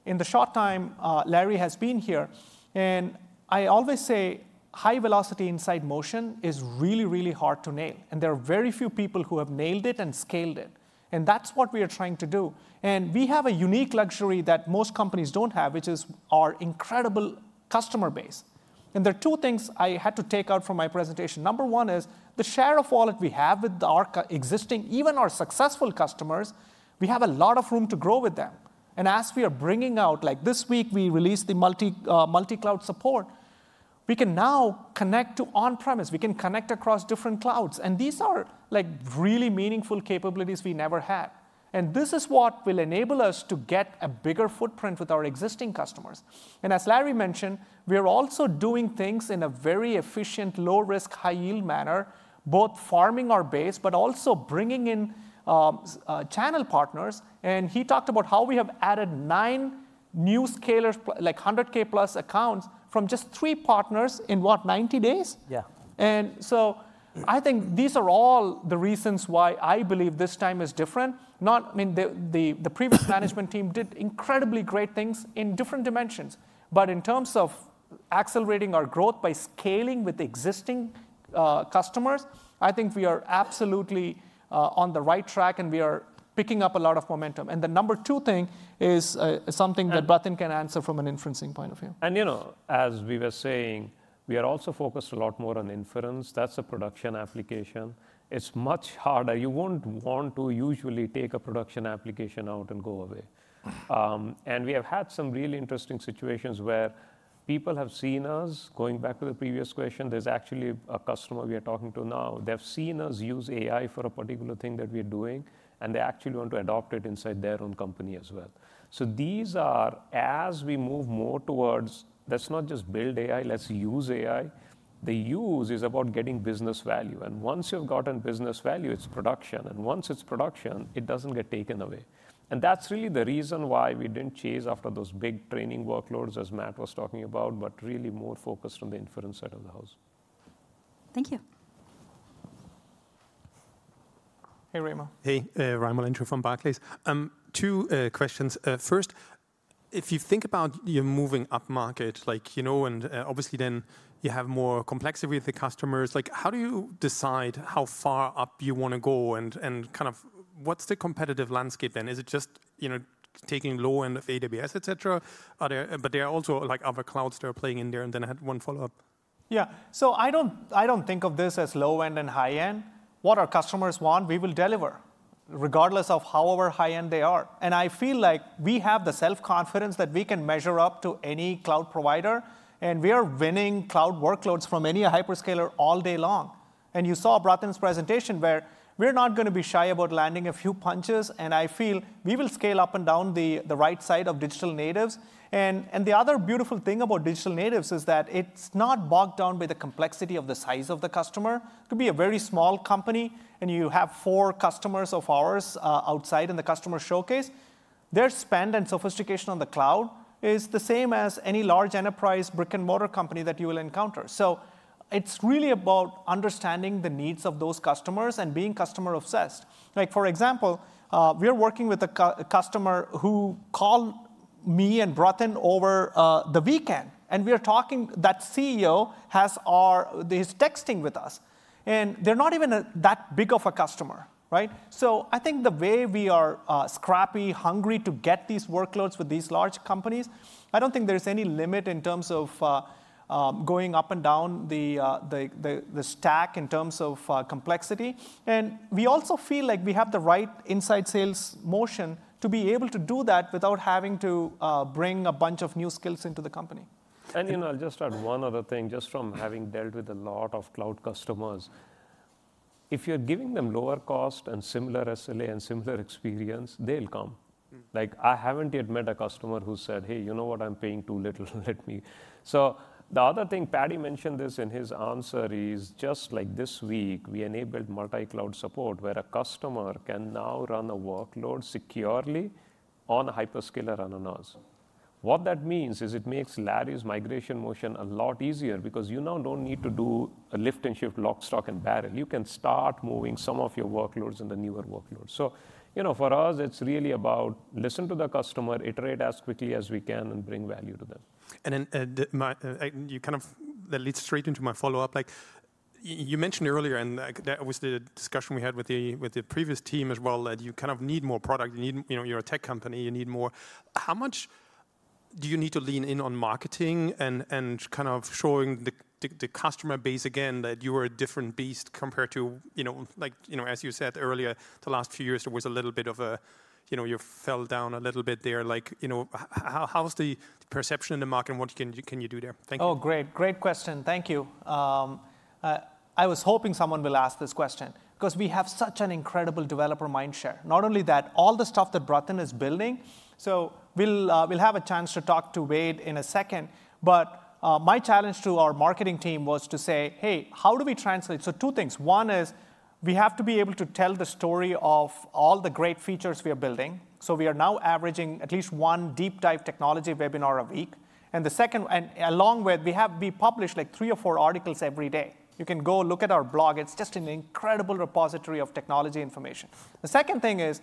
In the short time Larry has been here, I always say high-velocity inside motion is really, really hard to nail. There are very few people who have nailed it and scaled it. That is what we are trying to do. We have a unique luxury that most companies do not have, which is our incredible customer base. There are two things I had to take out from my presentation. Number one is the share of wallet we have with our existing, even our successful customers. We have a lot of room to grow with them. As we are bringing out, like this week we released the multi-cloud support, we can now connect to on-premise. We can connect across different clouds. These are really meaningful capabilities we never had. This is what will enable us to get a bigger footprint with our existing customers. As Larry mentioned, we are also doing things in a very efficient, low-risk, high-yield manner, both farming our base, but also bringing in channel partners. He talked about how we have added nine new Scalers, like 100,000+ accounts from just three partners in, what, 90 days? Yeah. I think these are all the reasons why I believe this time is different. I mean, the previous management team did incredibly great things in different dimensions. In terms of accelerating our growth by scaling with existing customers, I think we are absolutely on the right track, and we are picking up a lot of momentum. The number two thing is something that Bratin can answer from an inferencing point of view. As we were saying, we are also focused a lot more on inference. That's a production application. It's much harder. You wouldn't want to usually take a production application out and go away. We have had some really interesting situations where people have seen us. Going back to the previous question, there's actually a customer we are talking to now. They've seen us use AI for a particular thing that we're doing, and they actually want to adopt it inside their own company as well. These are, as we move more towards, let's not just build AI, let's use AI. The use is about getting business value. Once you've gotten business value, it's production. Once it's production, it doesn't get taken away. That is really the reason why we did not chase after those big training workloads, as Matt was talking about, but really more focused on the inference side of the house. Thank you. Hey, Raimo. Hey, Raimo Lenschow from Barclays. Two questions. First, if you think about your moving up market, and obviously then you have more complexity with the customers, how do you decide how far up you want to go? Kind of what's the competitive landscape then? Is it just taking low-end of AWS, et cetera? There are also other clouds that are playing in there. I had one follow-up. Yeah. I do not think of this as low-end and high-end. What our customers want, we will deliver, regardless of however high-end they are. I feel like we have the self-confidence that we can measure up to any cloud provider. We are winning cloud workloads from any hyperscaler all day long. You saw Bratin's presentation where we are not going to be shy about landing a few punches. I feel we will scale up and down the right side of digital natives. The other beautiful thing about digital natives is that it is not bogged down by the complexity of the size of the customer. You can be a very small company, and you have four customers of ours outside in the customer showcase, their spend and sophistication on the cloud is the same as any large enterprise brick-and-mortar company that you will encounter. It is really about understanding the needs of those customers and being customer-obsessed. For example, we are working with a customer who called me and Bratin over the weekend. We are talking, that CEO has his texting with us. They are not even that big of a customer. Right? I think the way we are scrappy, hungry to get these workloads with these large companies, I do not think there is any limit in terms of going up and down the stack in terms of complexity. We also feel like we have the right inside sales motion to be able to do that without having to bring a bunch of new skills into the company. I'll just add one other thing. Just from having dealt with a lot of cloud customers, if you're giving them lower cost and similar SLA and similar experience, they'll come. I haven't yet met a customer who said, "Hey, you know what? I'm paying too little. Let me..." The other thing Paddy mentioned this in his answer is just like this week, we enabled multi-cloud support where a customer can now run a workload securely on a hyperscaler on a NAS. What that means is it makes Larry's migration motion a lot easier because you now don't need to do a lift and shift, lock, stock, and barrel. You can start moving some of your workloads in the newer workloads. For us, it's really about listening to the customer, iterate as quickly as we can, and bring value to them. You kind of lead straight into my follow-up. You mentioned earlier, and that was the discussion we had with the previous team as well, that you kind of need more product. You're a tech company. You need more. How much do you need to lean in on marketing and kind of showing the customer base again that you are a different beast compared to, as you said earlier, the last few years, there was a little bit of a you fell down a little bit there. How's the perception in the market? What can you do there? Thank you. Oh, great. Great question. Thank you. I was hoping someone would ask this question because we have such an incredible developer mindshare. Not only that, all the stuff that Bratin is building. We will have a chance to talk to Wade in a second. My challenge to our marketing team was to say, "Hey, how do we translate?" Two things. One is we have to be able to tell the story of all the great features we are building. We are now averaging at least one deep-dive technology webinar a week. Along with that, we publish like three or four articles every day. You can go look at our blog. It is just an incredible repository of technology information. The second thing is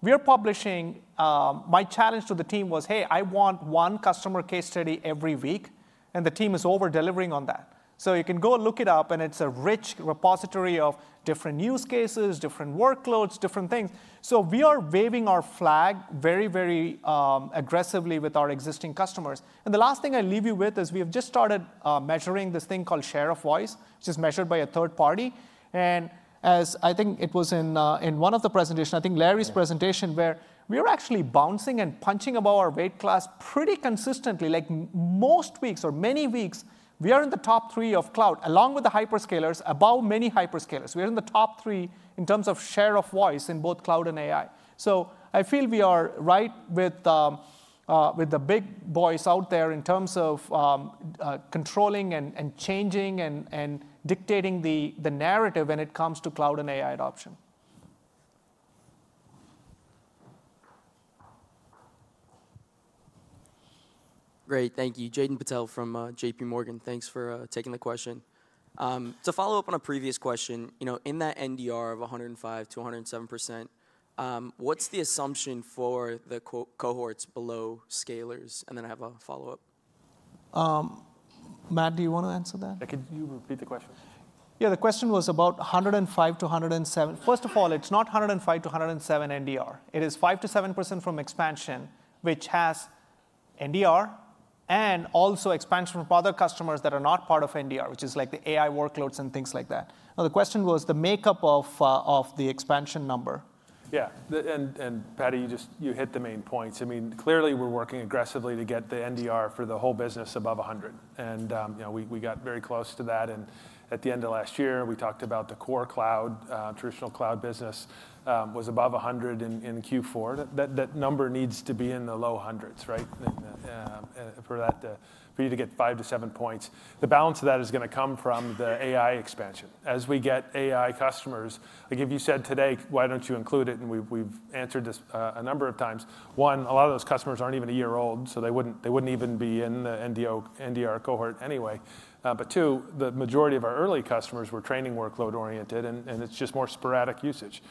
we are publishing. My challenge to the team was, "Hey, I want one customer case study every week." The team is over-delivering on that. You can go look it up, and it is a rich repository of different use cases, different workloads, different things. We are waving our flag very, very aggressively with our existing customers. The last thing I leave you with is we have just started measuring this thing called share of voice. It is measured by a third-party. As I think it was in one of the presentations, I think Larry's presentation, we are actually bouncing and punching above our weight class pretty consistently. Like most weeks or many weeks, we are in the top three of cloud along with the hyperscalers above many hyperscalers. We are in the top three in terms of share of voice in both cloud and AI. I feel we are right with the big boys out there in terms of controlling and changing and dictating the narrative when it comes to cloud and AI adoption. Great. Thank you. Jaiden Patel from JP Morgan, thanks for taking the question. To follow up on a previous question, in that NDR of 105%-107%, what's the assumption for the cohorts below scalers? And then I have a follow-up. Matt, do you want to answer that? Yeah. Could you repeat the question? Yeah. The question was about 105%-107%. First of all, it's not 105%-107% NDR. It is 5% to 7% from expansion, which has NDR and also expansion from other customers that are not part of NDR, which is like the AI workloads and things like that. Now, the question was the makeup of the expansion number. Yeah. And Paddy, you hit the main points. I mean, clearly, we're working aggressively to get the NDR for the whole business above 100. We got very close to that. At the end of last year, we talked about the core cloud, traditional cloud business was above 100 in Q4. That number needs to be in the low hundreds, right, for you to get five to seven points. The balance of that is going to come from the AI expansion. As we get AI customers, like if you said today, "Why don't you include it?" We've answered this a number of times. One, a lot of those customers aren't even a year old, so they wouldn't even be in the NDR cohort anyway. Two, the majority of our early customers were training workload-oriented, and it's just more sporadic usage.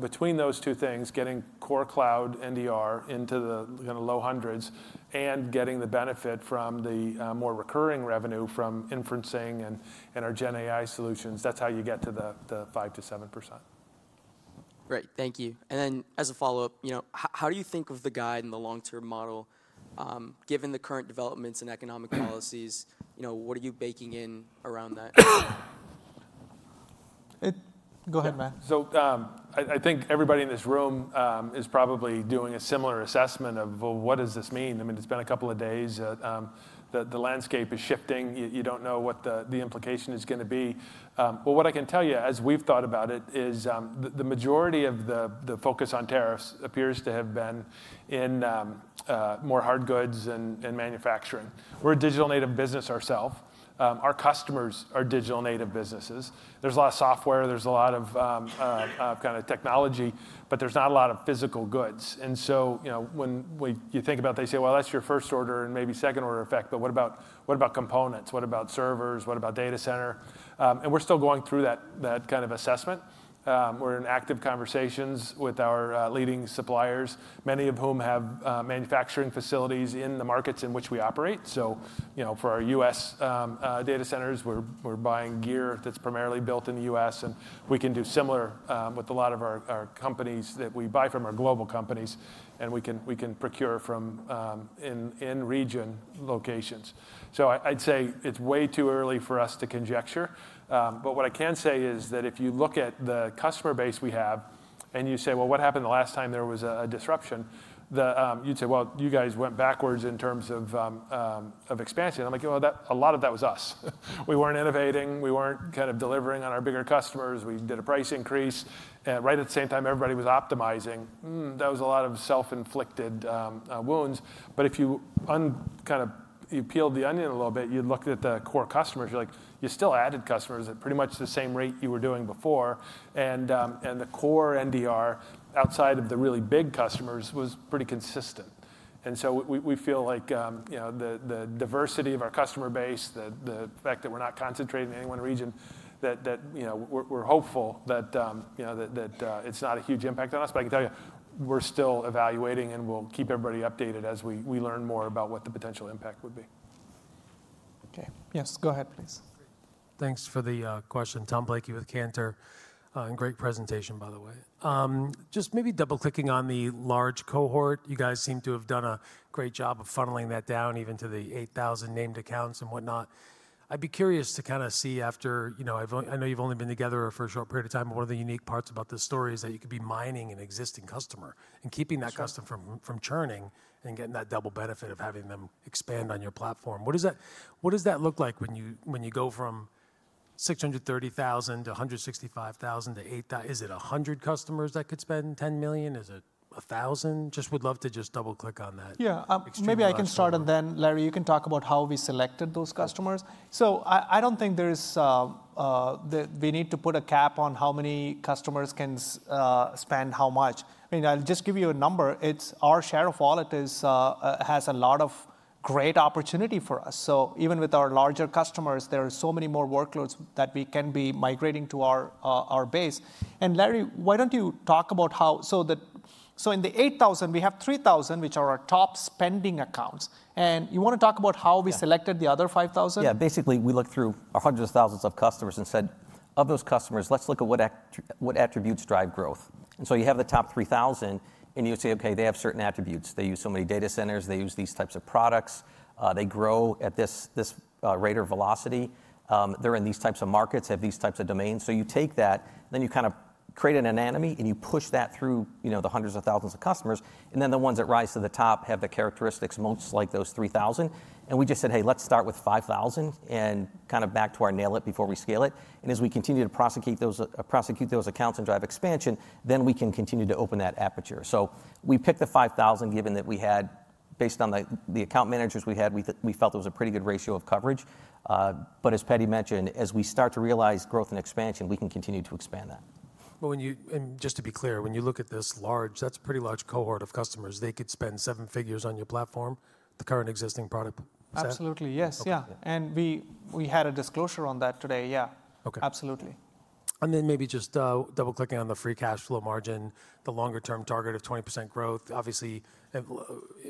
Between those two things, getting core cloud NDR into the low hundreds and getting the benefit from the more recurring revenue from inferencing and our GenAI solutions, that's how you get to the 5% to 7%. Great. Thank you. As a follow-up, how do you think of the guide and the long-term model given the current developments in economic policies? What are you baking in around that? Go ahead, Matt. I think everybody in this room is probably doing a similar assessment of, well, what does this mean? I mean, it's been a couple of days. The landscape is shifting. You don't know what the implication is going to be. What I can tell you, as we've thought about it, is the majority of the focus on tariffs appears to have been in more hard goods and manufacturing. We're a digital native business ourselves. Our customers are digital native businesses. There's a lot of software. There's a lot of kind of technology, but there's not a lot of physical goods. When you think about it, they say, "Well, that's your first order and maybe second order effect, but what about components? What about servers? What about data center?" We're still going through that kind of assessment. We're in active conversations with our leading suppliers, many of whom have manufacturing facilities in the markets in which we operate. For our U.S. data centers, we're buying gear that's primarily built in the U.S. We can do similar with a lot of our companies that we buy from; our global companies, and we can procure from in-region locations. I'd say it's way too early for us to conjecture. What I can say is that if you look at the customer base we have and you say, "Well, what happened the last time there was a disruption?" You'd say, "Well, you guys went backwards in terms of expansion." I'm like, "Well, a lot of that was us. We weren't innovating. We weren't kind of delivering on our bigger customers. We did a price increase." Right at the same time, everybody was optimizing. That was a lot of self-inflicted wounds. If you kind of peeled the onion a little bit, you'd looked at the core customers. You're like, "You still added customers at pretty much the same rate you were doing before." The core NDR outside of the really big customers was pretty consistent. We feel like the diversity of our customer base, the fact that we're not concentrating in any one region, that we're hopeful that it's not a huge impact on us. I can tell you, we're still evaluating, and we'll keep everybody updated as we learn more about what the potential impact would be. Okay. Yes. Go ahead, please. Thanks for the question. Tom Blakey with Cantor. Great presentation, by the way. Maybe double-clicking on the large cohort, you guys seem to have done a great job of funneling that down even to the 8,000 named accounts and whatnot. I'd be curious to kind of see after I know you've only been together for a short period of time, but one of the unique parts about this story is that you could be mining an existing customer and keeping that customer from churning and getting that double benefit of having them expand on your platform. What does that look like when you go from 630,000 to 165,000 to 8,000? Is it 100 customers that could spend $10 million? Is it 1,000? Would love to just double-click on that. Yeah. Maybe I can start. And then, Larry, you can talk about how we selected those customers. I do not think we need to put a cap on how many customers can spend how much. I mean, I'll just give you a number. Our share of wallet has a lot of great opportunity for us. Even with our larger customers, there are so many more workloads that we can be migrating to our base. Larry, why do you not talk about how in the 8,000, we have 3,000, which are our top spending accounts. You want to talk about how we selected the other 5,000? Yeah. Basically, we looked through hundreds of thousands of customers and said, "Of those customers, let's look at what attributes drive growth." You have the top 3,000, and you say, "Okay. They have certain attributes. They use so many data centers. They use these types of products. They grow at this rate or velocity. They're in these types of markets, have these types of domains." You take that, then you kind of create an anatomy, and you push that through the hundreds of thousands of customers. The ones that rise to the top have the characteristics most like those 3,000. We just said, "Hey, let's start with 5,000 and kind of back to our nail it before we scale it." As we continue to prosecute those accounts and drive expansion, we can continue to open that aperture. We picked the 5,000 given that we had, based on the account managers we had, we felt it was a pretty good ratio of coverage. As Paddy mentioned, as we start to realize growth and expansion, we can continue to expand that. Just to be clear, when you look at this large, that's a pretty large cohort of customers, they could spend seven figures on your platform, the current existing product? Absolutely. Yes. Yeah. We had a disclosure on that today. Yeah. Absolutely. Maybe just double-clicking on the free cash flow margin, the longer-term target of 20% growth, obviously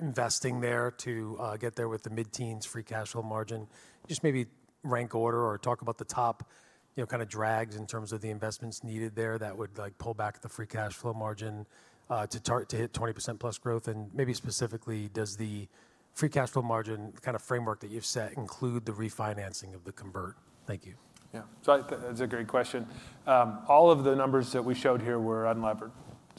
investing there to get there with the mid-teens free cash flow margin. Just maybe rank order or talk about the top kind of drags in terms of the investments needed there that would pull back the free cash flow margin to hit 20% plus growth. Maybe specifically, does the free cash flow margin kind of framework that you've set include the refinancing of the convert? Thank you. Yeah. That's a great question. All of the numbers that we showed here were unlevered.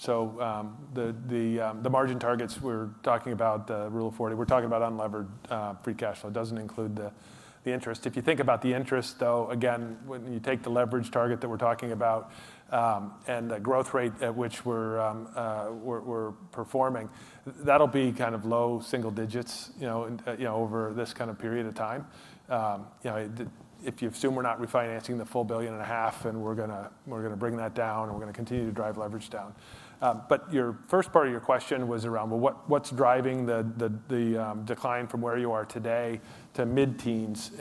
The margin targets we're talking about, the rule of 40, we're talking about unlevered free cash flow. It doesn't include the interest. If you think about the interest, though, again, when you take the leverage target that we're talking about and the growth rate at which we're performing, that'll be kind of low single digits over this kind of period of time. If you assume we're not refinancing the full $1.5 billion, then we're going to bring that down, and we're going to continue to drive leverage down. Your first part of your question was around, what's driving the decline from where you are today to mid-teens?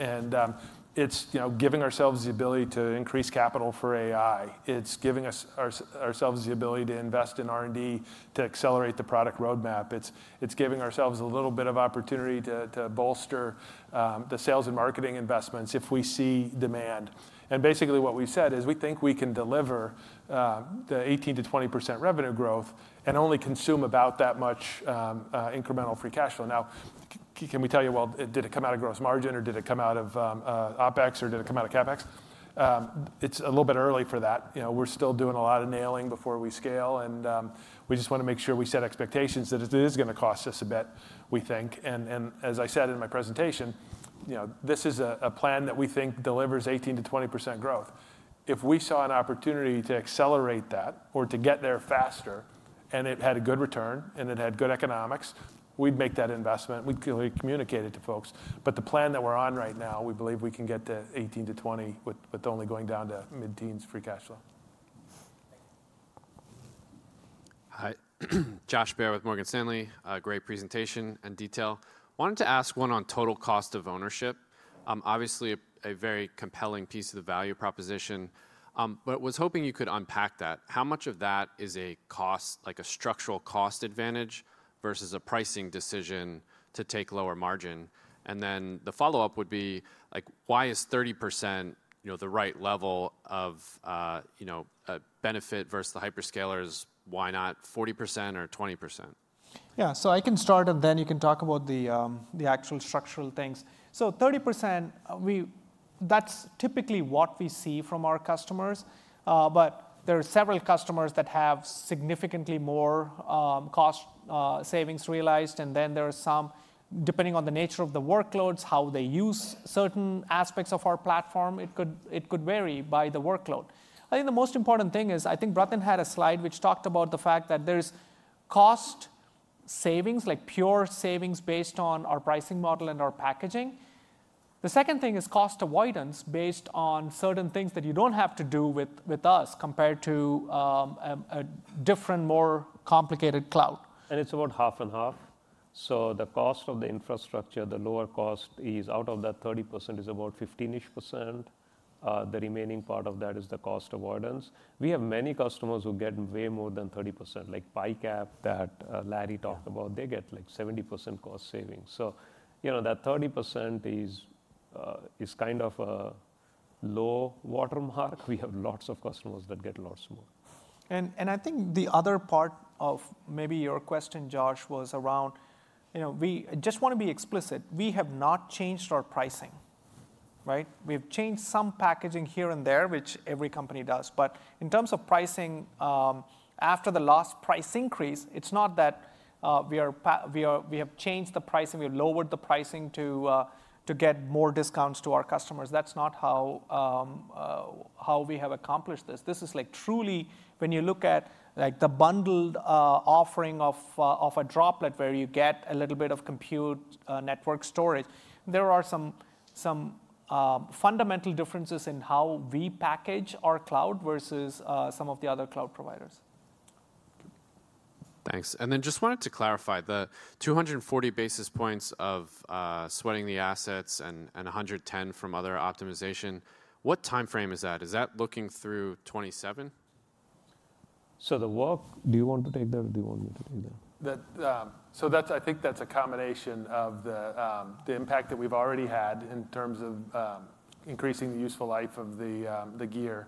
It's giving ourselves the ability to increase capital for AI. It's giving ourselves the ability to invest in R&D to accelerate the product roadmap. It's giving ourselves a little bit of opportunity to bolster the sales and marketing investments if we see demand. Basically, what we said is we think we can deliver the 18% to 20% revenue growth and only consume about that much incremental free cash flow. Now, can we tell you, well, did it come out of gross margin, or did it come out of OpEx, or did it come out of CapEx? It's a little bit early for that. We're still doing a lot of nailing before we scale. We just want to make sure we set expectations that it is going to cost us a bit, we think. As I said in my presentation, this is a plan that we think delivers 18% to 20% growth. If we saw an opportunity to accelerate that or to get there faster and it had a good return and it had good economics, we'd make that investment. We'd clearly communicate it to folks. The plan that we're on right now, we believe we can get to 18% to 20% with only going down to mid-teens free cash flow. Hi. Josh Baer with Morgan Stanley. Great presentation and detail. Wanted to ask one on total cost of ownership. Obviously, a very compelling piece of the value proposition, but was hoping you could unpack that. How much of that is a structural cost advantage versus a pricing decision to take lower margin? The follow-up would be, why is 30% the right level of benefit versus the hyperscalers? Why not 40% or 20%? Yeah. I can start, and then you can talk about the actual structural things. 30% is typically what we see from our customers. There are several customers that have significantly more cost savings realized. There are some, depending on the nature of the workloads, how they use certain aspects of our platform, it could vary by the workload. I think the most important thing is I think Bratin had a slide which talked about the fact that there's cost savings, like pure savings based on our pricing model and our packaging. The second thing is cost avoidance based on certain things that you do not have to do with us compared to a different, more complicated cloud. It is about half and half. The cost of the infrastructure, the lower cost out of that 30% is about 15%-ish. The remaining part of that is the cost avoidance. We have many customers who get way more than 30%, like Picap that Larry talked about. They get like 70% cost savings. That 30% is kind of a low watermark. We have lots of customers that get lots more. I think the other part of maybe your question, Josh, was around we just want to be explicit. We have not changed our pricing, right? We have changed some packaging here and there, which every company does. In terms of pricing, after the last price increase, it's not that we have changed the pricing. We have lowered the pricing to get more discounts to our customers. That's not how we have accomplished this. This is truly, when you look at the bundled offering of a Droplet where you get a little bit of compute, network, storage, there are some fundamental differences in how we package our cloud versus some of the other cloud providers. Thanks. I just wanted to clarify the 240 basis points of sweating the assets and 110 from other optimization. What time frame is that? Is that looking through 2027? Do you want to take that, or do you want me to take that? I think that's a combination of the impact that we've already had in terms of increasing the useful life of the gear.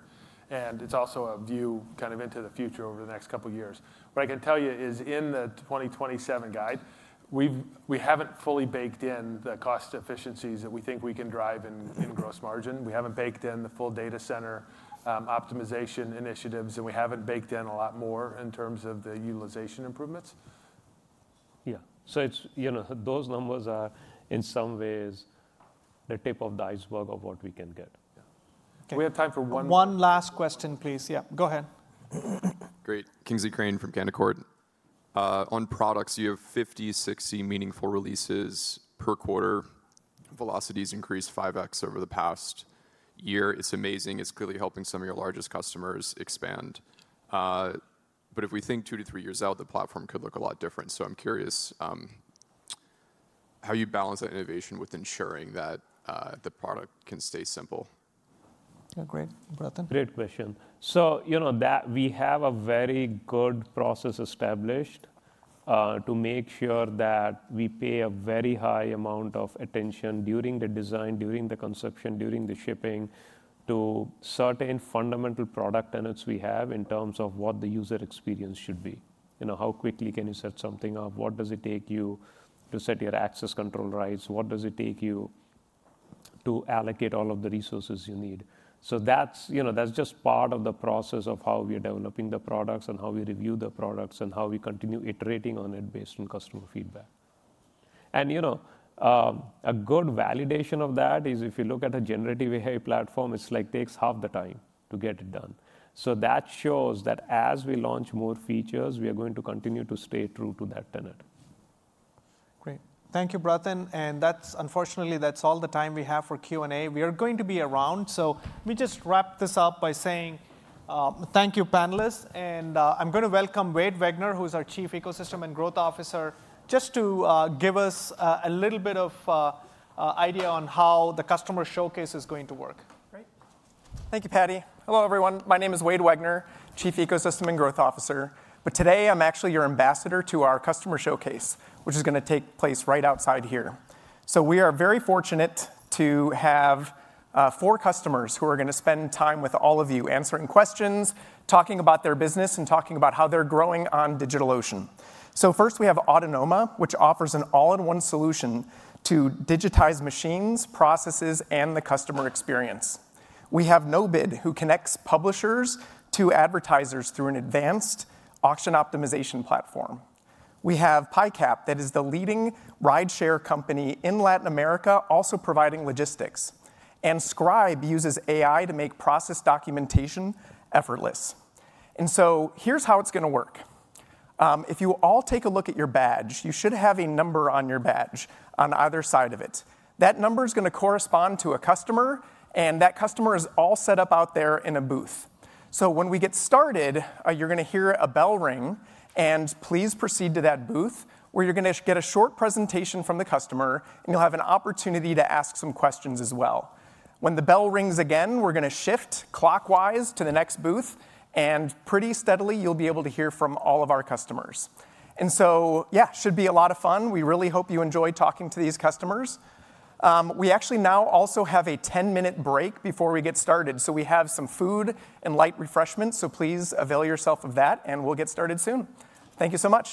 It's also a view kind of into the future over the next couple of years. What I can tell you is in the 2027 guide, we haven't fully baked in the cost efficiencies that we think we can drive in gross margin. We haven't baked in the full data center optimization initiatives, and we haven't baked in a lot more in terms of the utilization improvements. Yeah. Those numbers are, in some ways, the tip of the iceberg of what we can get. We have time for one. One last question, please. Yeah. Go ahead. Great. Kingsley Crane from Cantor. On products, you have 50-60 meaningful releases per quarter. Velocity has increased 5x over the past year. It's amazing. It's clearly helping some of your largest customers expand. If we think two to three years out, the platform could look a lot different. I'm curious how you balance that innovation with ensuring that the product can stay simple. Yeah. Great. Great question. We have a very good process established to make sure that we pay a very high amount of attention during the design, during the conception, during the shipping to certain fundamental product tenets we have in terms of what the user experience should be. How quickly can you set something up? What does it take you to set your access control rights? What does it take you to allocate all of the resources you need? That is just part of the process of how we are developing the products and how we review the products and how we continue iterating on it based on customer feedback. A good validation of that is if you look at a generative AI platform, it takes half the time to get it done. That shows that as we launch more features, we are going to continue to stay true to that tenet. Great. Thank you, Bratin. Unfortunately, that's all the time we have for Q&A. We are going to be around. Let me just wrap this up by saying thank you, panelists. I'm going to welcome Wade Wegner, who's our Chief Ecosystem and Growth Officer, just to give us a little bit of idea on how the customer showcase is going to work. Great. Thank you, Paddy. Hello, everyone. My name is Wade Wegner, Chief Ecosystem and Growth Officer. Today, I am actually your ambassador to our customer showcase, which is going to take place right outside here. We are very fortunate to have four customers who are going to spend time with all of you answering questions, talking about their business, and talking about how they are growing on DigitalOcean. First, we have Autonoma, which offers an all-in-one solution to digitize machines, processes, and the customer experience. We have NoBid, who connects publishers to advertisers through an advanced auction optimization platform. We have Picap that is the leading rideshare company in Latin America, also providing logistics. Scribe uses AI to make process documentation effortless. Here is how it is going to work. If you all take a look at your badge, you should have a number on your badge on either side of it. That number is going to correspond to a customer, and that customer is all set up out there in a booth. When we get started, you're going to hear a bell ring, and please proceed to that booth where you're going to get a short presentation from the customer, and you'll have an opportunity to ask some questions as well. When the bell rings again, we're going to shift clockwise to the next booth, and pretty steadily, you'll be able to hear from all of our customers. It should be a lot of fun. We really hope you enjoy talking to these customers. We actually now also have a 10-minute break before we get started. We have some food and light refreshments. Please avail yourself of that, and we'll get started soon. Thank you so much.